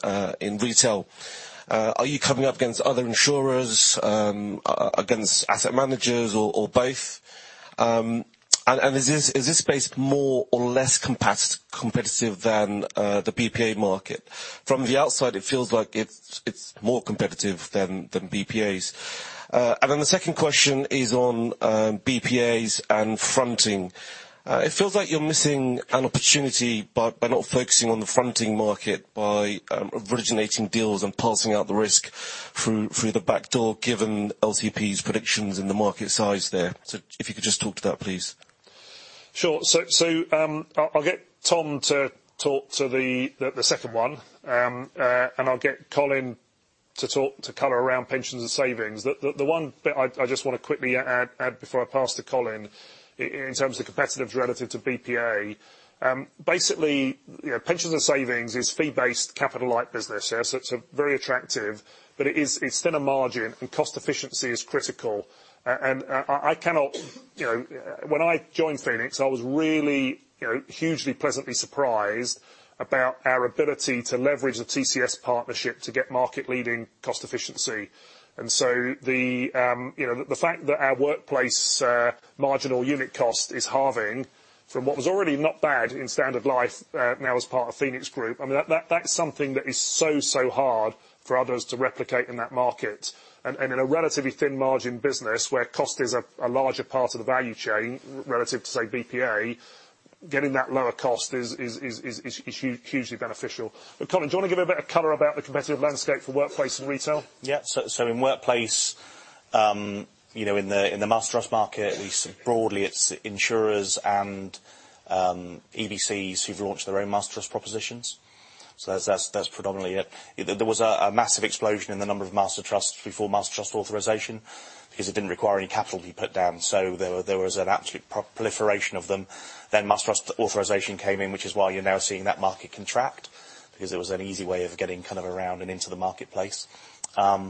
retail? Are you coming up against other insurers, against asset managers or both? Is this, is this space more or less competitive than the BPA market? From the outside, it feels like it's more competitive than BPAs. Then the second question is on PPAs and fronting. It feels like you're missing an opportunity by not focusing on the fronting market by originating deals and parsing out the risk through the back door, given LCP's predictions and the market size there. If you could just talk to that, please. Sure. I'll get Tom to talk to the second one, and I'll get Colin to talk, to color around pensions and savings. The one bit I just wanna quickly add, before I pass to Colin in terms of competitive relative to PPA, basically, you know, pensions and savings is fee-based capital-light business. Yeah. It's a very attractive, but it is. It's thin of margin, and cost efficiency is critical. And I cannot. You know, when I joined Phoenix, I was really, you know, hugely pleasantly surprised about our ability to leverage the TCS partnership to get market-leading cost efficiency. The, you know, the fact that our workplace marginal unit cost is halving from what was already not bad in Standard Life, now as part of Phoenix Group, I mean, that, that is something that is so hard for others to replicate in that market. In a relatively thin margin business where cost is a larger part of the value chain relative to, say, PPA, getting that lower cost is hugely beneficial. Colin, do wanna give a bit of color about the competitive landscape for workplace and retail? In workplace, you know, in the, in the master trust market, we see broadly it's insurers and EBCs who've launched their own master trust propositions. That's, that's predominantly it. There was a massive explosion in the number of master trusts before Master Trust Authorisation because it didn't require any capital be put down. There, there was an absolute proliferation of them. Master Trust Authorisation came in, which is why you're now seeing that market contract because it was an easy way of getting kind of around and into the marketplace. With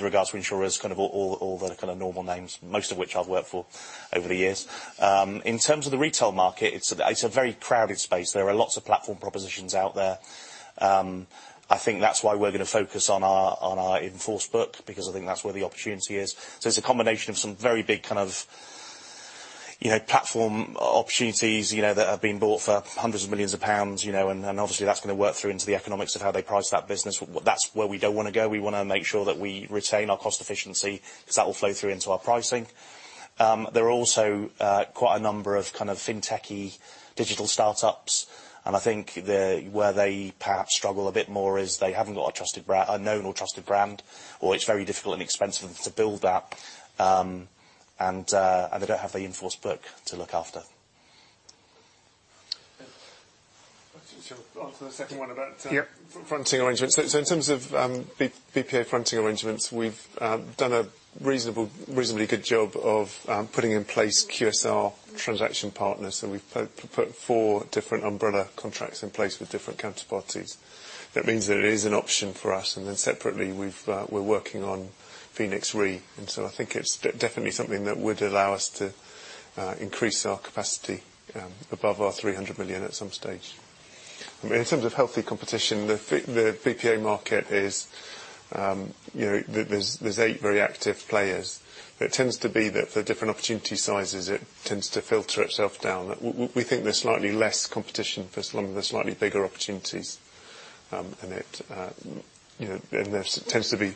regards to insurers, kind of all the kind of normal names, most of which I've worked for over the years. In terms of the retail market, it's a, it's a very crowded space. There are lots of platform propositions out there. I think that's why we're gonna focus on our, on our in-force book because I think that's where the opportunity is. It's a combination of some very big kind of, you know, platform opportunities, you know, that have been bought for hundreds of millions of GBP, you know, and obviously that's gonna work through into the economics of how they price that business. That's where we don't wanna go. We wanna make sure that we retain our cost efficiency because that will flow through into our pricing. There are also quite a number of kind of FinTech-y digital startups, and I think where they perhaps struggle a bit more is they haven't got a trusted brand, a known or trusted brand, or it's very difficult and expensive for them to build that. They don't have the in-force book to look after. On to the second one. Yeah.fronting arrangements. In terms of BPA fronting arrangements, we've done a reasonably good job of putting in place QSR transaction partners. We've put 4 different umbrella contracts in place with different counterparties. That means that it is an option for us. Then separately, we're working on PhoenixRE. I think it's definitely something that would allow us to increase our capacity above our 300 million at some stage. I mean, in terms of healthy competition, the BPA market is, you know. There's eight very active players. It tends to be that the different opportunity sizes, it tends to filter itself down. We think there's slightly less competition for some of the slightly bigger opportunities. It, you know, and there tends to be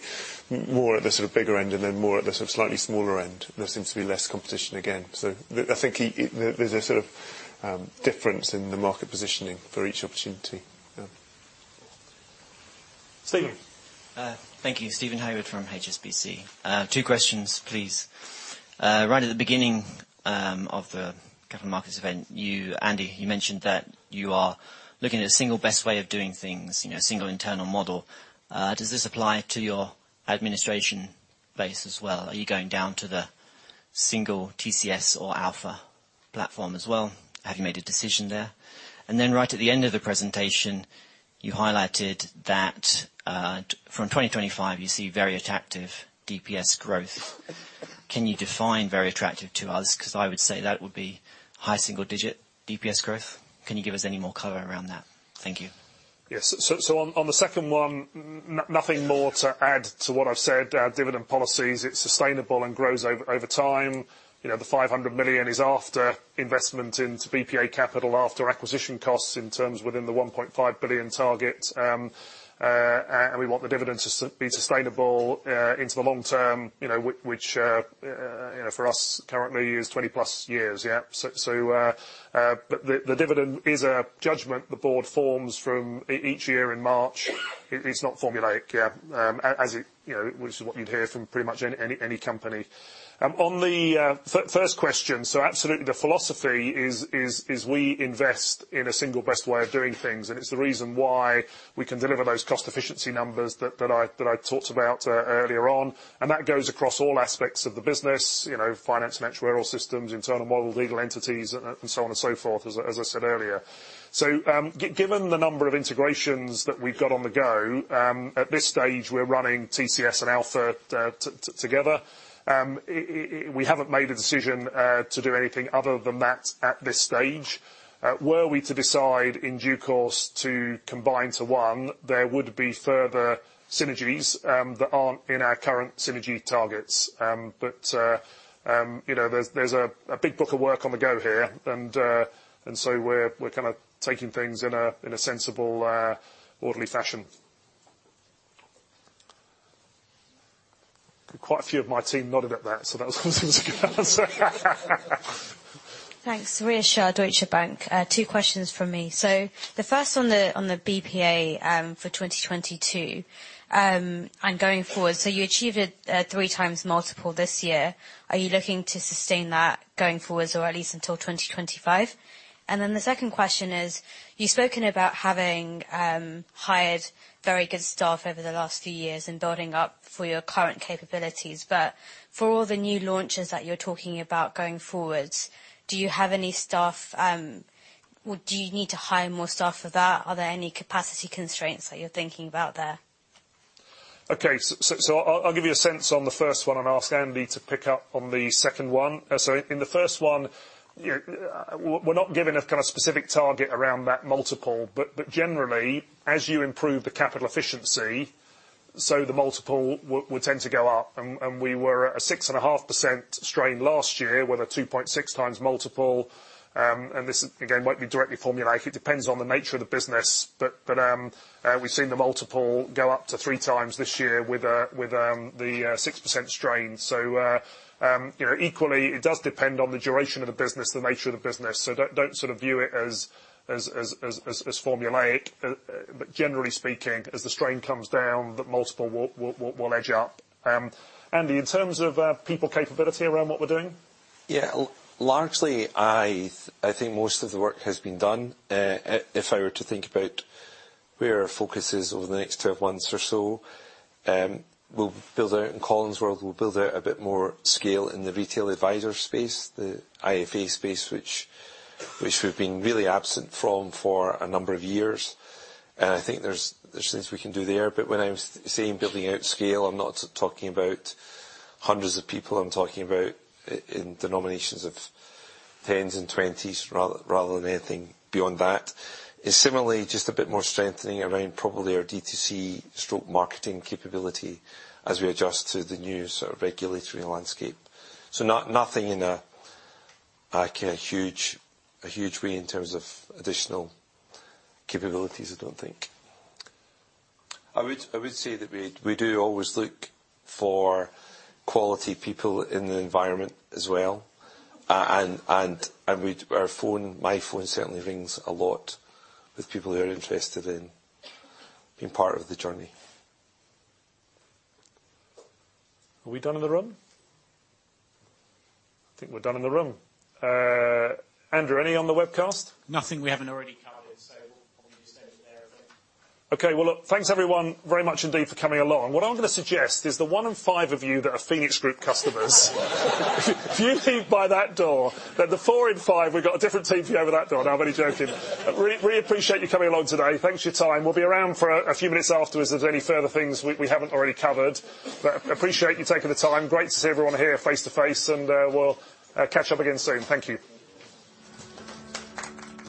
more at the sort of bigger end and then more at the sort of slightly smaller end. There seems to be less competition again. I think it There's a sort of difference in the market positioning for each opportunity. Stephen. Thank you. Stephen Hayward from HSBC. Two questions, please. Right at the beginning of the capital markets event, Andy, you mentioned that you are looking at a single best way of doing things, you know, single internal model. Does this apply to your administration base as well? Are you going down to the single TCS or Alpha platform as well? Have you made a decision there? Right at the end of the presentation, you highlighted that from 2025, you see very attractive DPS growth. Can you define very attractive to us? 'Cause I would say that would be high single-digit DPS growth. Can you give us any more color around that? Thank you. Yes. So, on the second one, nothing more to add to what I've said. Our dividend policy is it's sustainable and grows over time. You know, the 500 million is after investment into BPA capital, after acquisition costs in terms within the 1.5 billion target. We want the dividend to be sustainable into the long term, you know, which, you know, for us currently is 20+ years. Yeah. The dividend is a judgment the board forms from each year in March. It's not formulaic, yeah, as it, you know, which is what you'd hear from pretty much any company. On the first question. Absolutely, the philosophy is we invest in a single best way of doing things, and it's the reason why we can deliver those cost efficiency numbers that I talked about earlier on. That goes across all aspects of the business. You know, finance and actuarial systems, internal models, legal entities, and so on and so forth, as I said earlier. Given the number of integrations that we've got on the go, at this stage, we're running TCS and Alpha together. We haven't made a decision to do anything other than that at this stage. Were we to decide in due course to combine to one, there would be further synergies that aren't in our current synergy targets. You know, there's a big book of work on the go here. We're kind of taking things in a sensible, orderly fashion. Quite a few of my team nodded at that, so that was a good answer. Thanks. Ria Shah, Deutsche Bank. Two questions from me. The first on the BPA for 2022 and going forward. You achieved a 3x multiple this year. Are you looking to sustain that going forwards, or at least until 2025? The second question is, you've spoken about having hired very good staff over the last few years and building up for your current capabilities. For all the new launches that you're talking about going forward, do you have any staff? Do you need to hire more staff for that? Are there any capacity constraints that you're thinking about there? Okay. I'll give you a sense on the first one and ask Andy to pick up on the second one. In the first one, you know, we're not giving a kind of specific target around that multiple, but generally, as you improve the capital efficiency, so the multiple will tend to go up. We were at a 6.5% strain last year with a 2.6x multiple. This, again, won't be directly formulaic. It depends on the nature of the business. We've seen the multiple go up to 3x this year with the 6% strain. You know, equally, it does depend on the duration of the business, the nature of the business. Don't sort of view it as formulaic. Generally speaking, as the strain comes down, the multiple will edge up. Andy, in terms of, people capability around what we're doing? Largely, I think most of the work has been done. If I were to think about where our focus is over the next 12 months or so, in Colin's world, we'll build out a bit more scale in the retail advisor space, the IFA space, which we've been really absent from for a number of years. I think there's things we can do there. When I'm saying building out scale, I'm not talking about hundreds of people. I'm talking about in denominations of 10s and 20s rather than anything beyond that. Similarly, just a bit more strengthening around probably our D2C marketing capability as we adjust to the new sort of regulatory landscape. nothing in a huge way in terms of additional capabilities, I don't think. I would say that we do always look for quality people in the environment as well. Our phone, my phone certainly rings a lot with people who are interested in being part of the journey. Are we done in the room? I think we're done in the room. Andrew, any on the webcast? Nothing we haven't already covered. We'll probably just end it there I think. Okay. Well, look, thanks everyone very much indeed for coming along. What I'm gonna suggest is the one in five of you that are Phoenix Group customers. If you leave by that door, then the four in five, we've got a different team for you over that door. No, I'm only joking. Really appreciate you coming along today. Thanks for your time. We'll be around for a few minutes afterwards if there's any further things we haven't already covered. Appreciate you taking the time. Great to see everyone here face to face, we'll catch up again soon. Thank you.